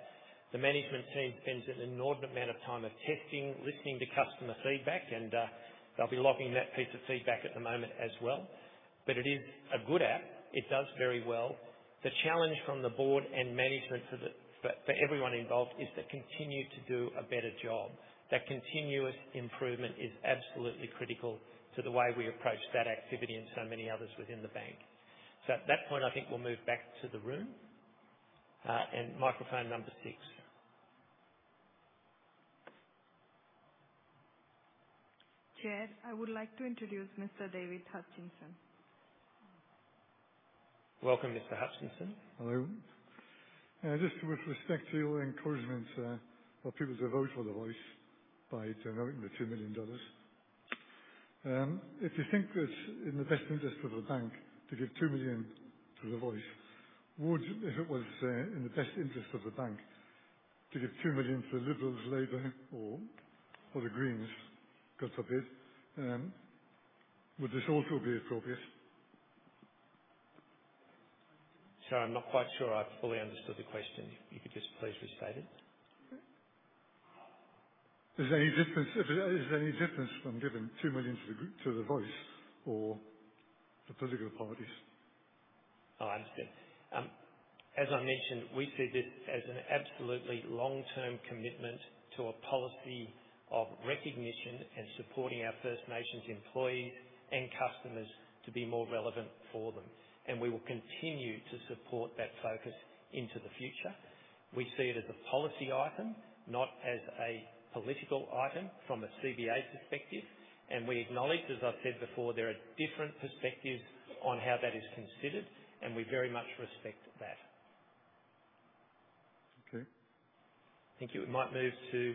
The management team spends an inordinate amount of time of testing, listening to customer feedback, and they'll be logging that piece of feedback at the moment as well. But it is a good app. It does very well. The challenge from the board and management for everyone involved is to continue to do a better job. That continuous improvement is absolutely critical to the way we approach that activity and so many others within the bank. So at that point, I think we'll move back to the room and microphone number six. Chair, I would like to introduce Mr. David Hutchinson. Welcome, Mr. Hutchinson. Hello. Just with respect to your encouragement for people to vote for The Voice by donating 2 million dollars, if you think it's in the best interest of the bank to give 2 million to The Voice, would, if it was in the best interest of the bank, to give 2 million to the Liberals, Labor, or the Greens, God forbid, would this also be appropriate? Sorry, I'm not quite sure I've fully understood the question. If you could just please restate it. Is there any difference from giving 2 million to The Voice or the political parties? Oh, I understand. As I mentioned, we see this as an absolutely long-term commitment to a policy of recognition and supporting our First Nations employees and customers to be more relevant for them, and we will continue to support that focus into the future. We see it as a policy item, not as a political item from a CBA perspective, and we acknowledge, as I've said before, there are different perspectives on how that is considered, and we very much respect that. Okay. Thank you. We might move to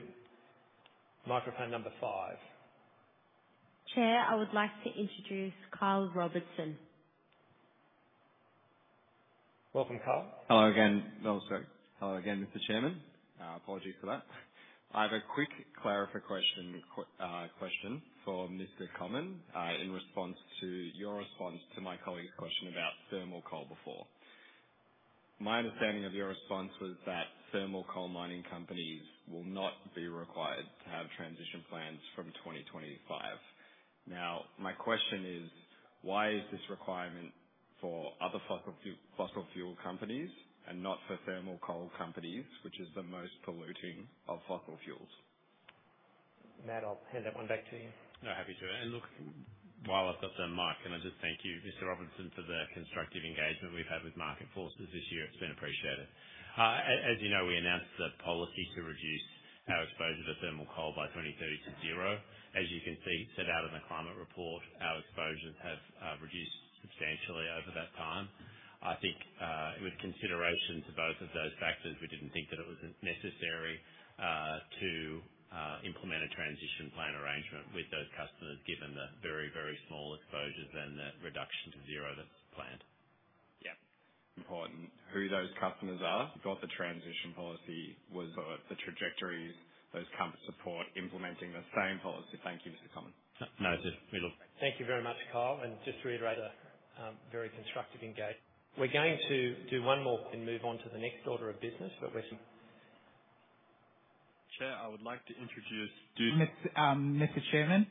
microphone number five. Chair, I would like to introduce Kyle Robertson. Welcome, Kyle. Hello again, Mr. Chairman. Apologies for that. I have a quick clarify question for Mr. Comyn in response to your response to my colleague's question about thermal coal before. My understanding of your response was that thermal coal mining companies will not be required to have transition plans from 2025. Now, my question is: Why is this requirement for other fossil fuel companies and not for thermal coal companies, which is the most polluting of fossil fuels? Matt, I'll hand that one back to you. No, happy to. And look, while I've got the mic, can I just thank you, Mr. Robertson, for the constructive engagement we've had with Market Forces this year? It's been appreciated. As you know, we announced the policy to reduce our exposure to thermal coal by 2030 to zero. As you can see, set out in the Climate Report, our exposures have reduced substantially over that time. I think, with consideration to both of those factors, we didn't think that it was necessary, to implement a transition plan arrangement with those customers, given the very, very small exposures and the reduction to zero that's planned. Yeah. Important who those customers are, got the transition policy was, the trajectories those customers support implementing the same policy. Thank you, Mr. Comyn. No, it's... We look- Thank you very much, Kyle, and just to reiterate a very constructive engage. We're going to do one more and move on to the next order of business, but we're- Chair, I would like to introduce Ju- Mr. Chairman,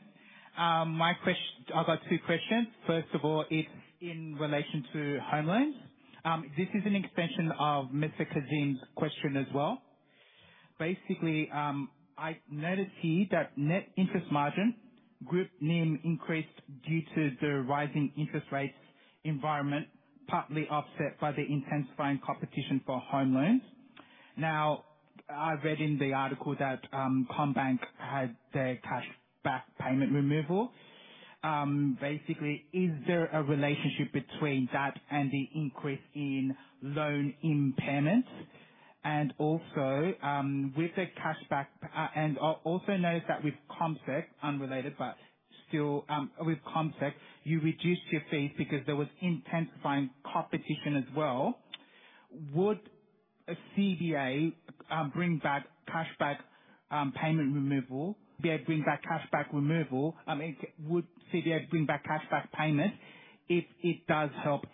I've got two questions. First of all, it's in relation to home loans. This is an extension of Mr. Kazim's question as well. Basically, I noticed here that net interest margin, group NIM increased due to the rising interest rates environment, partly offset by the intensifying competition for home loans. Now, I read in the article that CommBank had their cashback payment removal. Basically, is there a relationship between that and the increase in loan impairments? And also, with the cashback, also notice that with CommSec, unrelated, but still, with CommSec, you reduced your fees because there was intensifying competition as well. Would a CBA bring back cashback payment removal be able to bring back cashback removal? I mean, would CBA bring back cashback payments if it does help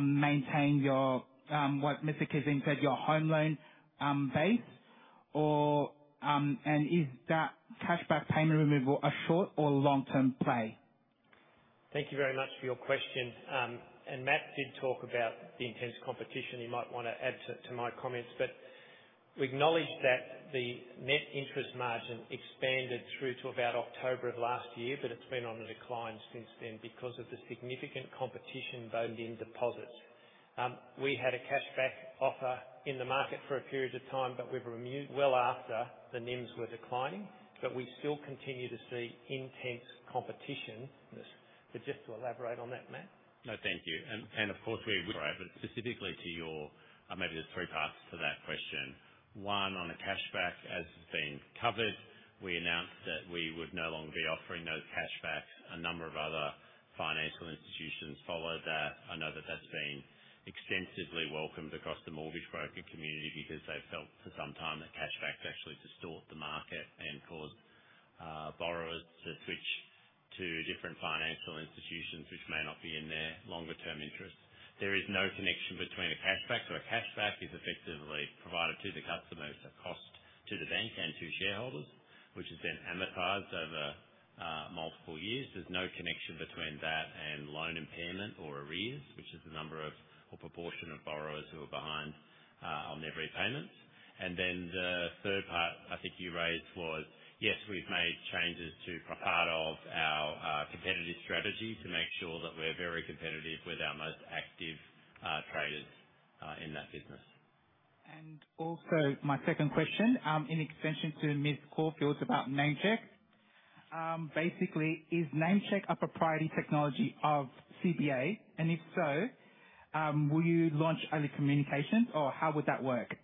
maintain your, what Mr. Kazim said, your home loan base? Or, and is that cashback payment removal a short or long-term play? Thank you very much for your question. And Matt did talk about the intense competition. He might want to add to, to my comments, but we acknowledge that the net interest margin expanded through to about October of last year, but it's been on the decline since then because of the significant competition for home loan deposits. We had a cashback offer in the market for a period of time, but we've removed well after the NIMs were declining. But we still continue to see intense competition. But just to elaborate on that, Matt? No, thank you. And of course, but specifically to your, maybe there's three parts to that question. One, on the cashback, as has been covered, we announced that we would no longer be offering those cashbacks. A number of other financial institutions followed that. I know that that's been extensively welcomed across the mortgage broker community because they've felt for some time that cashbacks actually distort the market and cause borrowers to switch to different financial institutions, which may not be in their longer term interest. There is no connection between a cashback. So a cashback is effectively provided to the customer as a cost to the bank and to shareholders, which is then amortized over multiple years. There's no connection between that and loan impairment or arrears, which is the number of or proportion of borrowers who are behind on their repayments. And then the third part I think you raised was, yes, we've made changes to part of our competitive strategy to make sure that we're very competitive with our most active traders in that business. Also, my second question, in extension to Ms. Caulfield's about NameCheck. Basically, is NameCheck a proprietary technology of CBA? And if so, will you launch other communications, or how would that work?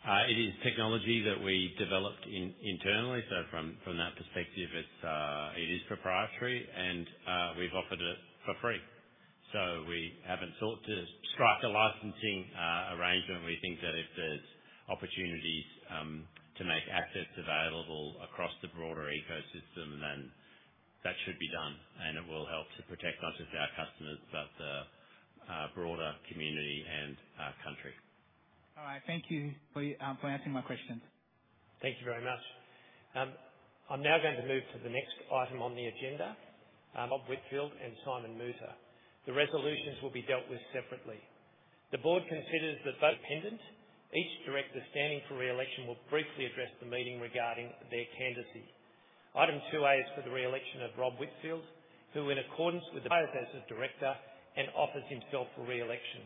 It is technology that we developed internally, so from that perspective, it's it is proprietary, and we've offered it for free. So we haven't sought to strike a licensing arrangement. We think that if there's opportunities to make access available across the broader ecosystem, then that should be done, and it will help to protect not just our customers, but the broader community and our country. All right. Thank you for, for answering my questions. Thank you very much. I'm now going to move to the next item on the agenda, Rob Whitfield and Simon Moutter. The resolutions will be dealt with separately. The board considers that both independent, each director standing for re-election will briefly address the meeting regarding their candidacy. Item 2A is for the re-election of Rob Whitfield, who, in accordance with the process for directors, offers himself for re-election.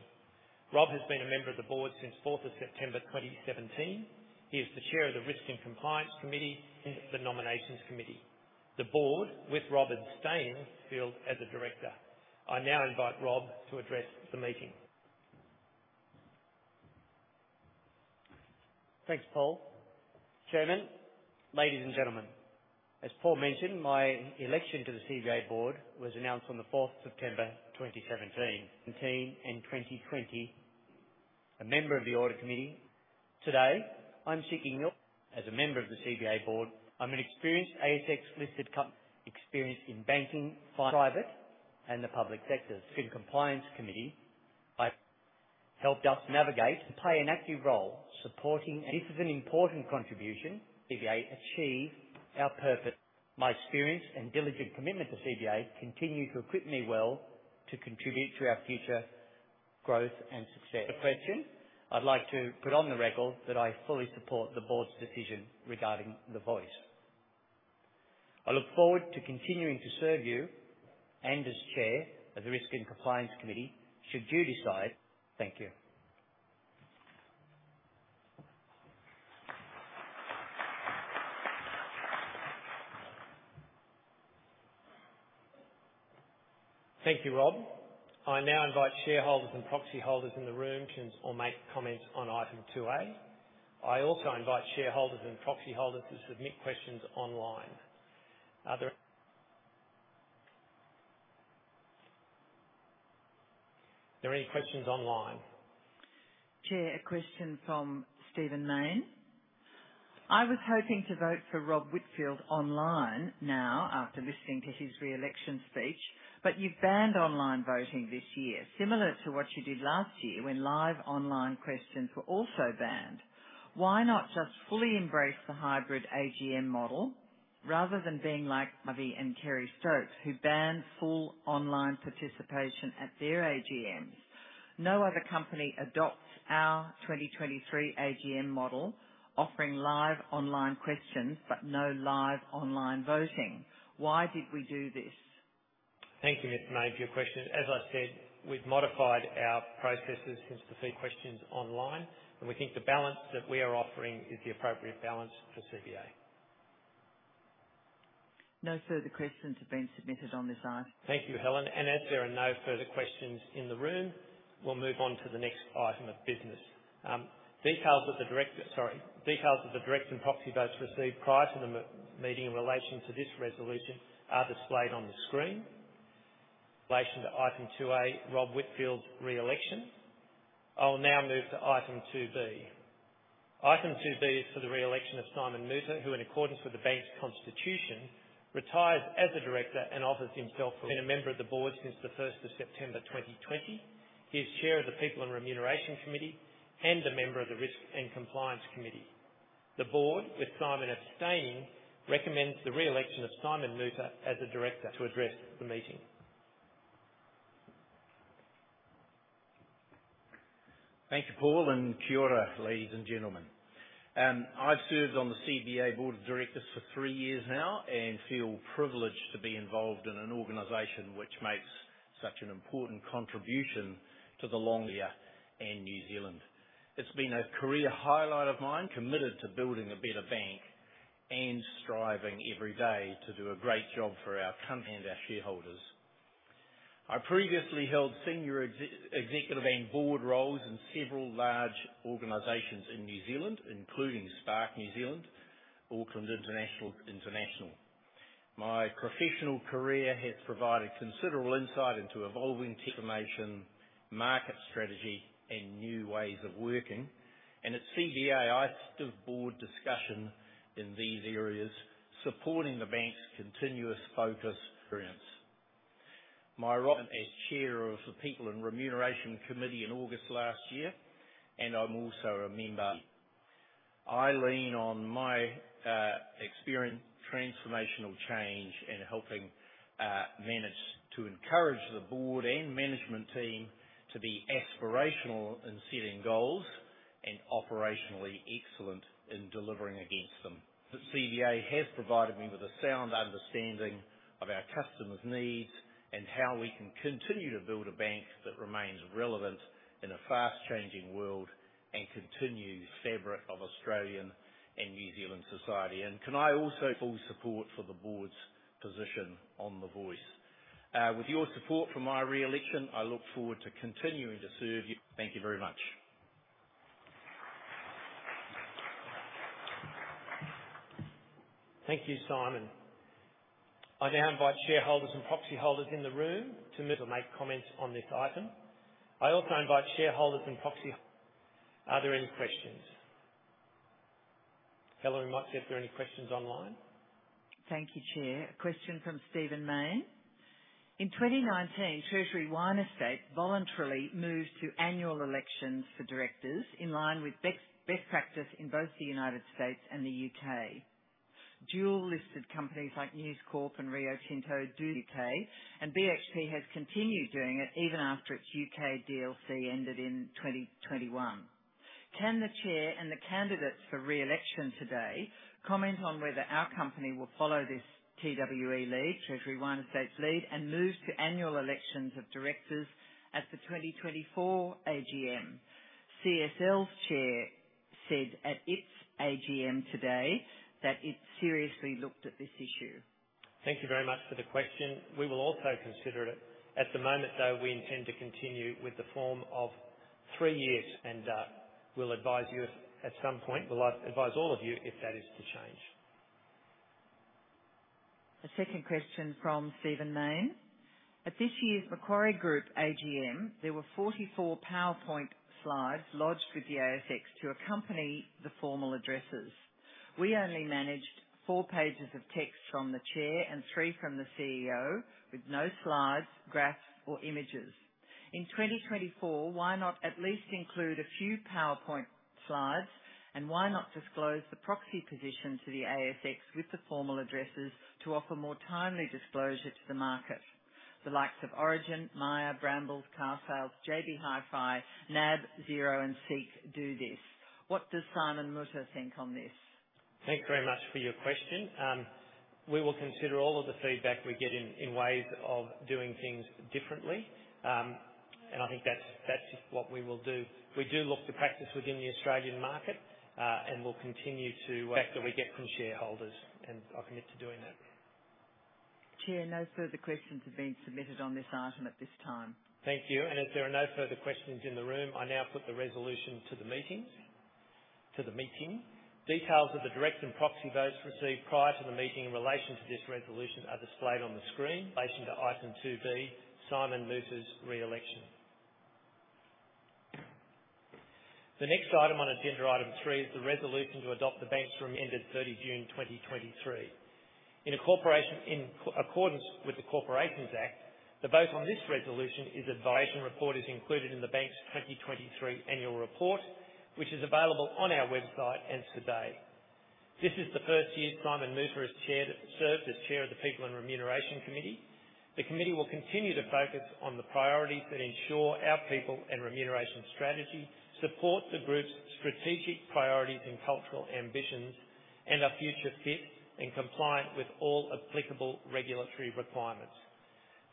Rob has been a member of the board since 4th of September 2017. He is the Chair of the Risk and Compliance Committee, the Nominations Committee. The board, with Rob Whitfield as a director. I now invite Rob to address the meeting. Thanks, Paul. Chairman, ladies and gentlemen, as Paul mentioned, my election to the CBA board was announced on 4 September 2017 and 2020, a member of the Audit Committee. Today, I'm seeking as a member of the CBA board. I'm an experienced ASX-listed experienced in banking, private, and the public sectors. Risk and Compliance Committee, I helped us navigate to play an active role supporting. And this is an important contribution, CBA achieve our purpose. My experience and diligent commitment to CBA continue to equip me well to contribute to our future growth and success. A question, I'd like to put on the record that I fully support the board's decision regarding the vote. I look forward to continuing to serve you and as chair of the Risk and Compliance Committee, should you decide. Thank you. Thank you, Rob. I now invite shareholders and proxy holders in the room to or make comments on item 2A. I also invite shareholders and proxy holders to submit questions online. Are there any questions online? Chair, a question from Stephen Mayne. I was hoping to vote for Rob Whitfield online now, after listening to his re-election speech, but you've banned online voting this year, similar to what you did last year when live online questions were also banned. Why not just fully embrace the hybrid AGM model rather than being like Avi and Kerry Stokes, who banned full online participation at their AGMs? No other company adopts our 2023 AGM model, offering live online questions, but no live online voting. Why did we do this? Thank you, Mr. Mayne, for your question. As I said, we've modified our processes since to see questions online, and we think the balance that we are offering is the appropriate balance for CBA. No further questions have been submitted on this item. Thank you, Helen. As there are no further questions in the room, we'll move on to the next item of business. Sorry. Details of the direct and proxy votes received prior to the meeting in relation to this resolution are displayed on the screen. Relation to Item 2A, Rob Whitfield's re-election. I will now move to Item 2B. Item 2B is for the re-election of Simon Moutter, who, in accordance with the bank's constitution, retires as a director and offers himself for re-election. He has been a member of the board since the first of September 2020. He is chair of the People and Remuneration Committee and a member of the Risk and Compliance Committee. The board, with Simon abstaining, recommends the re-election of Simon Moutter as a director to address the meeting. Thank you, Paul, and kia ora, ladies and gentlemen. I've served on the CBA Board of Directors for three years now and feel privileged to be involved in an organization which makes such an important contribution to the economy in New Zealand. It's been a career highlight of mine, committed to building a better bank and striving every day to do a great job for our country and our shareholders. I previously held senior executive and board roles in several large organizations in New Zealand, including Spark New Zealand, Auckland International Airport. My professional career has provided considerable insight into evolving communications, market strategy, and new ways of working. At CBA, I contribute to board discussions in these areas, supporting the bank's continuous focus on customer experience. I assumed my role as chair of the People and Remuneration Committee in August last year, and I'm also a member. I lean on my experience, transformational change, and helping manage to encourage the board and management team to be aspirational in setting goals and operationally excellent in delivering against them. The CBA has provided me with a sound understanding of our customers' needs and how we can continue to build a bank that remains relevant in a fast-changing world and continue fabric of Australian and New Zealand society. Can I also full support for the board's position on the Voice? With your support for my re-election, I look forward to continuing to serve you. Thank you very much. Thank you, Simon. I now invite shareholders and proxy holders in the room to make comments on this item. I also invite shareholders and proxy. Are there any questions? Helen, might see if there are any questions online. Thank you, Chair. A question from Stephen Mayne: In 2019, Treasury Wine Estates voluntarily moved to annual elections for directors in line with best practice in both the U.S. and the U.K. Dual-listed companies like News Corp and Rio Tinto do U.K., and BHP has continued doing it even after its U.K. DLC ended in 2021. Can the Chair and the candidates for re-election today comment on whether our company will follow this TWE lead, Treasury Wine Estates' lead, and move to annual elections of directors at the 2024 AGM? CSL's chair said at its AGM today that it seriously looked at this issue. Thank you very much for the question. We will also consider it. At the moment, though, we intend to continue with the form of three years, and we'll advise you at some point, we'll advise all of you if that is to change. The second question from Stephen Mayne: At this year's Macquarie Group AGM, there were 44 PowerPoint slides lodged with the ASX to accompany the formal addresses. We only managed four pages of text from the Chair and three from the CEO, with no slides, graphs, or images. In 2024, why not at least include a few PowerPoint slides, and why not disclose the proxy position to the ASX with the formal addresses to offer more timely disclosure to the market? The likes of Origin, Myer, Brambles, Carsales, JB Hi-Fi, NAB, Xero, and SEEK do this. What does Simon Moutter think on this? Thank you very much for your question. We will consider all of the feedback we're getting in ways of doing things differently. And I think that's what we will do. We do look to practice within the Australian market, and we'll continue to back that we get from shareholders, and I commit to doing that. Chair, no further questions have been submitted on this item at this time. Thank you. And as there are no further questions in the room, I now put the resolution to the meetings, to the meeting. Details of the direct and proxy votes received prior to the meeting in relation to this resolution are displayed on the screen. In relation to Item 2B, Simon Moutter's re-election. The next item on Agenda Item 3 is the resolution to adopt the bank's ended 30 June 2023. In accordance with the Corporations Act, the vote on this resolution is advisory. The Remuneration Report is included in the bank's 2023 annual report, which is available on our website and today. This is the first year Simon Moutter has chaired, served as chair of the People and Remuneration Committee. The committee will continue to focus on the priorities that ensure our people and remuneration strategy support the group's strategic priorities and cultural ambitions, and are future fit and compliant with all applicable regulatory requirements.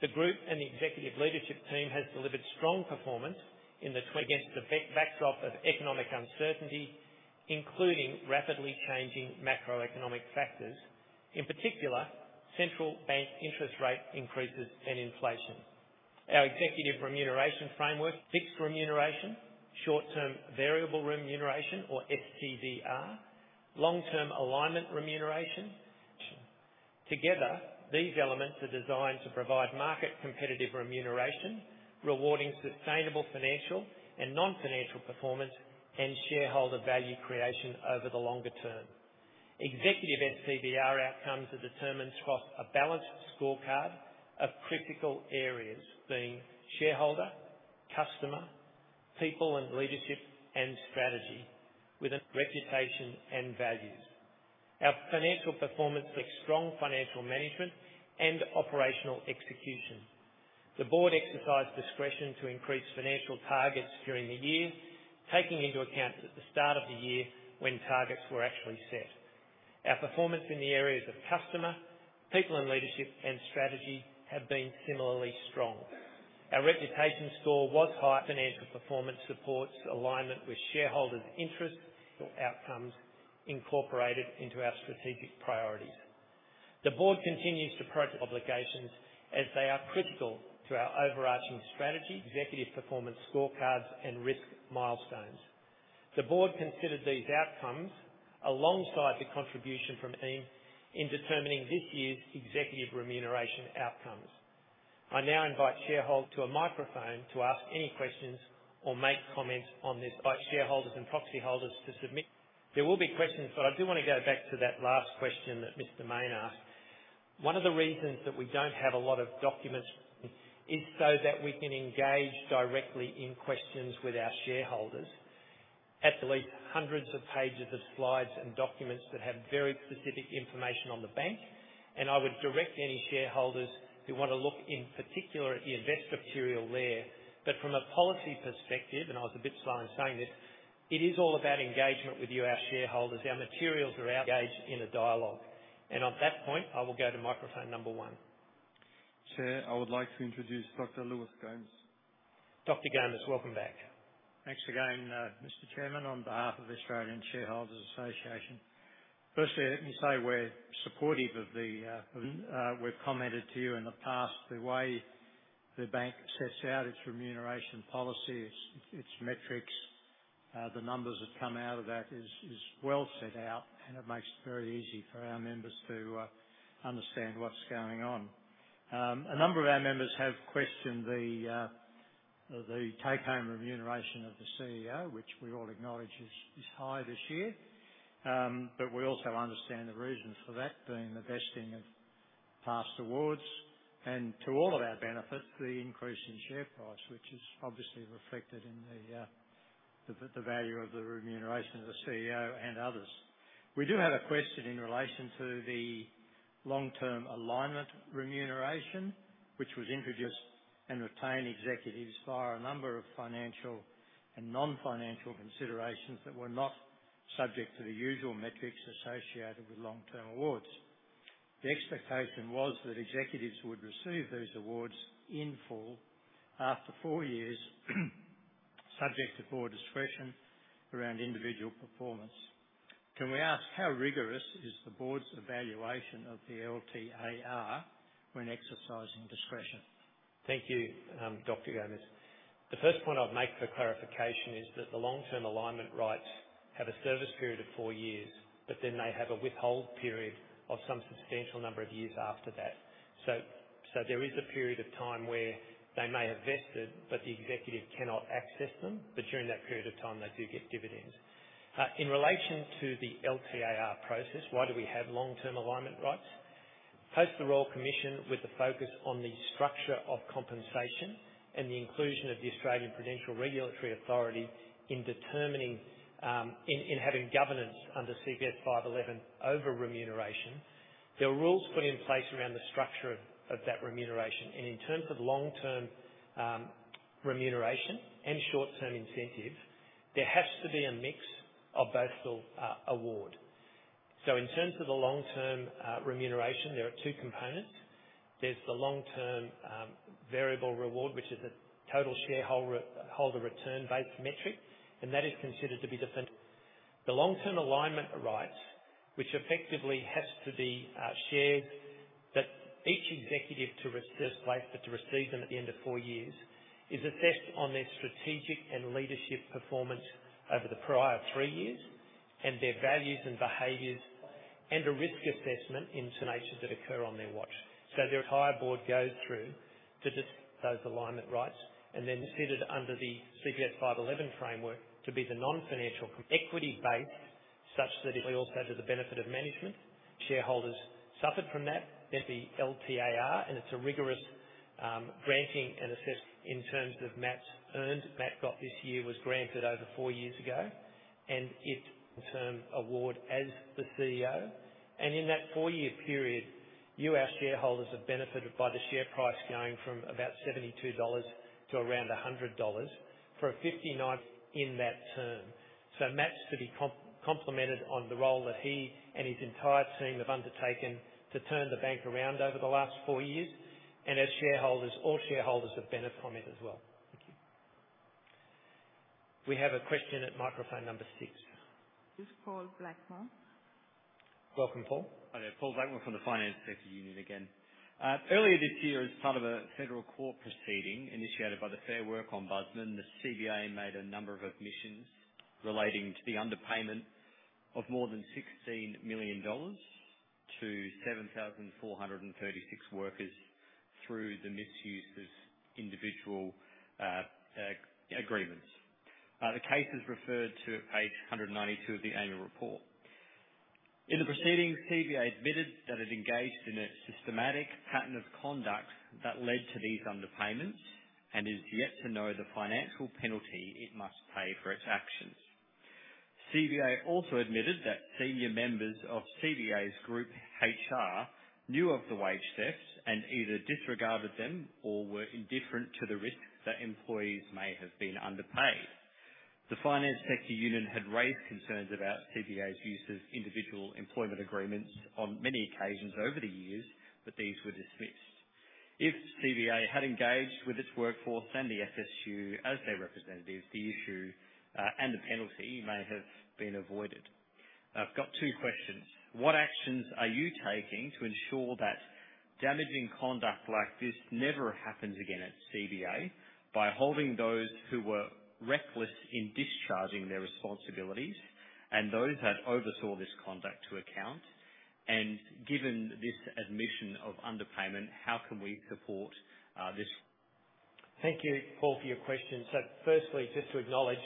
The group and the Executive Leadership Team has delivered strong performance against the backdrop of economic uncertainty, including rapidly changing macroeconomic factors, in particular, central bank interest rate increases and inflation. Our executive remuneration framework, fixed remuneration, short-term variable remuneration or STVR, long-term alignment reward. Together, these elements are designed to provide market-competitive remuneration, rewarding sustainable financial and non-financial performance and shareholder value creation over the longer term. Executive STVR outcomes are determined across a balanced scorecard of critical areas, being shareholder, customer, people and leadership, and strategy, with reputation and values. Our financial performance with strong financial management and operational execution. The board exercised discretion to increase financial targets during the year, taking into account at the start of the year when targets were actually set. Our performance in the areas of customer, people and leadership, and strategy have been similarly strong. Our reputation score was high. Financial performance supports alignment with shareholders' interests or outcomes incorporated into our strategic priorities. The board continues to approach obligations as they are critical to our overarching strategy, executive performance scorecards, and risk milestones. The board considers these outcomes alongside the contribution from team in determining this year's executive remuneration outcomes. I now invite shareholders to a microphone to ask any questions or make comments on this, by shareholders and proxy holders to submit. There will be questions, but I do want to go back to that last question that Mr. Mayne asked. One of the reasons that we don't have a lot of documents is so that we can engage directly in questions with our shareholders. At least hundreds of pages of slides and documents that have very specific information on the bank, and I would direct any shareholders who want to look in particular at the investor material there. But from a policy perspective, and I was a bit slow in saying this, it is all about engagement with you, our shareholders. Our materials are out, engaged in a dialogue. On that point, I will go to microphone number one. Chair, I would like to introduce Dr. Lewis Gomes. Dr. Gomes, welcome back. Thanks again, Mr. Chairman, on behalf of the Australian Shareholders’ Association. Firstly, let me say we're supportive of the, we've commented to you in the past, the way the bank sets out its remuneration policy, its, its metrics, the numbers that come out of that is, is well set out, and it makes it very easy for our members to, understand what's going on. A number of our members have questioned the take-home remuneration of the CEO, which we all acknowledge is, is high this year. But we also understand the reasons for that, being the vesting of past awards, and to all of our benefit, the increase in share price, which is obviously reflected in the, the, the value of the remuneration of the CEO and others. We do have a question in relation to the long-term alignment reward, which was introduced to retain executives via a number of financial and non-financial considerations that were not subject to the usual metrics associated with long-term awards. The expectation was that executives would receive those awards in full after four years, subject to board discretion around individual performance. Can we ask how rigorous is the board's evaluation of the LTAR when exercising discretion? Thank you, Dr. Gomes. The first point I'd make for clarification is that the long-term alignment rights have a service period of four years, but then they have a withhold period of some substantial number of years after that. So, so there is a period of time where they may have vested, but the executive cannot access them, but during that period of time, they do get dividends. In relation to the LTAR process, why do we have long-term alignment rights? Post the Royal Commission, with the focus on the structure of compensation and the inclusion of the Australian Prudential Regulation Authority in determining, in having governance under CPS 511 over remuneration, there were rules put in place around the structure of that remuneration. In terms of long-term remuneration and short-term incentive, there has to be a mix of both of award. So in terms of the long-term remuneration, there are two components. There's the long-term variable reward, which is a total shareholder return-based metric, and that is considered to be the long-term alignment rights, which effectively has to be shared that each executive to first place, but to receive them at the end of four years, is assessed on their strategic and leadership performance over the prior three years, and their values and behaviors, and a risk assessment in situations that occur on their watch. So the entire board goes through to just those alignment rights, and then considered under the CPS 511 Framework to be the non-financial equity base, such that it's also to the benefit of management. Shareholders suffered from that, get the LTAR, and it's a rigorous granting and assessment in terms of Matt's earned. Matt got this year was granted over four years ago, and it's the term award as the CEO. And in that four-year period, you, our shareholders, have benefited by the share price going from about 72 dollars to around 100 dollars for a 59 in that term. So Matt's to be complimented on the role that he and his entire team have undertaken to turn the bank around over the last four years. And as shareholders, all shareholders have benefited from it as well. Thank you. We have a question at microphone number six. It's Paul Blackmore. Welcome, Paul. Hi there, Paul Blackmore from the Finance Sector Union again. Earlier this year, as part of a federal court proceeding initiated by the Fair Work Ombudsman, the CBA made a number of admissions relating to the underpayment of more than 16 million dollars to 7,436 workers through the misuse of individual agreements. The case is referred to page 192 of the annual report. In the proceedings, CBA admitted that it engaged in a systematic pattern of conduct that led to these underpayments and is yet to know the financial penalty it must pay for its actions. CBA also admitted that senior members of CBA's group HR knew of the wage thefts and either disregarded them or were indifferent to the risk that employees may have been underpaid. The Finance Sector Union had raised concerns about CBA's use of individual employment agreements on many occasions over the years, but these were dismissed. If CBA had engaged with its workforce and the FSU as their representative, the issue and the penalty may have been avoided. I've got two questions: What actions are you taking to ensure that damaging conduct like this never happens again at CBA by holding those who were reckless in discharging their responsibilities and those that oversaw this conduct to account? And given this admission of underpayment, how can we support this? Thank you, Paul, for your question. Firstly, just to acknowledge,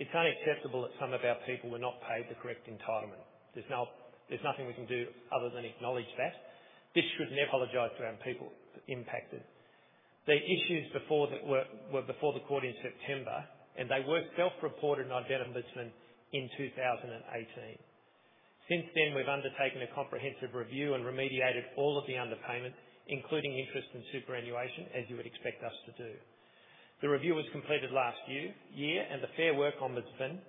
it's unacceptable that some of our people were not paid the correct entitlement. There's nothing we can do other than acknowledge that. We should apologize to our own people impacted. The issues were before the court in September, and they were self-reported to the Fair Work Ombudsman in 2018. Since then, we've undertaken a comprehensive review and remediated all of the underpayment, including interest and superannuation, as you would expect us to do. The review was completed last year, and the Fair Work Ombudsman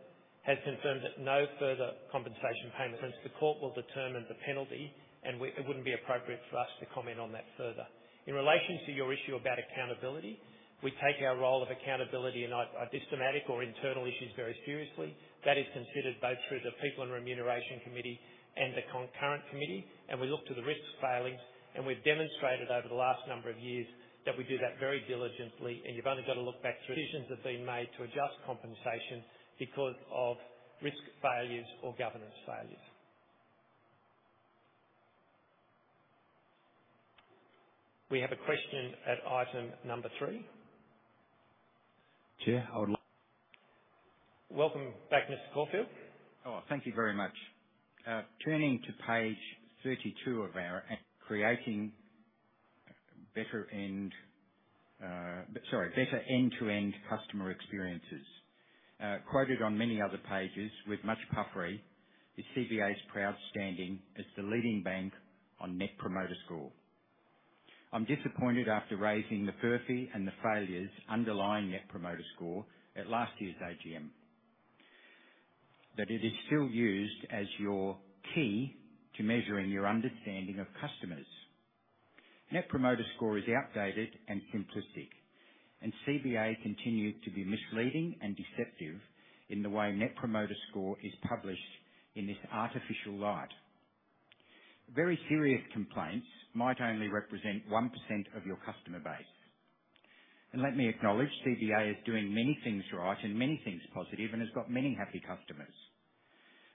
has confirmed that no further compensation payments, since the court will determine the penalty, and it wouldn't be appropriate for us to comment on that further. In relation to your issue about accountability, we take our role of accountability in systematic or internal issues very seriously. That is considered both through the People and Remuneration Committee and the Conduct Committee, and we look to the risks failings, and we've demonstrated over the last number of years that we do that very diligently. You've only got to look back to decisions that have been made to adjust compensation because of risk failures or governance failures. We have a question at item number three. Chair, I would like- Welcome back, Mr. Caulfield. Oh, thank you very much. Turning to page 32 of our creating better end, sorry, better end-to-end customer experiences. Quoted on many other pages with much puffery, the CBA's proud standing as the leading bank on Net Promoter Score. I'm disappointed after raising the perfy and the failures underlying Net Promoter Score at last year's AGM, that it is still used as your key to measuring your understanding of customers. Net Promoter Score is outdated and simplistic, and CBA continues to be misleading and deceptive in the way Net Promoter Score is published in this artificial light. Very serious complaints might only represent 1% of your customer base. And let me acknowledge, CBA is doing many things right and many things positive and has got many happy customers.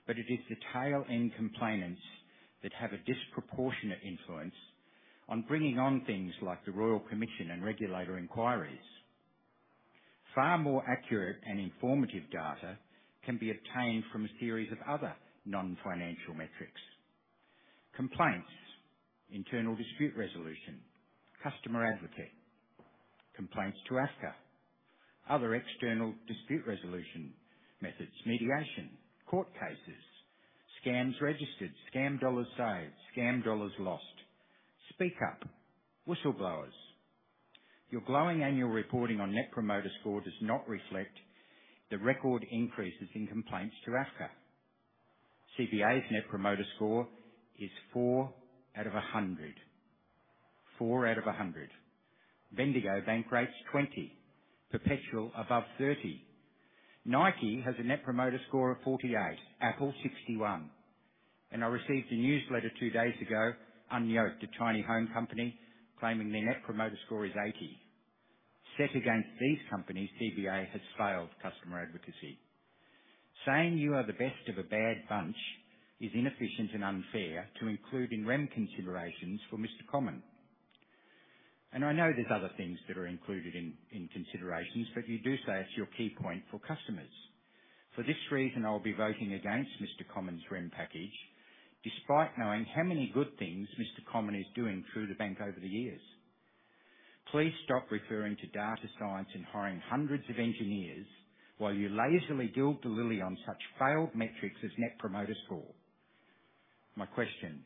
But it is the tail-end complainants that have a disproportionate influence on bringing on things like the Royal Commission and regulator inquiries. Far more accurate and informative data can be obtained from a series of other non-financial metrics: complaints, internal dispute resolution, Customer Advocate, complaints to AFCA, other external dispute resolution methods, mediation, court cases, scams registered, scam dollars saved, scam dollars lost, Speak up, whistleblowers. Your glowing annual reporting on Net Promoter Score does not reflect the record increases in complaints to AFCA. CBA's Net Promoter Score is 4 out of 100. 4 out of 100. Bendigo Bank rates 20, Perpetual above 30. Nike has a Net Promoter Score of 48, Apple 61, and I received a newsletter two days ago, [Yunke], the Chinese home company, claiming their Net Promoter Score is 80. Set against these companies, CBA has failed customer advocacy. Saying you are the best of a bad bunch is inefficient and unfair to include in REM considerations for Mr. Comyn. I know there's other things that are included in considerations, but you do say it's your key point for customers. For this reason, I'll be voting against Mr. Comyn's REM package, despite knowing how many good things Mr. Comyn is doing through the bank over the years. Please stop referring to data science and hiring hundreds of engineers while you lazily gild the lily on such failed metrics as Net Promoter Score. My question: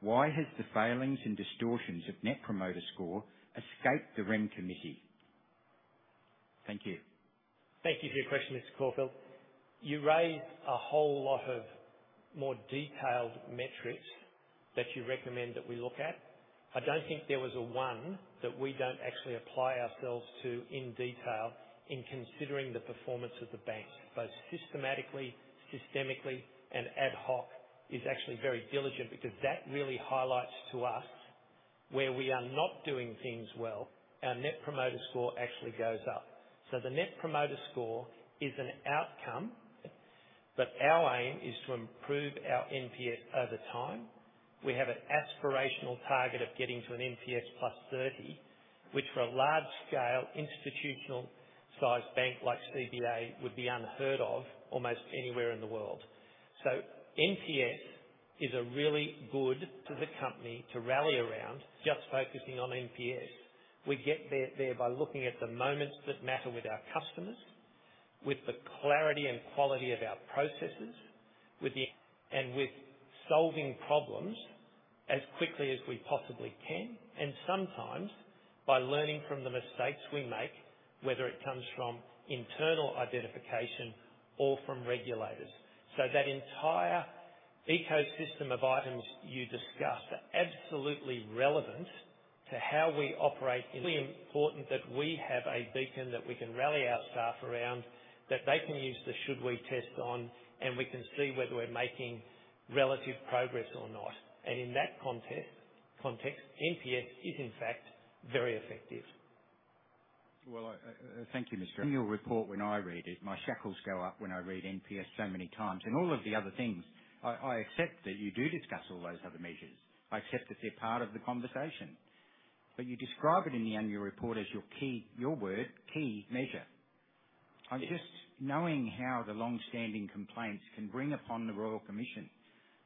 Why has the failings and distortions of Net Promoter Score escaped the REM committee? Thank you. Thank you for your question, Mr. Caulfield. You raised a whole lot of more detailed metrics that you recommend that we look at. I don't think there was a one that we don't actually apply ourselves to in detail in considering the performance of the bank, both systematically, systemically, and ad hoc, is actually very diligent because that really highlights to us where we are not doing things well, our Net Promoter Score actually goes up. So the Net Promoter Score is an outcome, but our aim is to improve our NPS over time. We have an aspirational target of getting to an NPS +30, which for a large scale, institutional-sized bank like CBA, would be unheard of almost anywhere in the world. So NPS is a really good to the company to rally around, just focusing on NPS. We get there by looking at the moments that matter with our customers, with the clarity and quality of our processes, with the. And with solving problems as quickly as we possibly can, and sometimes by learning from the mistakes we make, whether it comes from internal identification or from regulators. So that entire ecosystem of items you discussed are absolutely relevant to how we operate. It's really important that we have a beacon that we can rally our staff around, that they can use the should we test on, and we can see whether we're making relative progress or not. And in that context, NPS is in fact very effective. Well, I thank you, Mr. In your report, when I read it, my shackles go up when I read NPS so many times and all of the other things. I accept that you do discuss all those other measures. I accept that they're part of the conversation, but you describe it in the annual report as your key, your word, key measure. I'm just knowing how the longstanding complaints can bring upon the Royal Commission.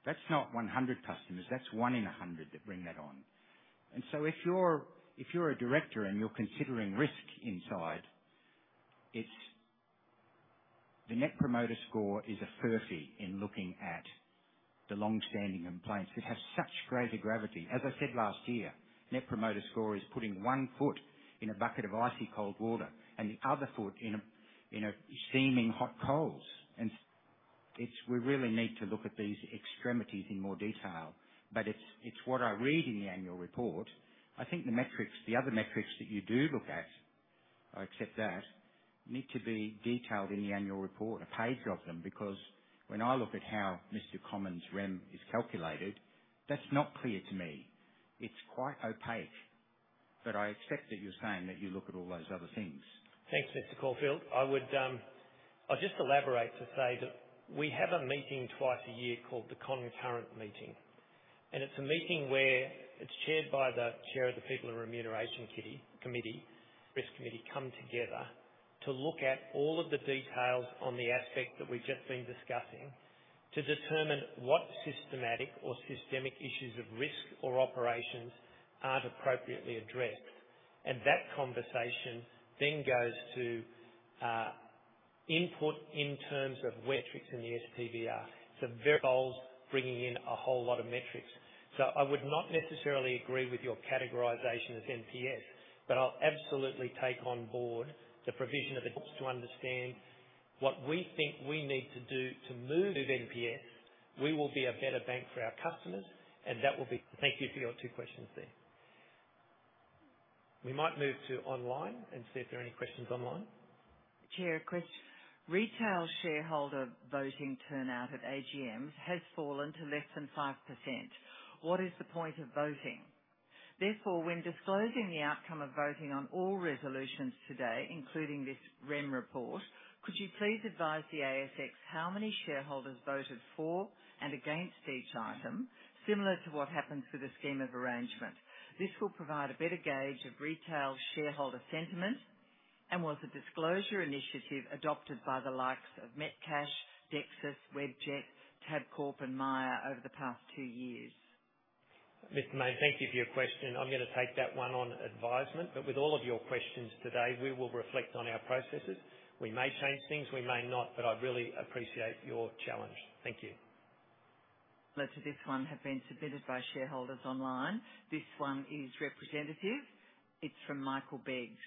That's not 100 customers, that's one in 100 that bring that on. And so if you're a director and you're considering risk inside, it's... The Net Promoter Score is a furphy in looking at the longstanding complaints that have such greater gravity. As I said last year, Net Promoter Score is putting one foot in a bucket of icy cold water and the other foot in a steaming hot coals. And it's we really need to look at these extremities in more detail. But it's what I read in the annual report. I think the metrics, the other metrics that you do look at, I accept that, need to be detailed in the annual report, a page of them, because when I look at how Mr. Comyn's REM is calculated, that's not clear to me. It's quite opaque, but I accept that you're saying that you look at all those other things. Thanks, Mr. Caulfield. I would, I'll just elaborate to say that we have a meeting twice a year called the Concurrent meeting, and it's a meeting where it's chaired by the chair of the People and Remuneration Committee, Risk Committee, come together to look at all of the details on the aspect that we've just been discussing, to determine what systematic or systemic issues of risk or operations aren't appropriately addressed. That conversation then goes to input in terms of metrics in the STVR. It's a very... bringing in a whole lot of metrics. So I would not necessarily agree with your categorization as NPS, but I'll absolutely take on board the provision of it to understand what we think we need to do to move with NPS. We will be a better bank for our customers, and that will be...Thank you for your two questions there. We might move to online and see if there are any questions online. Chair, [Chris], retail shareholder voting turnout at AGMs has fallen to less than 5%. What is the point of voting? Therefore, when disclosing the outcome of voting on all resolutions today, including this REM report, could you please advise the ASX how many shareholders voted for and against each item, similar to what happens with the scheme of arrangement? This will provide a better gauge of retail shareholder sentiment and was a disclosure initiative adopted by the likes of Metcash, Dexus, Webjet, Tabcorp, and Myer over the past two years. Mr. Mayne, thank you for your question. I'm gonna take that one on advisement, but with all of your questions today, we will reflect on our processes. We may change things, we may not, but I really appreciate your challenge. Thank you. To this one have been submitted by shareholders online. This one is representative. It's from Michael Biggs.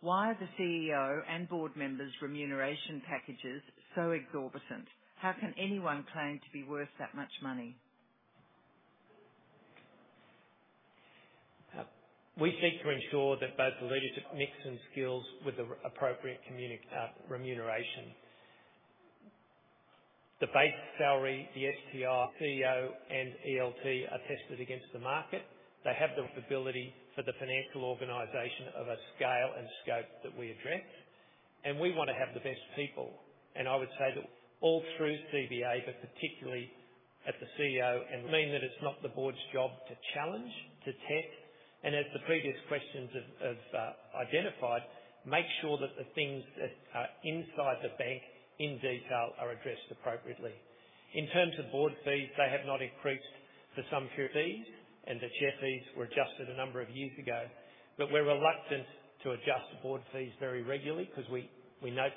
Why are the CEO and board members' remuneration packages so exorbitant? How can anyone claim to be worth that much money? We seek to ensure that both the leaders have the mix and skills with the appropriate remuneration. The base salary, the STR, CEO, and ELT are tested against the market. They have the ability for the financial organization of a scale and scope that we address, and we want to have the best people. And I would say that all through CBA, but particularly at the CEO, and I mean that it's not the board's job to challenge, to test, and as the previous questions have identified, make sure that the things that are inside the bank, in detail, are addressed appropriately. In terms of board fees, they have not increased for some years, and the chair fees were adjusted a number of years ago. But we're reluctant to adjust board fees very regularly because we note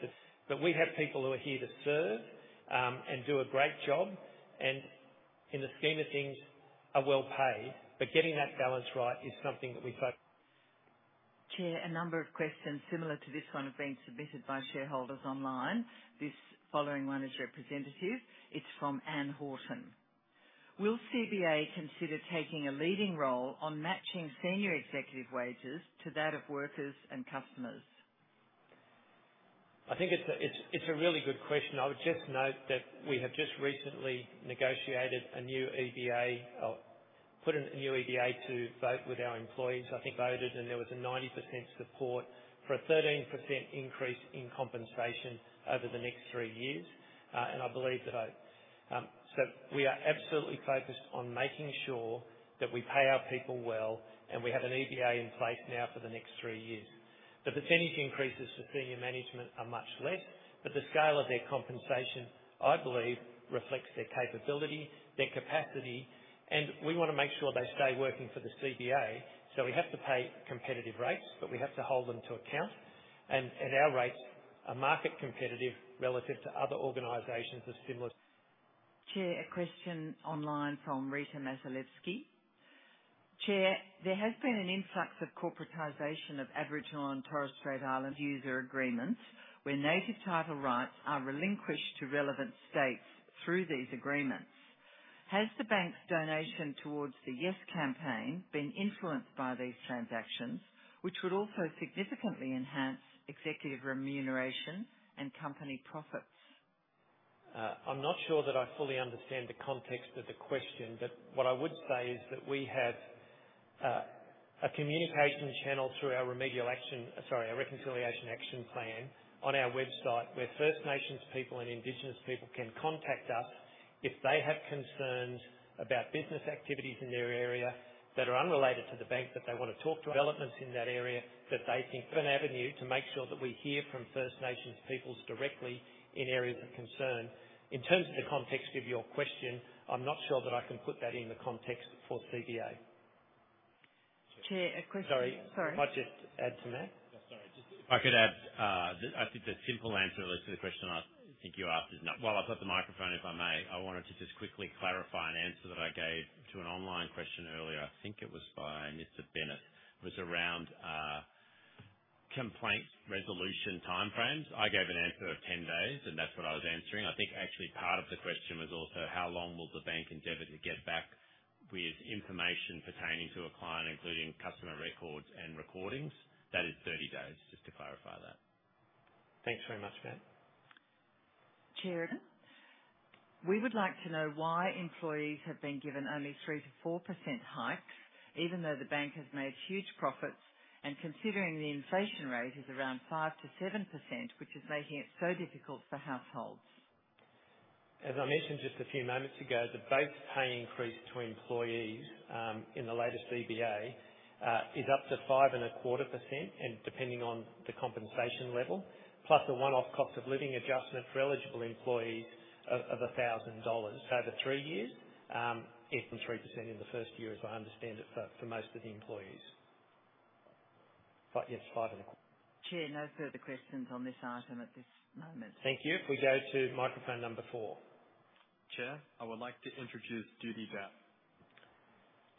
that we have people who are here to serve, and do a great job, and in the scheme of things, are well paid. But getting that balance right is something that we focus- Chair, a number of questions similar to this one have been submitted by shareholders online. This following one is representative. It's from Anne Horton: Will CBA consider taking a leading role on matching senior executive wages to that of workers and customers? I think it's a really good question. I would just note that we have just recently negotiated a new CBA, put a new CBA to vote with our employees. I think voted, and there was 90% support for a 13% increase in compensation over the next three years. And I believe that I... So we are absolutely focused on making sure that we pay our people well, and we have a CBA in place now for the next three years. The percentage increases for senior management are much less, but the scale of their compensation, I believe, reflects their capability, their capacity, and we want to make sure they stay working for the CBA. So we have to pay competitive rates, but we have to hold them to account. Our rates are market competitive relative to other organizations of similar- Chair, a question online from Rita Mazalevskis. Chair, there has been an influx of corporatization of Aboriginal and Torres Strait Islander land use agreements, where native title rights are relinquished to relevant states through these agreements. Has the bank's donation towards the Yes campaign been influenced by these transactions, which would also significantly enhance executive remuneration and company profits? I'm not sure that I fully understand the context of the question, but what I would say is that we have a communication channel through our remedial action... Sorry, our Reconciliation Action Plan on our website, where First Nations people and Indigenous people can contact us if they have concerns about business activities in their area that are unrelated to the bank, that they want to talk to developments in that area, that they think of an avenue to make sure that we hear from First Nations peoples directly in areas of concern. In terms of the context of your question, I'm not sure that I can put that in the context for CBA. Chair, a question- Sorry. Sorry. Matt I just add to that? Sorry, if I could add, I think the simple answer to the question I think you asked is no. While I've got the microphone, if I may, I wanted to just quickly clarify an answer that I gave to an online question earlier. I think it was by Mr. Bennett. It was around, complaints, resolution, timeframes. I gave an answer of 10 days, and that's what I was answering. I think actually part of the question was also: How long will the bank endeavor to get back with information pertaining to a client, including customer records and recordings? That is 30 days, just to clarify that. Thanks very much, Matt. Chair, we would like to know why employees have been given only 3%-4% hikes, even though the bank has made huge profits and considering the inflation rate is around 5%-7%, which is making it so difficult for households? As I mentioned just a few moments ago, the base pay increase to employees in the latest CBA is up to 5.25%, and depending on the compensation level, plus a one-off cost of living adjustment for eligible employees of 1,000 dollars over 3 years. And from 3% in the first year, as I understand it, for most of the employees. But yes, five and a- Chair, no further questions on this item at this moment. Thank you. We go to microphone number four. Chair, I would like to introduce Judy Bao.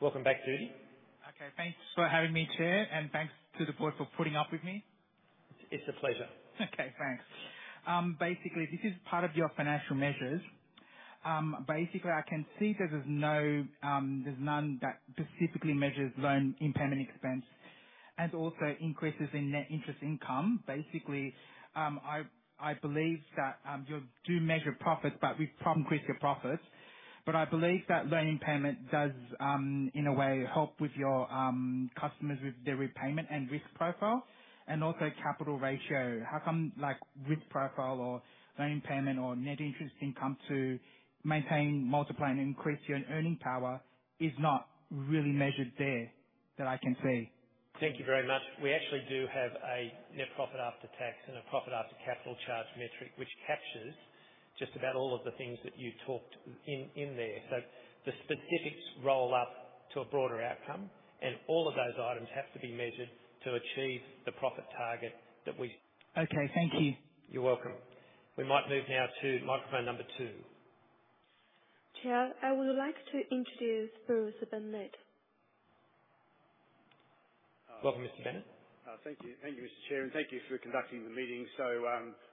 Welcome back, Judy. Okay, thanks for having me, Chair, and thanks to the board for putting up with me. It's a pleasure. Okay, thanks. Basically, this is part of your financial measures. Basically, I can see that there's no, there's none that specifically measures loan impairment expense and also increases in net interest income. Basically, I believe that you do measure profits but with from quicker profits. But I believe that loan impairment does, in a way, help with your customers with their repayment and risk profile and also capital ratio. How come, like, risk profile or loan impairment or net interest income to maintain, multiply, and increase your earning power is not really measured there, that I can see? Thank you very much. We actually do have a net profit after tax and a profit after capital charge metric, which captures just about all of the things that you talked in, in there. The specifics roll up to a broader outcome, and all of those items have to be measured to achieve the profit target that we- Okay, thank you. You're welcome. We might move now to microphone number two. Chair, I would like to introduce Bruce Bennett. Welcome, Mr. Bennett. Thank you. Thank you, Mr. Chair, and thank you for conducting the meeting so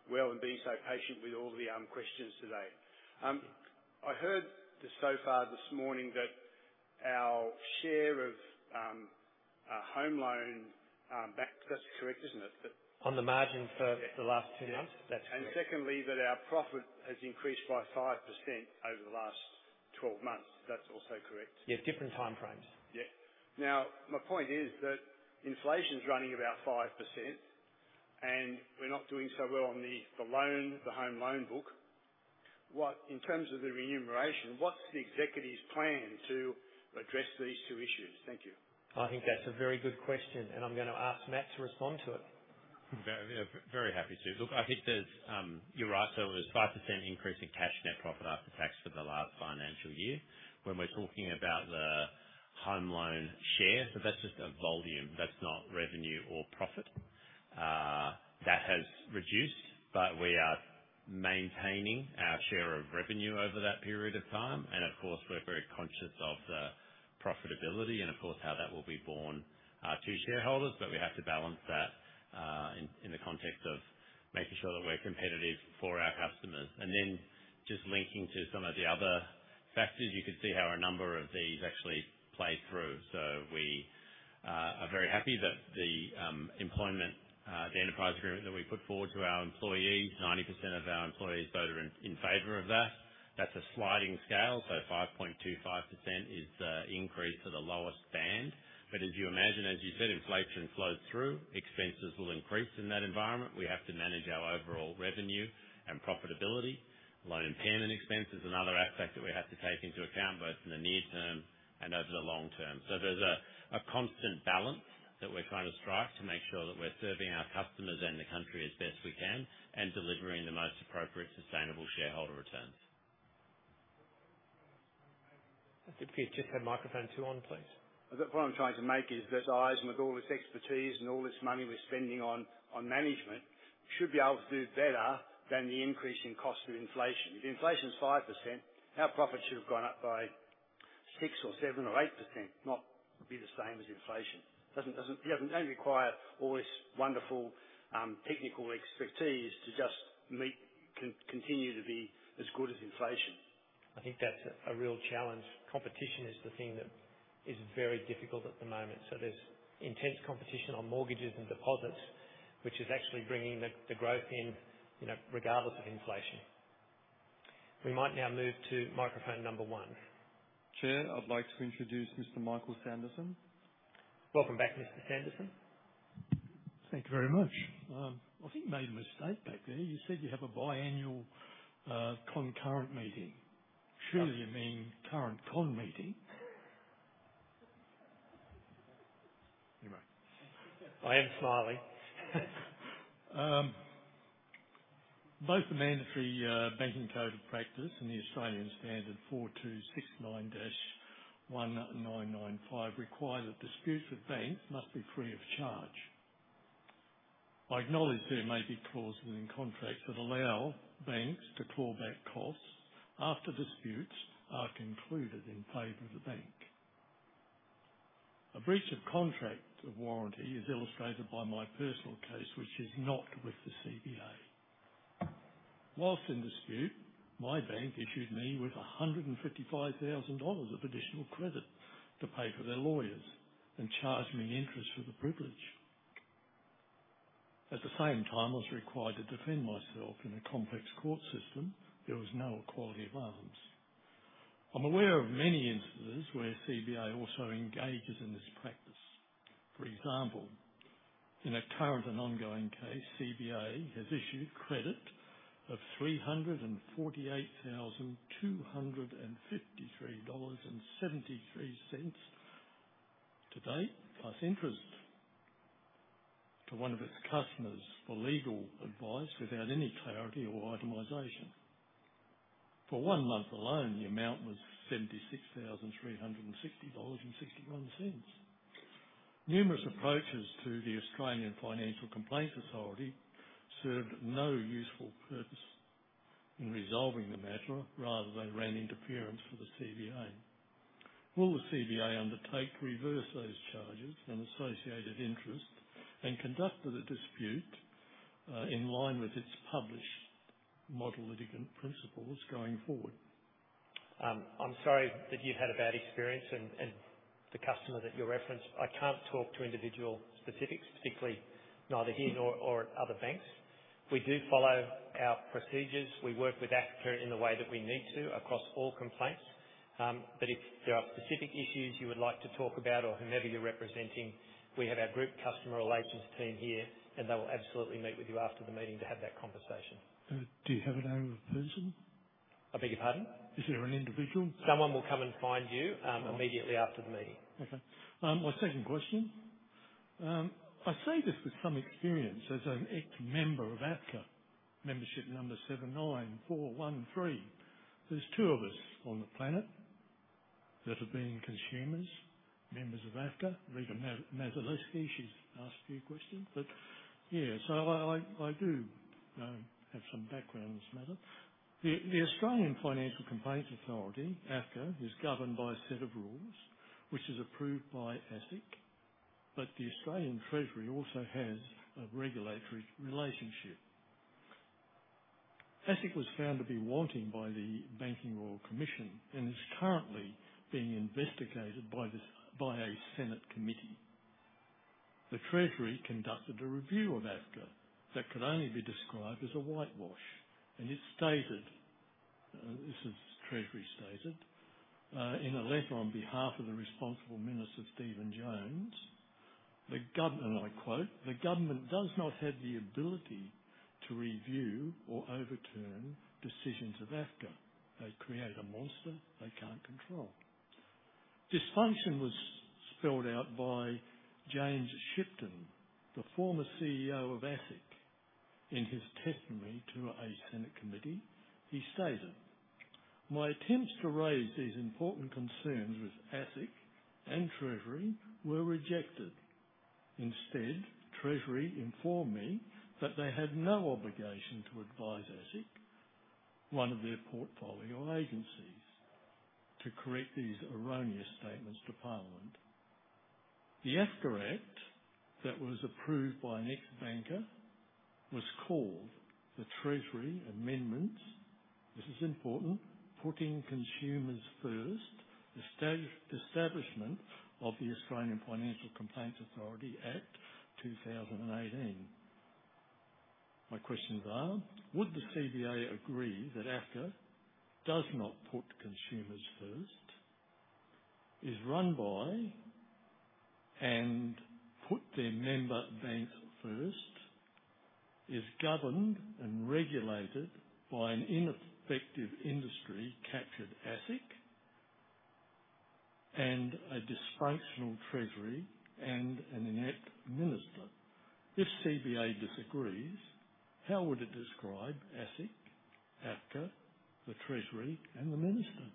well, and being so patient with all the questions today. I heard that so far this morning that our share of our home loan back... That's correct, isn't it? That- On the margin for- Yeah the last two months? That's correct. And secondly, that our profit has increased by 5% over the last 12 months. That's also correct? Yes, different time frames. Yeah. Now, my point is that inflation's running about 5%, and we're not doing so well on the loan, the home loan book. what, in terms of the remuneration, what's the executives' plan to address these two issues? Thank you. I think that's a very good question, and I'm gonna ask Matt to respond to it. Very, very happy to. Look, I think there's, you're right. So it was 5% increase in cash net profit after tax for the last financial year. When we're talking about the home loan share, so that's just a volume, that's not revenue or profit. That has reduced, but we are maintaining our share of revenue over that period of time. And of course, we're very conscious of the profitability and, of course, how that will be borne to shareholders. But we have to balance that in, in the context of making sure that we're competitive for our customers. And then, just linking to some of the other factors, you can see how a number of these actually play through. So we are very happy that the employment the enterprise agreement that we put forward to our employees, 90% of our employees voted in favor of that. That's a sliding scale, so 5.25% is the increase to the lowest band. But as you imagine, as you said, inflation flows through. Expenses will increase in that environment. We have to manage our overall revenue and profitability. Loan impairment expense is another aspect that we have to take into account, both in the near term and over the long term. So there's a constant balance that we're trying to strike to make sure that we're serving our customers and the country as best we can, and delivering the most appropriate, sustainable shareholder returns. If you could just turn microphone two on, please. The point I'm trying to make is that us, with all this expertise and all this money we're spending on management, should be able to do better than the increase in cost of inflation. If inflation's 5%, our profit should have gone up by 6% or 7% or 8%, not be the same as inflation. Doesn't. You don't require all this wonderful, technical expertise to just meet... continue to be as good as inflation. I think that's a real challenge. Competition is the thing that is very difficult at the moment. So there's intense competition on mortgages and deposits, which is actually bringing the growth in, you know, regardless of inflation. We might now move to microphone number one. Chair, I'd like to introduce Mr. Michael Sanderson. Welcome back, Mr. Sanderson. Thank you very much. I think you made a mistake back there. You said you have a biannual, concurrent meeting. Surely you mean current con meeting? Anyway. I am smiling. Both the mandatory banking code of practice and the Australian Standard 4269-1995 require that disputes with banks must be free of charge. I acknowledge there may be clauses in contracts that allow banks to claw back costs after disputes are concluded in favor of the bank. A breach of contract of warranty is illustrated by my personal case, which is not with the CBA. While in dispute, my bank issued me with 155,000 dollars of additional credit to pay for their lawyers and charged me interest for the privilege. At the same time, I was required to defend myself in a complex court system. There was no equality of arms. I'm aware of many instances where CBA also engages in this practice. For example, in a current and ongoing case, CBA has issued credit of 348,253.73 dollars to date, plus interest, to one of its customers for legal advice without any clarity or itemization. For one month alone, the amount was AUD 76,360.61. Numerous approaches to the Australian Financial Complaints Authority served no useful purpose in resolving the matter, rather they ran interference for the CBA. Will the CBA undertake to reverse those charges and associated interest and conduct the dispute, in line with its published model litigant principles going forward? I'm sorry that you've had a bad experience and, and the customer that you referenced. I can't talk to individual specifics, particularly neither here nor there or at other banks. We do follow our procedures. We work with AFCA in the way that we need to across all complaints. But if there are specific issues you would like to talk about or whomever you're representing, we have our Group Customer Relations team here, and they will absolutely meet with you after the meeting to have that conversation. Do you have a name of the person? I beg your pardon? Is there an individual? Someone will come and find you. All right. immediately after the meeting. Okay. My second question. I say this with some experience as an ex-member of AFCA, membership number 79413. There's two of us on the planet that have been consumers, members of AFCA, Rita Mazalevskis, she's asked a few questions. But yeah, so I do have some background on this matter. The Australian Financial Complaints Authority, AFCA, is governed by a set of rules which is approved by ASIC, but the Australian Treasury also has a regulatory relationship. ASIC was found to be wanting by the Banking Royal Commission and is currently being investigated by a Senate committee. The Treasury conducted a review of AFCA that could only be described as a whitewash, and it stated, Treasury stated, in a letter on behalf of the responsible minister, Stephen Jones-... The government, I quote, "The government does not have the ability to review or overturn decisions of AFCA. They create a monster they can't control." Dysfunction was spelled out by James Shipton, the former CEO of ASIC, in his testimony to a Senate committee. He stated, "My attempts to raise these important concerns with ASIC and Treasury were rejected. Instead, Treasury informed me that they had no obligation to advise ASIC, one of their portfolio agencies, to correct these erroneous statements to Parliament." The AFCA Act that was approved by an ex-banker was called the Treasury Amendments. This is important. Putting Consumers First: Establishment of the Australian Financial Complaints Authority Act 2018. My questions are: Would the CBA agree that AFCA does not put consumers first, is run by and put their member banks first, is governed and regulated by an ineffective industry-captured ASIC, and a dysfunctional Treasury and an inept minister? If CBA disagrees, how would it describe ASIC, AFCA, the Treasury, and the Minister?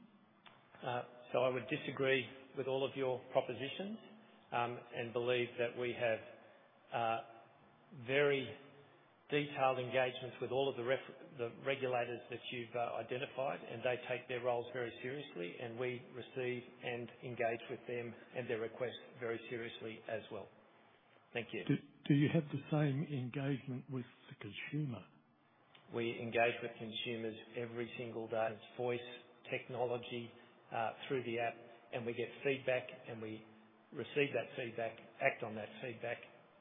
So I would disagree with all of your propositions, and believe that we have very detailed engagements with all of the regulators that you've identified, and they take their roles very seriously, and we receive and engage with them and their requests very seriously as well. Thank you. Do you have the same engagement with the consumer? We engage with consumers every single day. It's voice technology, through the app, and we get feedback, and we receive that feedback, act on that feedback,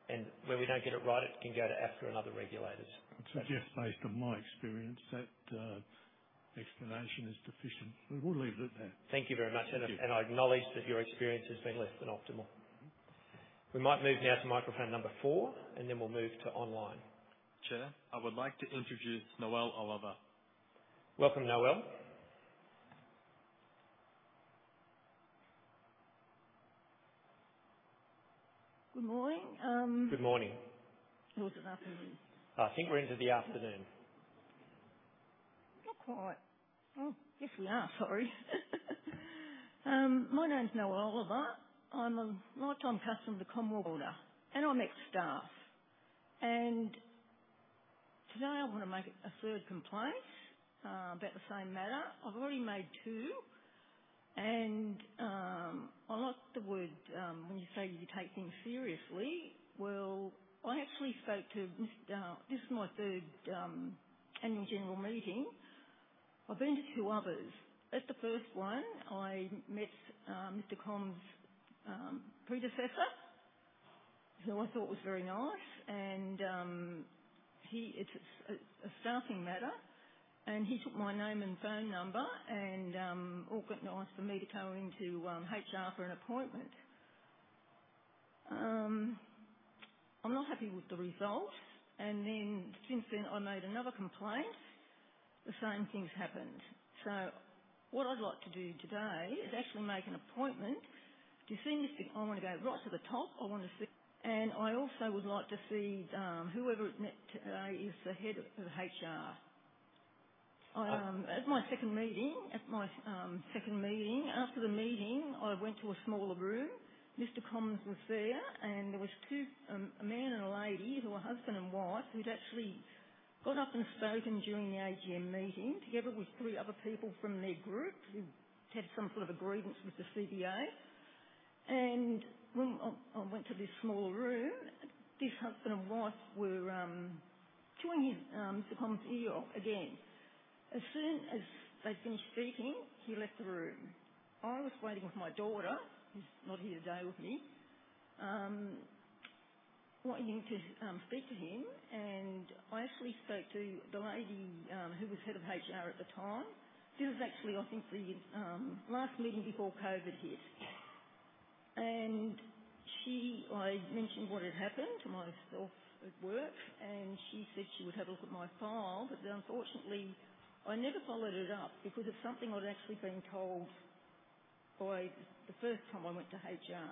and where we don't get it right, it can go to AFCA and other regulators. I suggest, based on my experience, that explanation is deficient. We will leave it at that. Thank you very much. Thank you. I acknowledge that your experience has been less than optimal. We might move now to microphone number four, and then we'll move to online. Chair, I would like to introduce Noelle Oliver. Welcome, Noelle. Good morning, Good morning. Or is it afternoon? I think we're into the afternoon. Not quite. Oh, yes, we are. Sorry. My name is Noelle Oliver. I'm a lifetime customer of the Commonwealth Bank, and I'm ex-staff. And today I want to make a third complaint about the same matter. I've already made two, and I like the word when you say you take things seriously. Well, I actually spoke to Mr. This is my third Annual General Meeting. I've been to two others. At the first one, I met Mr. Comyn's predecessor, who I thought was very nice and he... It's a staffing matter, and he took my name and phone number and all but asked for me to go into HR for an appointment. I'm not happy with the result, and then since then, I made another complaint. The same things happened. So what I'd like to do today is actually make an appointment to see Mr.... I want to go right to the top. I want to see-- And I also would like to see, whoever it may be today is the head of the HR. At my second meeting, after the meeting, I went to a smaller room. Mr. Comyn was there, and there was two a man and a lady who are husband and wife, who'd actually got up and spoken during the AGM meeting, together with three other people from their group, who had some sort of a grievance with the CBA. And when I went to this small room, this husband and wife were chewing in Mr. Comyn's ear again. As soon as they finished speaking, he left the room. I was waiting with my daughter, who's not here today with me, wanting to speak to him, and I actually spoke to the lady who was head of HR at the time. This was actually, I think, the last meeting before COVID hit. And I mentioned what had happened to myself at work, and she said she would have a look at my file, but unfortunately, I never followed it up because of something I'd actually been told by the first time I went to HR.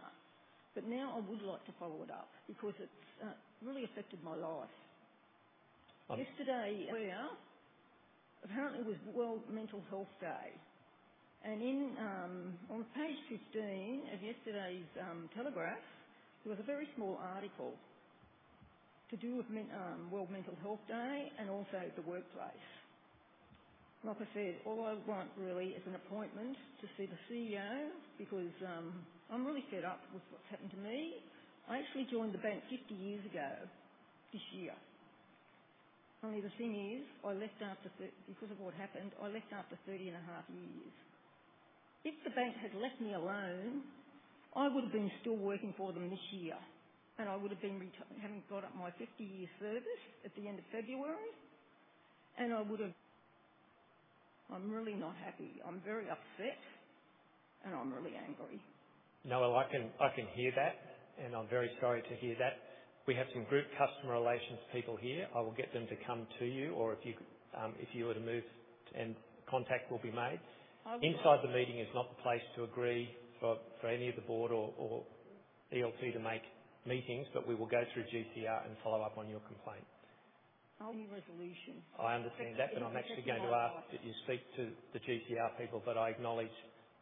But now I would like to follow it up because it's really affected my life. Yesterday, where apparently it was World Mental Health Day, and in on page 15 of yesterday's Telegraph, there was a very small article to do with men- World Mental Health Day and also the workplace. Like I said, all I want really is an appointment to see the CEO, because, I'm really fed up with what's happened to me. I actually joined the bank 50 years ago this year. Only the thing is, I left after thirty. Because of what happened, I left after 30 and a half years. If the bank had left me alone, I would have been still working for them this year, and I would have been having got up my 50-year service at the end of February, and I would have. I'm really not happy. I'm very upset, and I'm really angry. Noel, I can, I can hear that, and I'm very sorry to hear that. We have some Group Customer Relations people here. I will get them to come to you, or if you were to move, and contact will be made. I would like- Inside the meeting is not the place to agree for any of the board or ELT to make meetings, but we will go through GCR and follow up on your complaint. I need resolution. I understand that, and I'm actually going to ask that you speak to the GCR people, but I acknowledge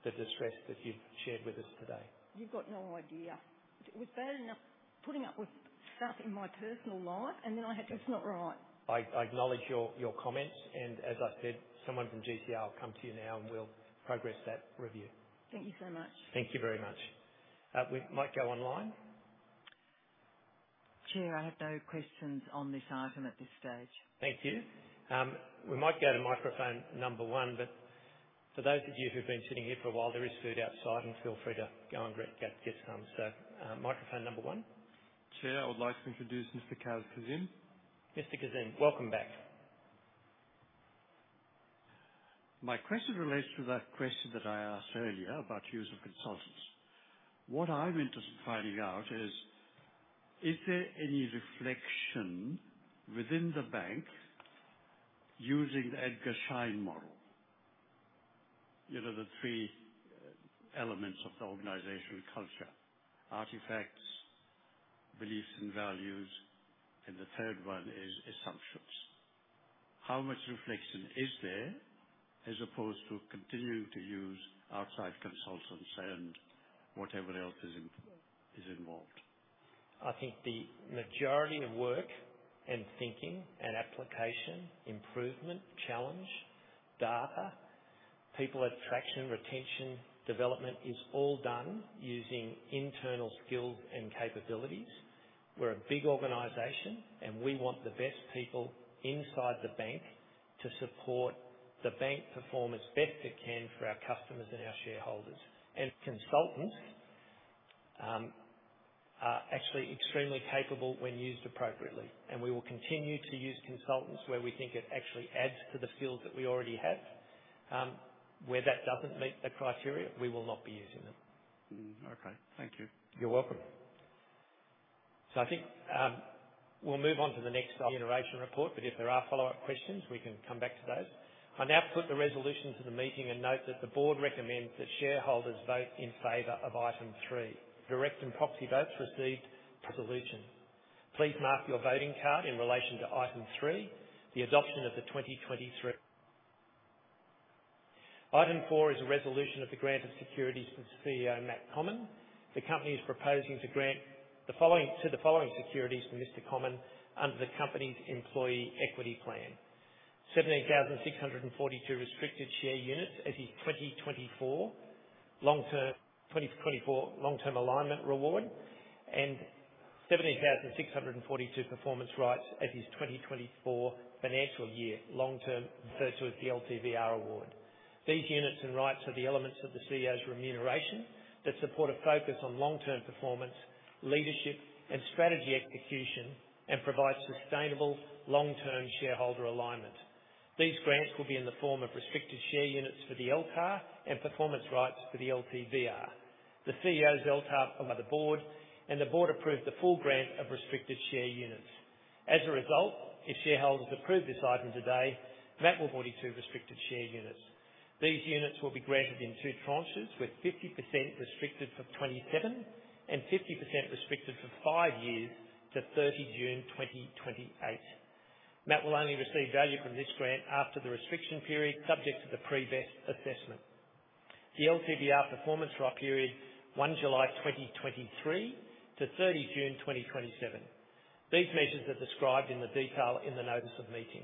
the distress that you've shared with us today. You've got no idea. It was bad enough putting up with stuff in my personal life, and then I have... It's not right. I acknowledge your comments, and as I said, someone from GCR will come to you now, and we'll progress that review. Thank you so much. Thank you very much. We might go online. Chair, I have no questions on this item at this stage. Thank you. We might go to microphone number one, but for those of you who've been sitting here for a while, there is food outside, and feel free to go and get some. So, microphone number one. Chair, I would like to introduce Mr. Kaz Kazim. Mr. Kazim, welcome back. My question relates to that question that I asked earlier about use of consultants. What I'm interested in finding out is, is there any reflection within the bank using the Edgar Schein model? You know, the three elements of the organizational culture: artifacts, beliefs, and values, and the third one is assumptions. How much reflection is there as opposed to continuing to use outside consultants and whatever else is involved? I think the majority of work and thinking and application, improvement, challenge, data, people attraction, retention, development is all done using internal skills and capabilities. We're a big organization, and we want the best people inside the bank to support the bank performance best it can for our customers and our shareholders. Consultants are actually extremely capable when used appropriately, and we will continue to use consultants where we think it actually adds to the skills that we already have. Where that doesn't meet the criteria, we will not be using them. Okay. Thank you. You're welcome. So I think, we'll move on to the next item, generation report, but if there are follow-up questions, we can come back to those. I now put the resolution to the meeting and note that the board recommends that shareholders vote in favor of item three, direct and proxy votes received resolution. Please mark your voting card in relation to item three, the adoption of the 2023. Item four is a resolution of the grant of securities for CEO Matt Comyn. The company is proposing to grant the following securities for Mr. Comyn under the company's employee equity plan. 17,642 restricted share units as his 2024 long-term alignment reward, and 17,642 performance rights as his 2024 financial year long term, referred to as the LTVR award. These units and rights are the elements of the CEO's remuneration that support a focus on long-term performance, leadership, and strategy execution and provide sustainable long-term shareholder alignment. These grants will be in the form of restricted share units for the LTAR and performance rights for the LTVR. The CEO's LTAR are by the board, and the board approved the full grant of restricted share units. As a result, if shareholders approve this item today, Matt will own 2 restricted share units. These units will be granted in two tranches, with 50% restricted for 27 and 50% restricted for 5 years to 30 June 2028. Matt will only receive value from this grant after the restriction period, subject to the pre-vest assessment. The LTVR performance for our period, 1 July 2023 to 30 June 2027. These measures are described in detail in the notice of meeting.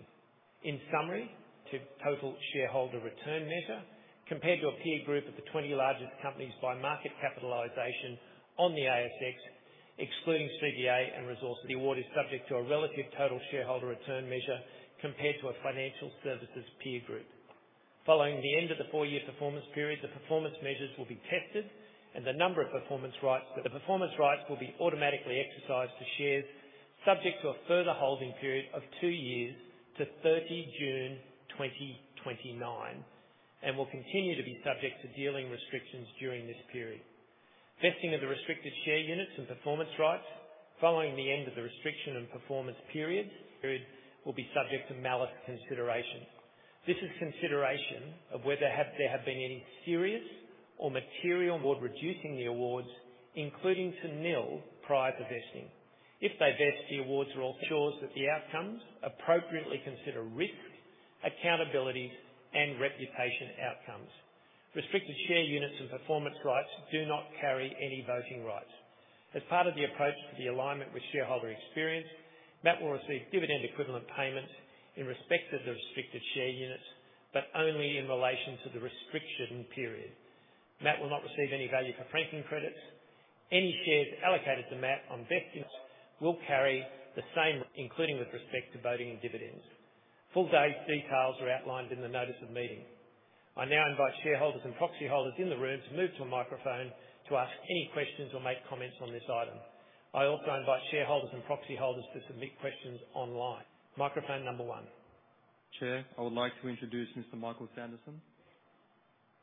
In summary, the total shareholder return measure, compared to a peer group of the 20 largest companies by market capitalization on the ASX, excluding CBA and resources, the award is subject to a relative total shareholder return measure compared to a financial services peer group. Following the end of the four-year performance period, the performance measures will be tested, and the number of performance rights... But the performance rights will be automatically exercised to shares, subject to a further holding period of 2 years to 30 June 2029, and will continue to be subject to dealing restrictions during this period. Vesting of the restricted share units and performance rights following the end of the restriction and performance periods will be subject to malus consideration. This is consideration of whether there have been any serious or material award reducing the awards, including to nil, prior to vesting. If they vest, the awards all ensure that the outcomes appropriately consider risk, accountability, and reputation outcomes. Restricted share units and performance rights do not carry any voting rights. As part of the approach to the alignment with shareholder experience, Matt will receive dividend equivalent payments in respect of the restricted share units, but only in relation to the restriction period. Matt will not receive any value for franking credits. Any shares allocated to Matt on vesting will carry the same, including with respect to voting and dividends. Full details are outlined in the notice of meeting.... I now invite shareholders and proxy holders in the room to move to a microphone to ask any questions or make comments on this item. I also invite shareholders and proxy holders to submit questions online. Microphone number one. Chair, I would like to introduce Mr. Michael Sanderson.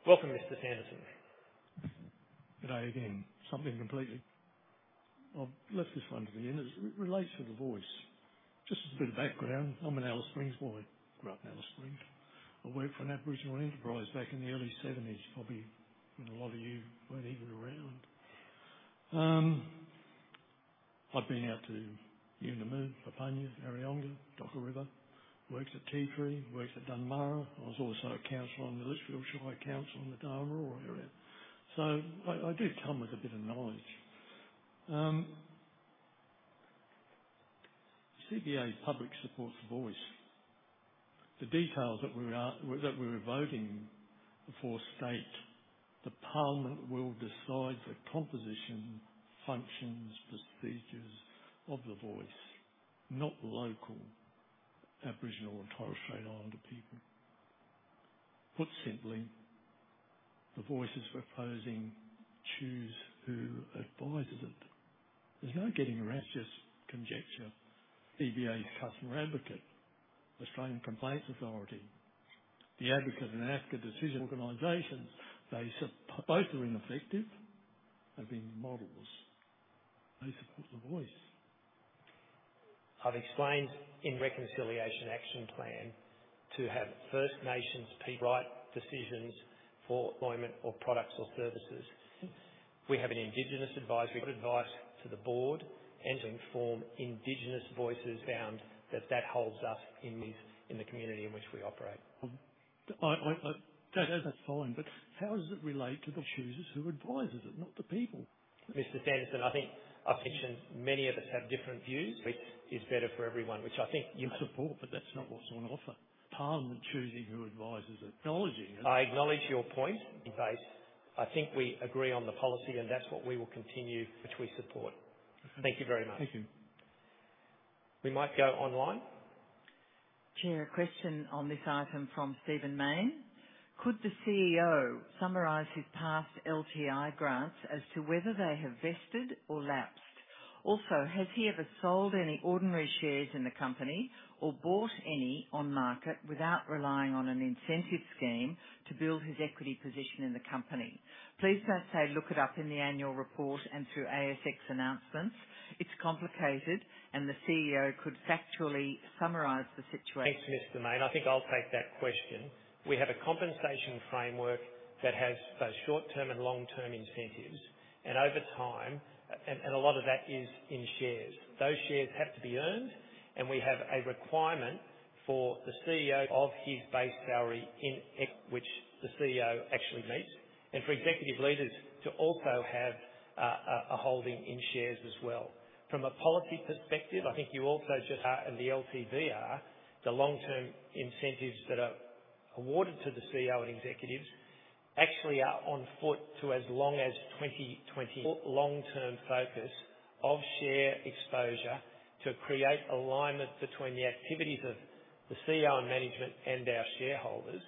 Welcome, Mr. Sanderson. Good day again. Something completely... I've left this one to the end. It relates to the Voice. Just as a bit of background, I'm an Alice Springs boy, grew up in Alice Springs. I worked for an Aboriginal enterprise back in the early seventies, probably when a lot of you weren't even around. I've been out to Yuendumu, Papunya, Areyonga, Docker River, worked at Ti-Tree, worked at Dunmarra. I was also a counselor on the Litchfield Shire Council in the Darwin area. So I do come with a bit of knowledge. CBA publicly supports the Voice. The details that we are voting for, the state, the Parliament will decide the composition, functions, procedures of the Voice, not the local Aboriginal and Torres Strait Islander people. Put simply, the voices we're proposing choose who advises it. There's no getting around just conjecture. CBA Customer Advocate, Australian Complaints Authority, the advocate and advocate decision organizations. They both are ineffective at being models. They support the Voice. I've explained in Reconciliation Action Plan to have First Nations people right decisions for employment or products or services. We have an Indigenous advisory advice to the board and to inform Indigenous Voices found that that holds us in this, in the community in which we operate. That's fine, but how does it relate to the choosers who advises it, not the people? Mr. Sanderson, I think I've mentioned many of us have different views, which is better for everyone, which I think you- Support, but that's not what's on offer. Parliament choosing who advises acknowledging it. I acknowledge your point, but I think we agree on the policy, and that's what we will continue, which we support. Thank you very much. Thank you. We might go online. Chair, a question on this item from Stephen Mayne. Could the CEO summarize his past LTI grants as to whether they have vested or lapsed? Also, has he ever sold any ordinary shares in the company or bought any on market without relying on an incentive scheme to build his equity position in the company? Please don't say, "Look it up in the annual report and through ASX announcements." It's complicated, and the CEO could factually summarize the situation. Thanks, Mr. Mayne. I think I'll take that question. We have a compensation framework that has both short-term and long-term incentives, and over time, and a lot of that is in shares. Those shares have to be earned, and we have a requirement for the CEO of his base salary in excess, which the CEO actually meets, and for executive leaders to also have a holding in shares as well. From a policy perspective, I think you also just are, and the LTVR, the long-term incentives that are awarded to the CEO and executives actually are on foot to as long as 2020 long-term focus of share exposure to create alignment between the activities of the CEO and management and our shareholders.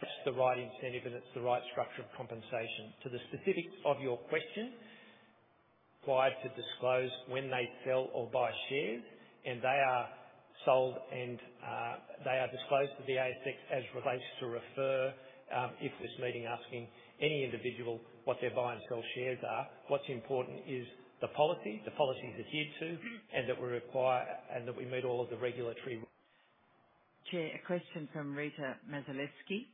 It's the right incentive, and it's the right structure of compensation. To the specifics of your question, required to disclose when they sell or buy shares, and they are sold and, they are disclosed to the ASX as relates to refer, if this meeting asking any individual what their buy and sell shares are. What's important is the policy, the policy is adhered to, and that we require, and that we meet all of the regulatory- Chair, a question from Rita Mazalevskis.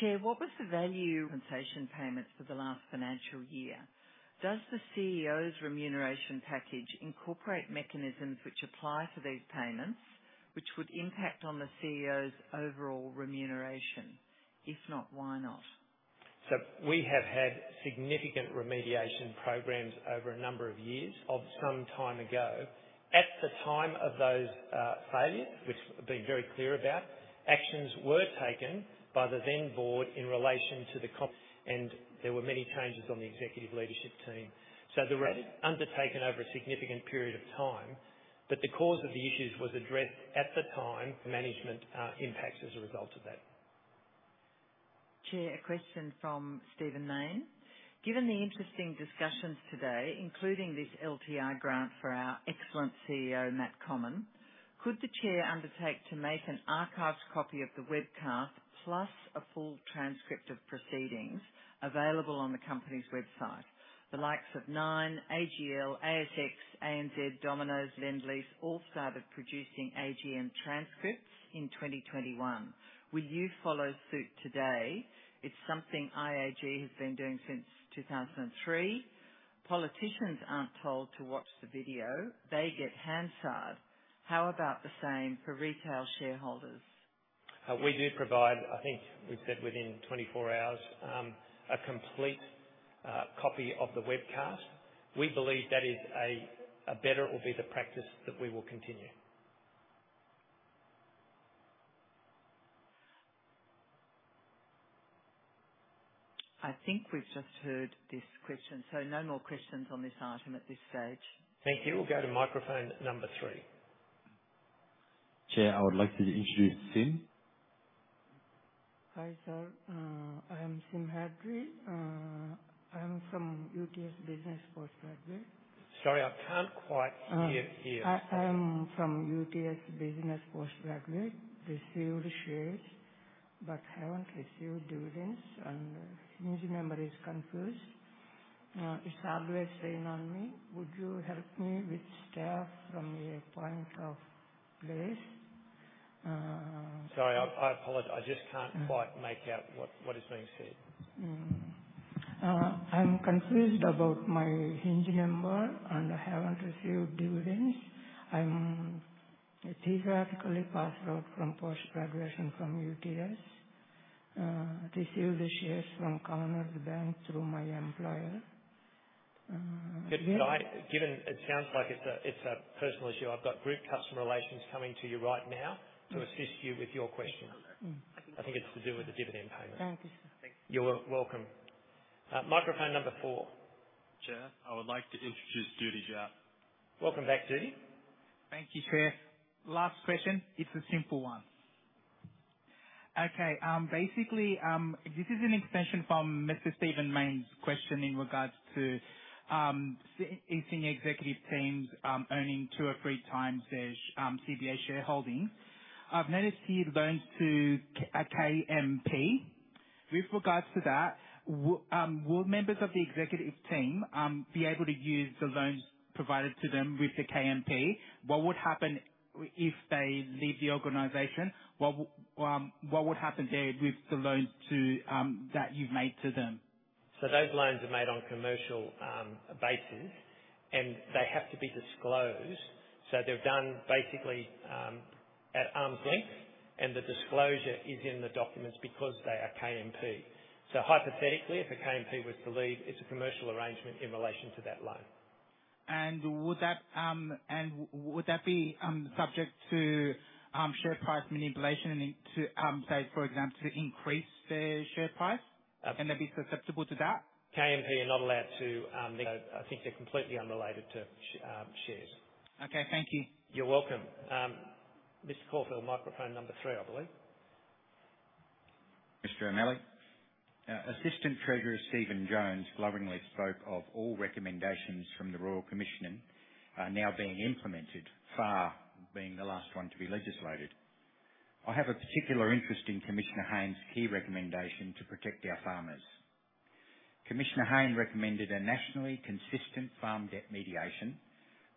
Chair, what was the value compensation payments for the last financial year? Does the CEO's remuneration package incorporate mechanisms which apply to these payments, which would impact on the CEO's overall remuneration? If not, why not? So we have had significant remediation programs over a number of years of some time ago. At the time of those failure, which I've been very clear about, actions were taken by the then board in relation to the comp, and there were many changes on the Executive Leadership Team. So the remedy undertaken over a significant period of time, but the cause of the issues was addressed at the time, management impacts as a result of that. Chair, a question from Stephen Maine. Given the interesting discussions today, including this LTI grant for our excellent CEO, Matt Comyn, could the Chair undertake to make an archived copy of the webcast, plus a full transcript of proceedings available on the company's website? The likes of Nine, AGL, ASX, ANZ, Domino's, Lendlease all started producing AGM transcripts in 2021. Will you follow suit today? It's something IAG has been doing since 2003. Politicians aren't told to watch the video. They get Hansard. How about the same for retail shareholders? We do provide, I think we've said within 24 hours, a complete copy of the webcast. We believe that is a, a better or will be the practice that we will continue. ... I think we've just heard this question, so no more questions on this item at this stage. Thank you. We'll go to microphone number three. Chair, I would like to introduce Sim. Hi, sir. I am Sim Hadry. I'm from UTS Business postgraduate. Sorry, I can't quite hear you. I am from UTS Business Postgraduate. Received shares but haven't received dividends, and HIN number is confused. It's always saying on me. Would you help me with staff from your point of place? Sorry, I apologize. I just can't quite make out what is being said. I'm confused about my HIN number, and I haven't received dividends. I'm a retiree passed out from post-graduation from UTS. Received the shares from Commonwealth Bank through my employer. Good. But I, given it sounds like it's a, it's a personal issue, I've got Group Customer Relations coming to you right now to assist you with your question. I think it's to do with the dividend payment. Thank you, sir. You are welcome. Microphone number four. Chair, I would like to introduce Judy Japp. Welcome back, Judy. Thank you, Chair. Last question. It's a simple one. Okay, basically, this is an extension from Mr. Stephen Mayne's question in regards to senior executive teams earning two or three times their CBA shareholding. I've noticed you've loaned to a KMP. With regards to that, will members of the executive team be able to use the loans provided to them with the KMP? What would happen if they leave the organization? What would happen there with the loans to that you've made to them? So those loans are made on a commercial basis, and they have to be disclosed. So they're done basically at arm's length, and the disclosure is in the documents because they are KMP. So hypothetically, if a KMP was to leave, it's a commercial arrangement in relation to that loan. Would that be subject to share price manipulation and to, say, for example, to increase their share price? Um. Can they be susceptible to that? KMP are not allowed to, I think they're completely unrelated to shares. Okay, thank you. You're welcome. Mr. Caulfield, microphone number 3, I believe. Mr. O'Malley, Assistant Treasurer Stephen Jones lovingly spoke of all recommendations from the Royal Commission, are now being implemented, FAR being the last one to be legislated. I have a particular interest in Commissioner Hayne's key recommendation to protect our farmers. Commissioner Hayne recommended a nationally consistent farm debt mediation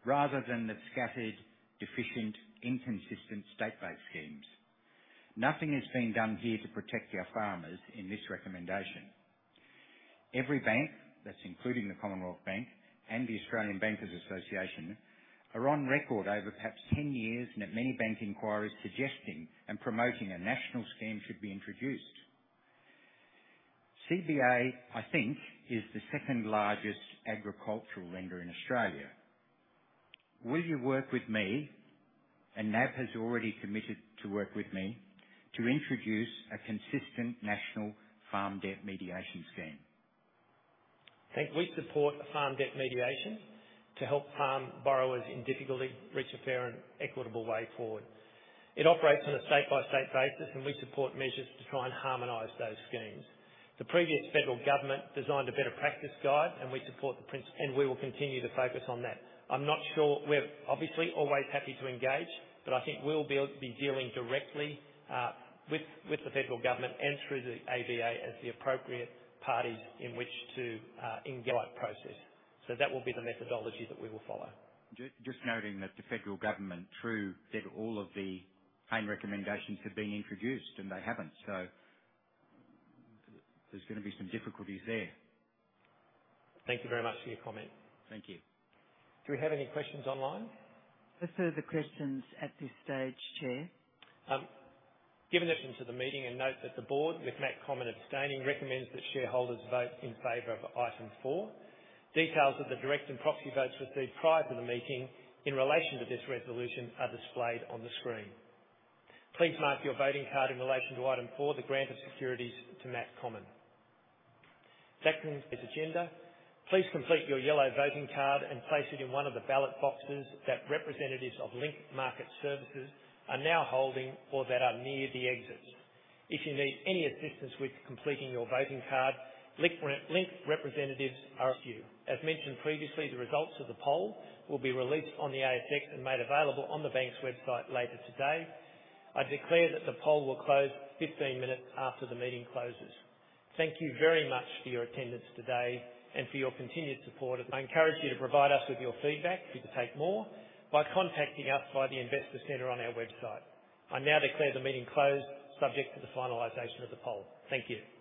rather than the scattered, deficient, inconsistent state-based schemes. Nothing is being done here to protect our farmers in this recommendation. Every bank, that's including the Commonwealth Bank and the Australian Bankers Association, are on record over perhaps 10 years, and at many bank inquiries, suggesting and promoting a national scheme should be introduced. CBA, I think, is the second largest agricultural lender in Australia. Will you work with me, and NAB has already committed to work with me, to introduce a consistent national farm debt mediation scheme? Thank you. We support the farm debt mediation to help farm borrowers in difficulty reach a fair and equitable way forward. It operates on a state-by-state basis, and we support measures to try and harmonize those schemes. The previous federal government designed a better practice guide, and we support the principle, and we will continue to focus on that. I'm not sure... We're obviously always happy to engage, but I think we'll be able to be dealing directly with the federal government and through the ABA as the appropriate parties in which to engage that process. So that will be the methodology that we will follow. Just noting that the federal government has said all of the Hayne recommendations have been introduced and they haven't. So there's gonna be some difficulties there. Thank you very much for your comment. Thank you. Do we have any questions online? No further questions at this stage, Chair. Given into the meeting a note that the board, with Matt Comyn abstaining, recommends that shareholders vote in favor of item 4. Details of the direct and proxy votes received prior to the meeting in relation to this resolution are displayed on the screen. Please mark your voting card in relation to item 4, the grant of securities to Matt Comyn. Second, this agenda. Please complete your yellow voting card and place it in one of the ballot boxes that representatives of Link Market Services are now holding or that are near the exits. If you need any assistance with completing your voting card, Link rep, Link representatives are with you. As mentioned previously, the results of the poll will be released on the ASX and made available on the bank's website later today. I declare that the poll will close 15 minutes after the meeting closes. Thank you very much for your attendance today and for your continued support, and I encourage you to provide us with your feedback if you take more by contacting us via the investor center on our website. I now declare the meeting closed, subject to the finalization of the poll. Thank you.